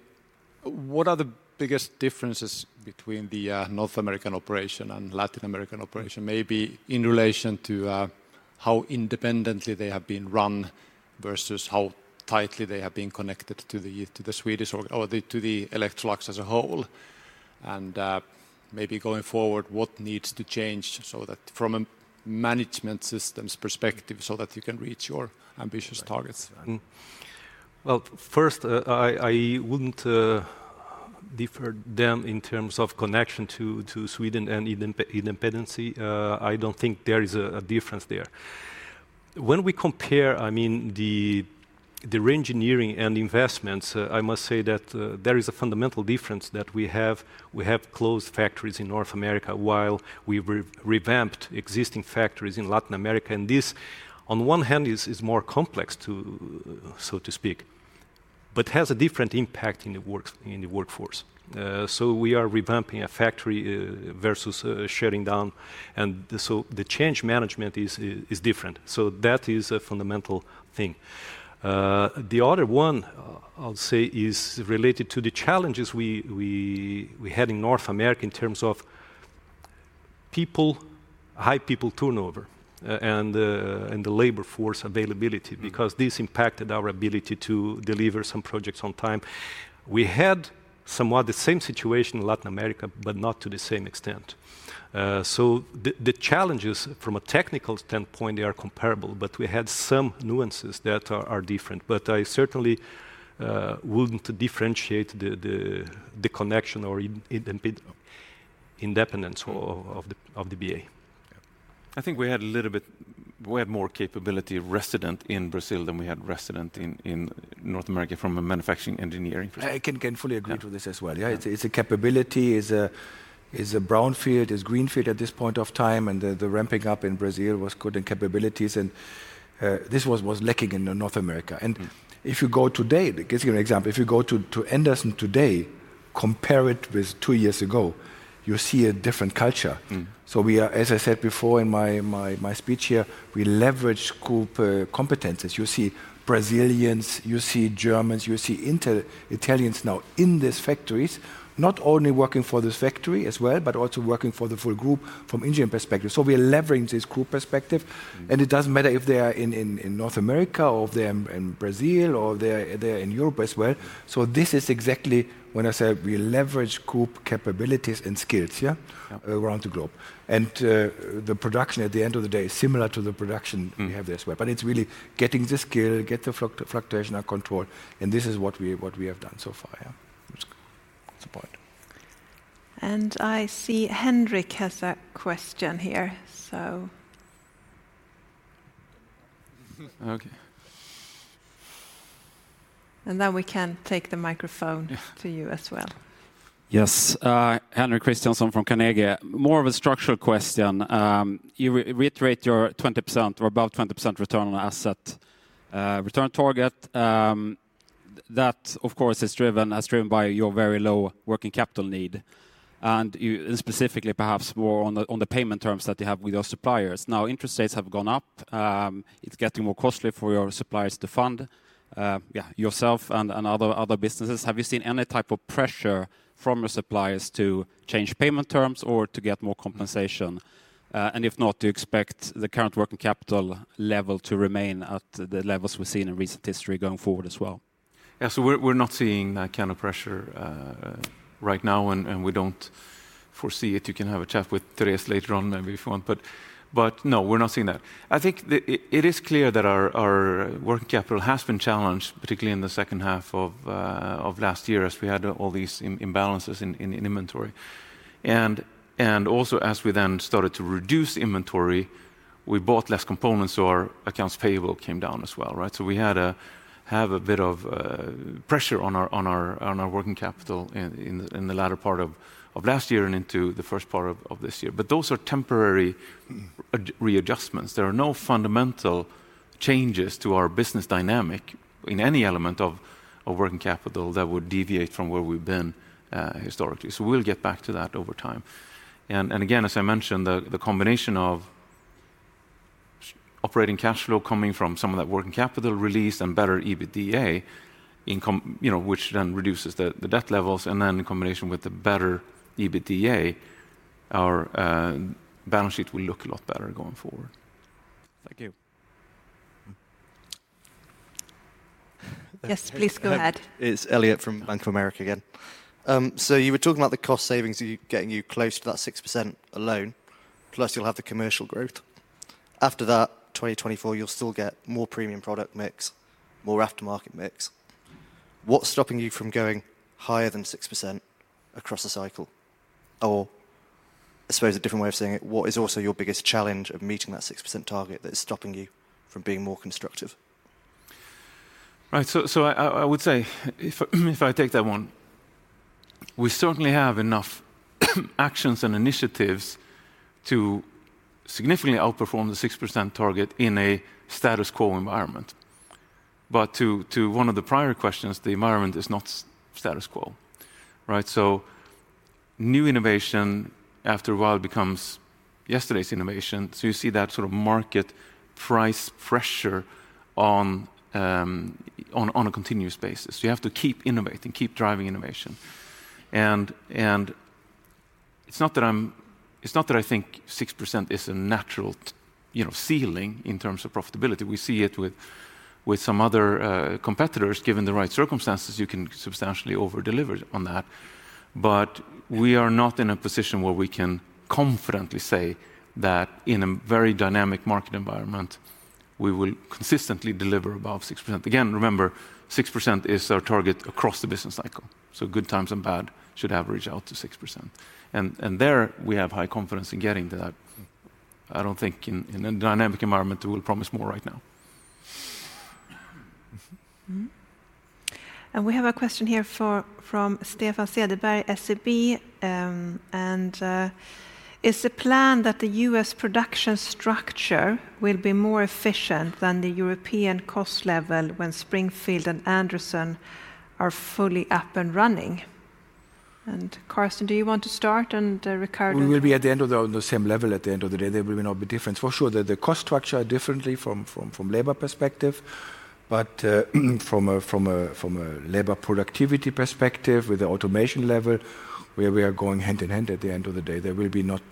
What are the biggest differences between the North American operation and Latin American operation, maybe in relation to how independently they have been run versus how tightly they have been connected to the Swedish org or to the Electrolux as a whole? Maybe going forward, what needs to change so that from a management systems perspective so that you can reach your ambitious targets? Well, first, I wouldn't differ them in terms of connection to Sweden and independency. I don't think there is a difference there. When we compare, I mean, the reengineering and investments, I must say that there is a fundamental difference that we have. We have closed factories in North America while we revamped existing factories in Latin America. This on one hand is more complex to, so to speak, but has a different impact in the work, in the workforce. We are revamping a factory versus shutting down, the change management is different. That is a fundamental thing. The other one, I'll say is related to the challenges we had in North America in terms of high people turnover, and the labor force availability because this impacted our ability to deliver some projects on time. We had somewhat the same situation in Latin America, but not to the same extent. The challenges from a technical standpoint, they are comparable, but we had some nuances that are different. I certainly wouldn't differentiate the connection or independence of the BA. Yeah. I think we had more capability resident in Brazil than we had resident in North America from a manufacturing engineering perspective. I can fully agree to this as well. Yeah. Yeah. It's a capability. It's a brownfield, it's greenfield at this point of time, the ramping up in Brazil was good in capabilities and this was lacking in North America. If you go today, to give you an example, if you go to Anderson today, compare it with two years ago, you see a different culture. We are, as I said before in my speech here, we leverage group competencies. You see Brazilians, you see Germans, you see Italians now in these factories, not only working for this factory as well, but also working for the full group from engineering perspective. We are leveraging this group perspective. It doesn't matter if they are in North America or they're in Brazil or they're in Europe as well. This is exactly when I say we leverage group capabilities and skills around the globe. The production at the end of the day is similar to the production we have this way. It's really getting the skill, get the fluctuation under control. This is what we have done so far, yeah. I see Henrik has a question here, so. Then we can take the microphone to you as well. Yes. Henrik Christiansson from Carnegie. More of a structural question. You re-reiterate your 20% or above 20% return on asset, return target. That of course is driven, as driven by your very low working capital need, and specifically perhaps more on the, on the payment terms that you have with your suppliers. Now, interest rates have gone up. It's getting more costly for your suppliers to fund, yourself and other businesses. Have you seen any type of pressure from your suppliers to change payment terms or to get more compensation? If not, do you expect the current working capital level to remain at the levels we've seen in recent history going forward as well? Yeah. We're not seeing that kind of pressure right now, and we don't foresee it. You can have a chat with Therese later on, maybe if you want. No, we're not seeing that. I think it is clear that our working capital has been challenged, particularly in the second half of last year as we had all these imbalances in inventory. Also as we then started to reduce inventory, we bought less components, so our accounts payable came down as well, right? We have a bit of pressure on our working capital in the latter part of last year and into the first part of this year. Those are temporary readjustments. There are no fundamental changes to our business dynamic in any element of working capital that would deviate from where we've been historically. We'll get back to that over time. Again, as I mentioned, the combination of operating cash flow coming from some of that working capital release and better EBITDA income, you know, which then reduces the debt levels and then in combination with the better EBITDA, our balance sheet will look a lot better going forward. Thank you. Yes, please go ahead. It's Elliot from Bank of America again. You were talking about the cost savings getting you close to that 6% alone, plus you'll have the commercial growth. After that, 2024, you'll still get more premium product mix, more aftermarket mix. What's stopping you from going higher than 6% across the cycle? I suppose a different way of saying it, what is also your biggest challenge of meeting that 6% target that is stopping you from being more constructive? Right. I would say if I take that one, we certainly have enough actions and initiatives to significantly outperform the 6% target in a status quo environment. To one of the prior questions, the environment is not status quo, right? New innovation after a while becomes yesterday's innovation, so you see that sort of market price pressure on a continuous basis. You have to keep innovating, keep driving innovation. It's not that I think 6% is a natural, you know, ceiling in terms of profitability. We see it with some other competitors. Given the right circumstances, you can substantially over-deliver on that. We are not in a position where we can confidently say that in a very dynamic market environment, we will consistently deliver above 6%. Again, remember, 6% is our target across the business cycle. Good times and bad should average out to 6%. There we have high confidence in getting to that. I don't think in a dynamic environment we will promise more right now. We have a question here from Stefan Cederberg, SEB. Is the plan that the U.S. production structure will be more efficient than the European cost level when Springfield and Anderson are fully up and running? Carsten, do you want to start and Riccardo. We will be at the end of the on the same level at the end of the day. There will not be difference. For sure, the cost structure are differently from labor perspective. From a labor productivity perspective with the automation level, where we are going hand-in-hand at the end of the day, there will be not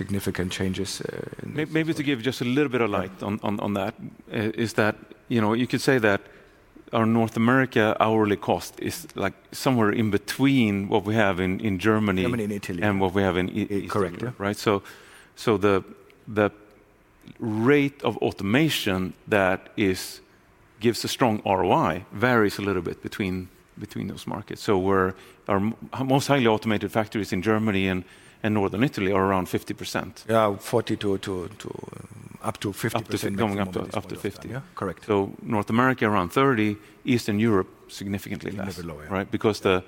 significant changes in this. Maybe to give just a little bit of light on that, is that, you know, you could say that our North America hourly cost is, like, somewhere in between what we have in Germany. Germany and Italy. And what we have in Italy. Correct. Right? The rate of automation that gives a strong ROI varies a little bit between those markets. Our most highly automated factories in Germany and Northern Italy are around 50%. Yeah. 40% to up to 50%. Going up to 50, yeah. Correct. North America around 30%, Eastern Europe, significantly less. Even lower. Right? Because the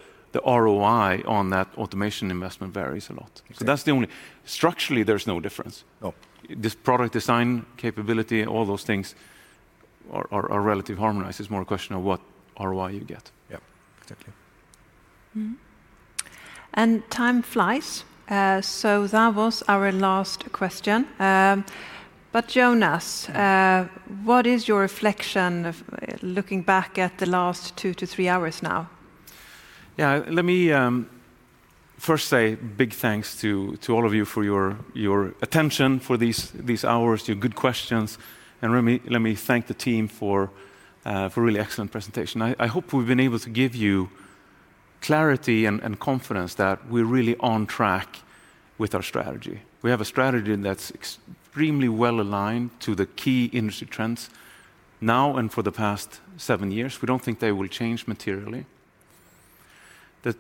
ROI on that automation investment varies a lot. Exactly. Structurally, there's no difference. No. This product design capability, all those things are relative harmonized. It's more a question of what ROI you get. Yeah. Exactly. Time flies, so that was our last question. Jonas, what is your reflection of looking back at the last two to three hours now? Yeah. Let me first say big thanks to all of you for your attention for these hours, your good questions. Let me thank the team for really excellent presentation. I hope we've been able to give you clarity and confidence that we're really on track with our strategy. We have a strategy that's extremely well aligned to the key industry trends now and for the past seven years. We don't think they will change materially. The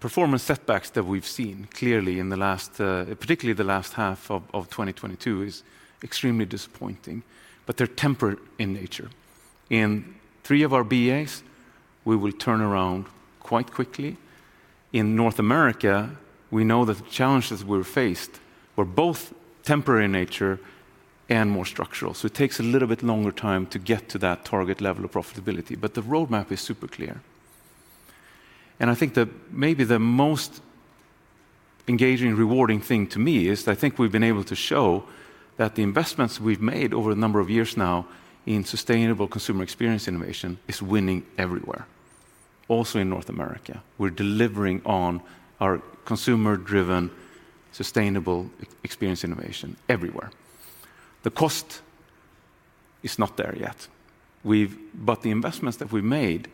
performance setbacks that we've seen clearly in the last, particularly the last half of 2022 is extremely disappointing, but they're temporary in nature. In three of our BAs, we will turn around quite quickly. In North America, we know that the challenges we faced were both temporary in nature and more structural. It takes a little bit longer time to get to that target level of profitability. The roadmap is super clear. I think that maybe the most engaging, rewarding thing to me is I think we've been able to show that the investments we've made over a number of years now in sustainable consumer experience innovation is winning everywhere, also in North America. We're delivering on our consumer-driven, sustainable e-experience innovation everywhere. The cost is not there yet. The investments that we've made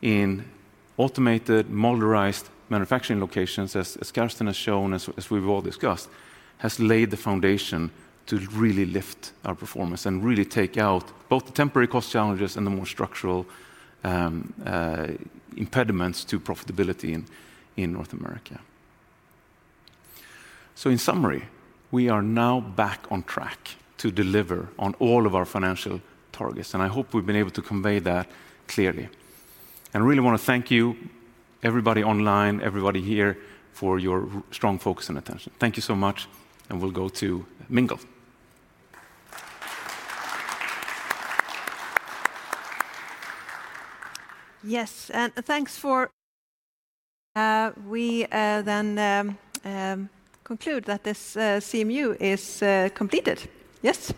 in automated modularized manufacturing locations, as Carsten has shown, as we've all discussed, has laid the foundation to really lift our performance and really take out both the temporary cost challenges and the more structural impediments to profitability in North America. In summary, we are now back on track to deliver on all of our financial targets, and I hope we've been able to convey that clearly. I really wanna thank you, everybody online, everybody here, for your strong focus and attention. Thank you so much, and we'll go to mingle. Yes. thanks for we then conclude that this CMU is completed. Yes?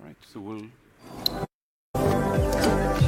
All right.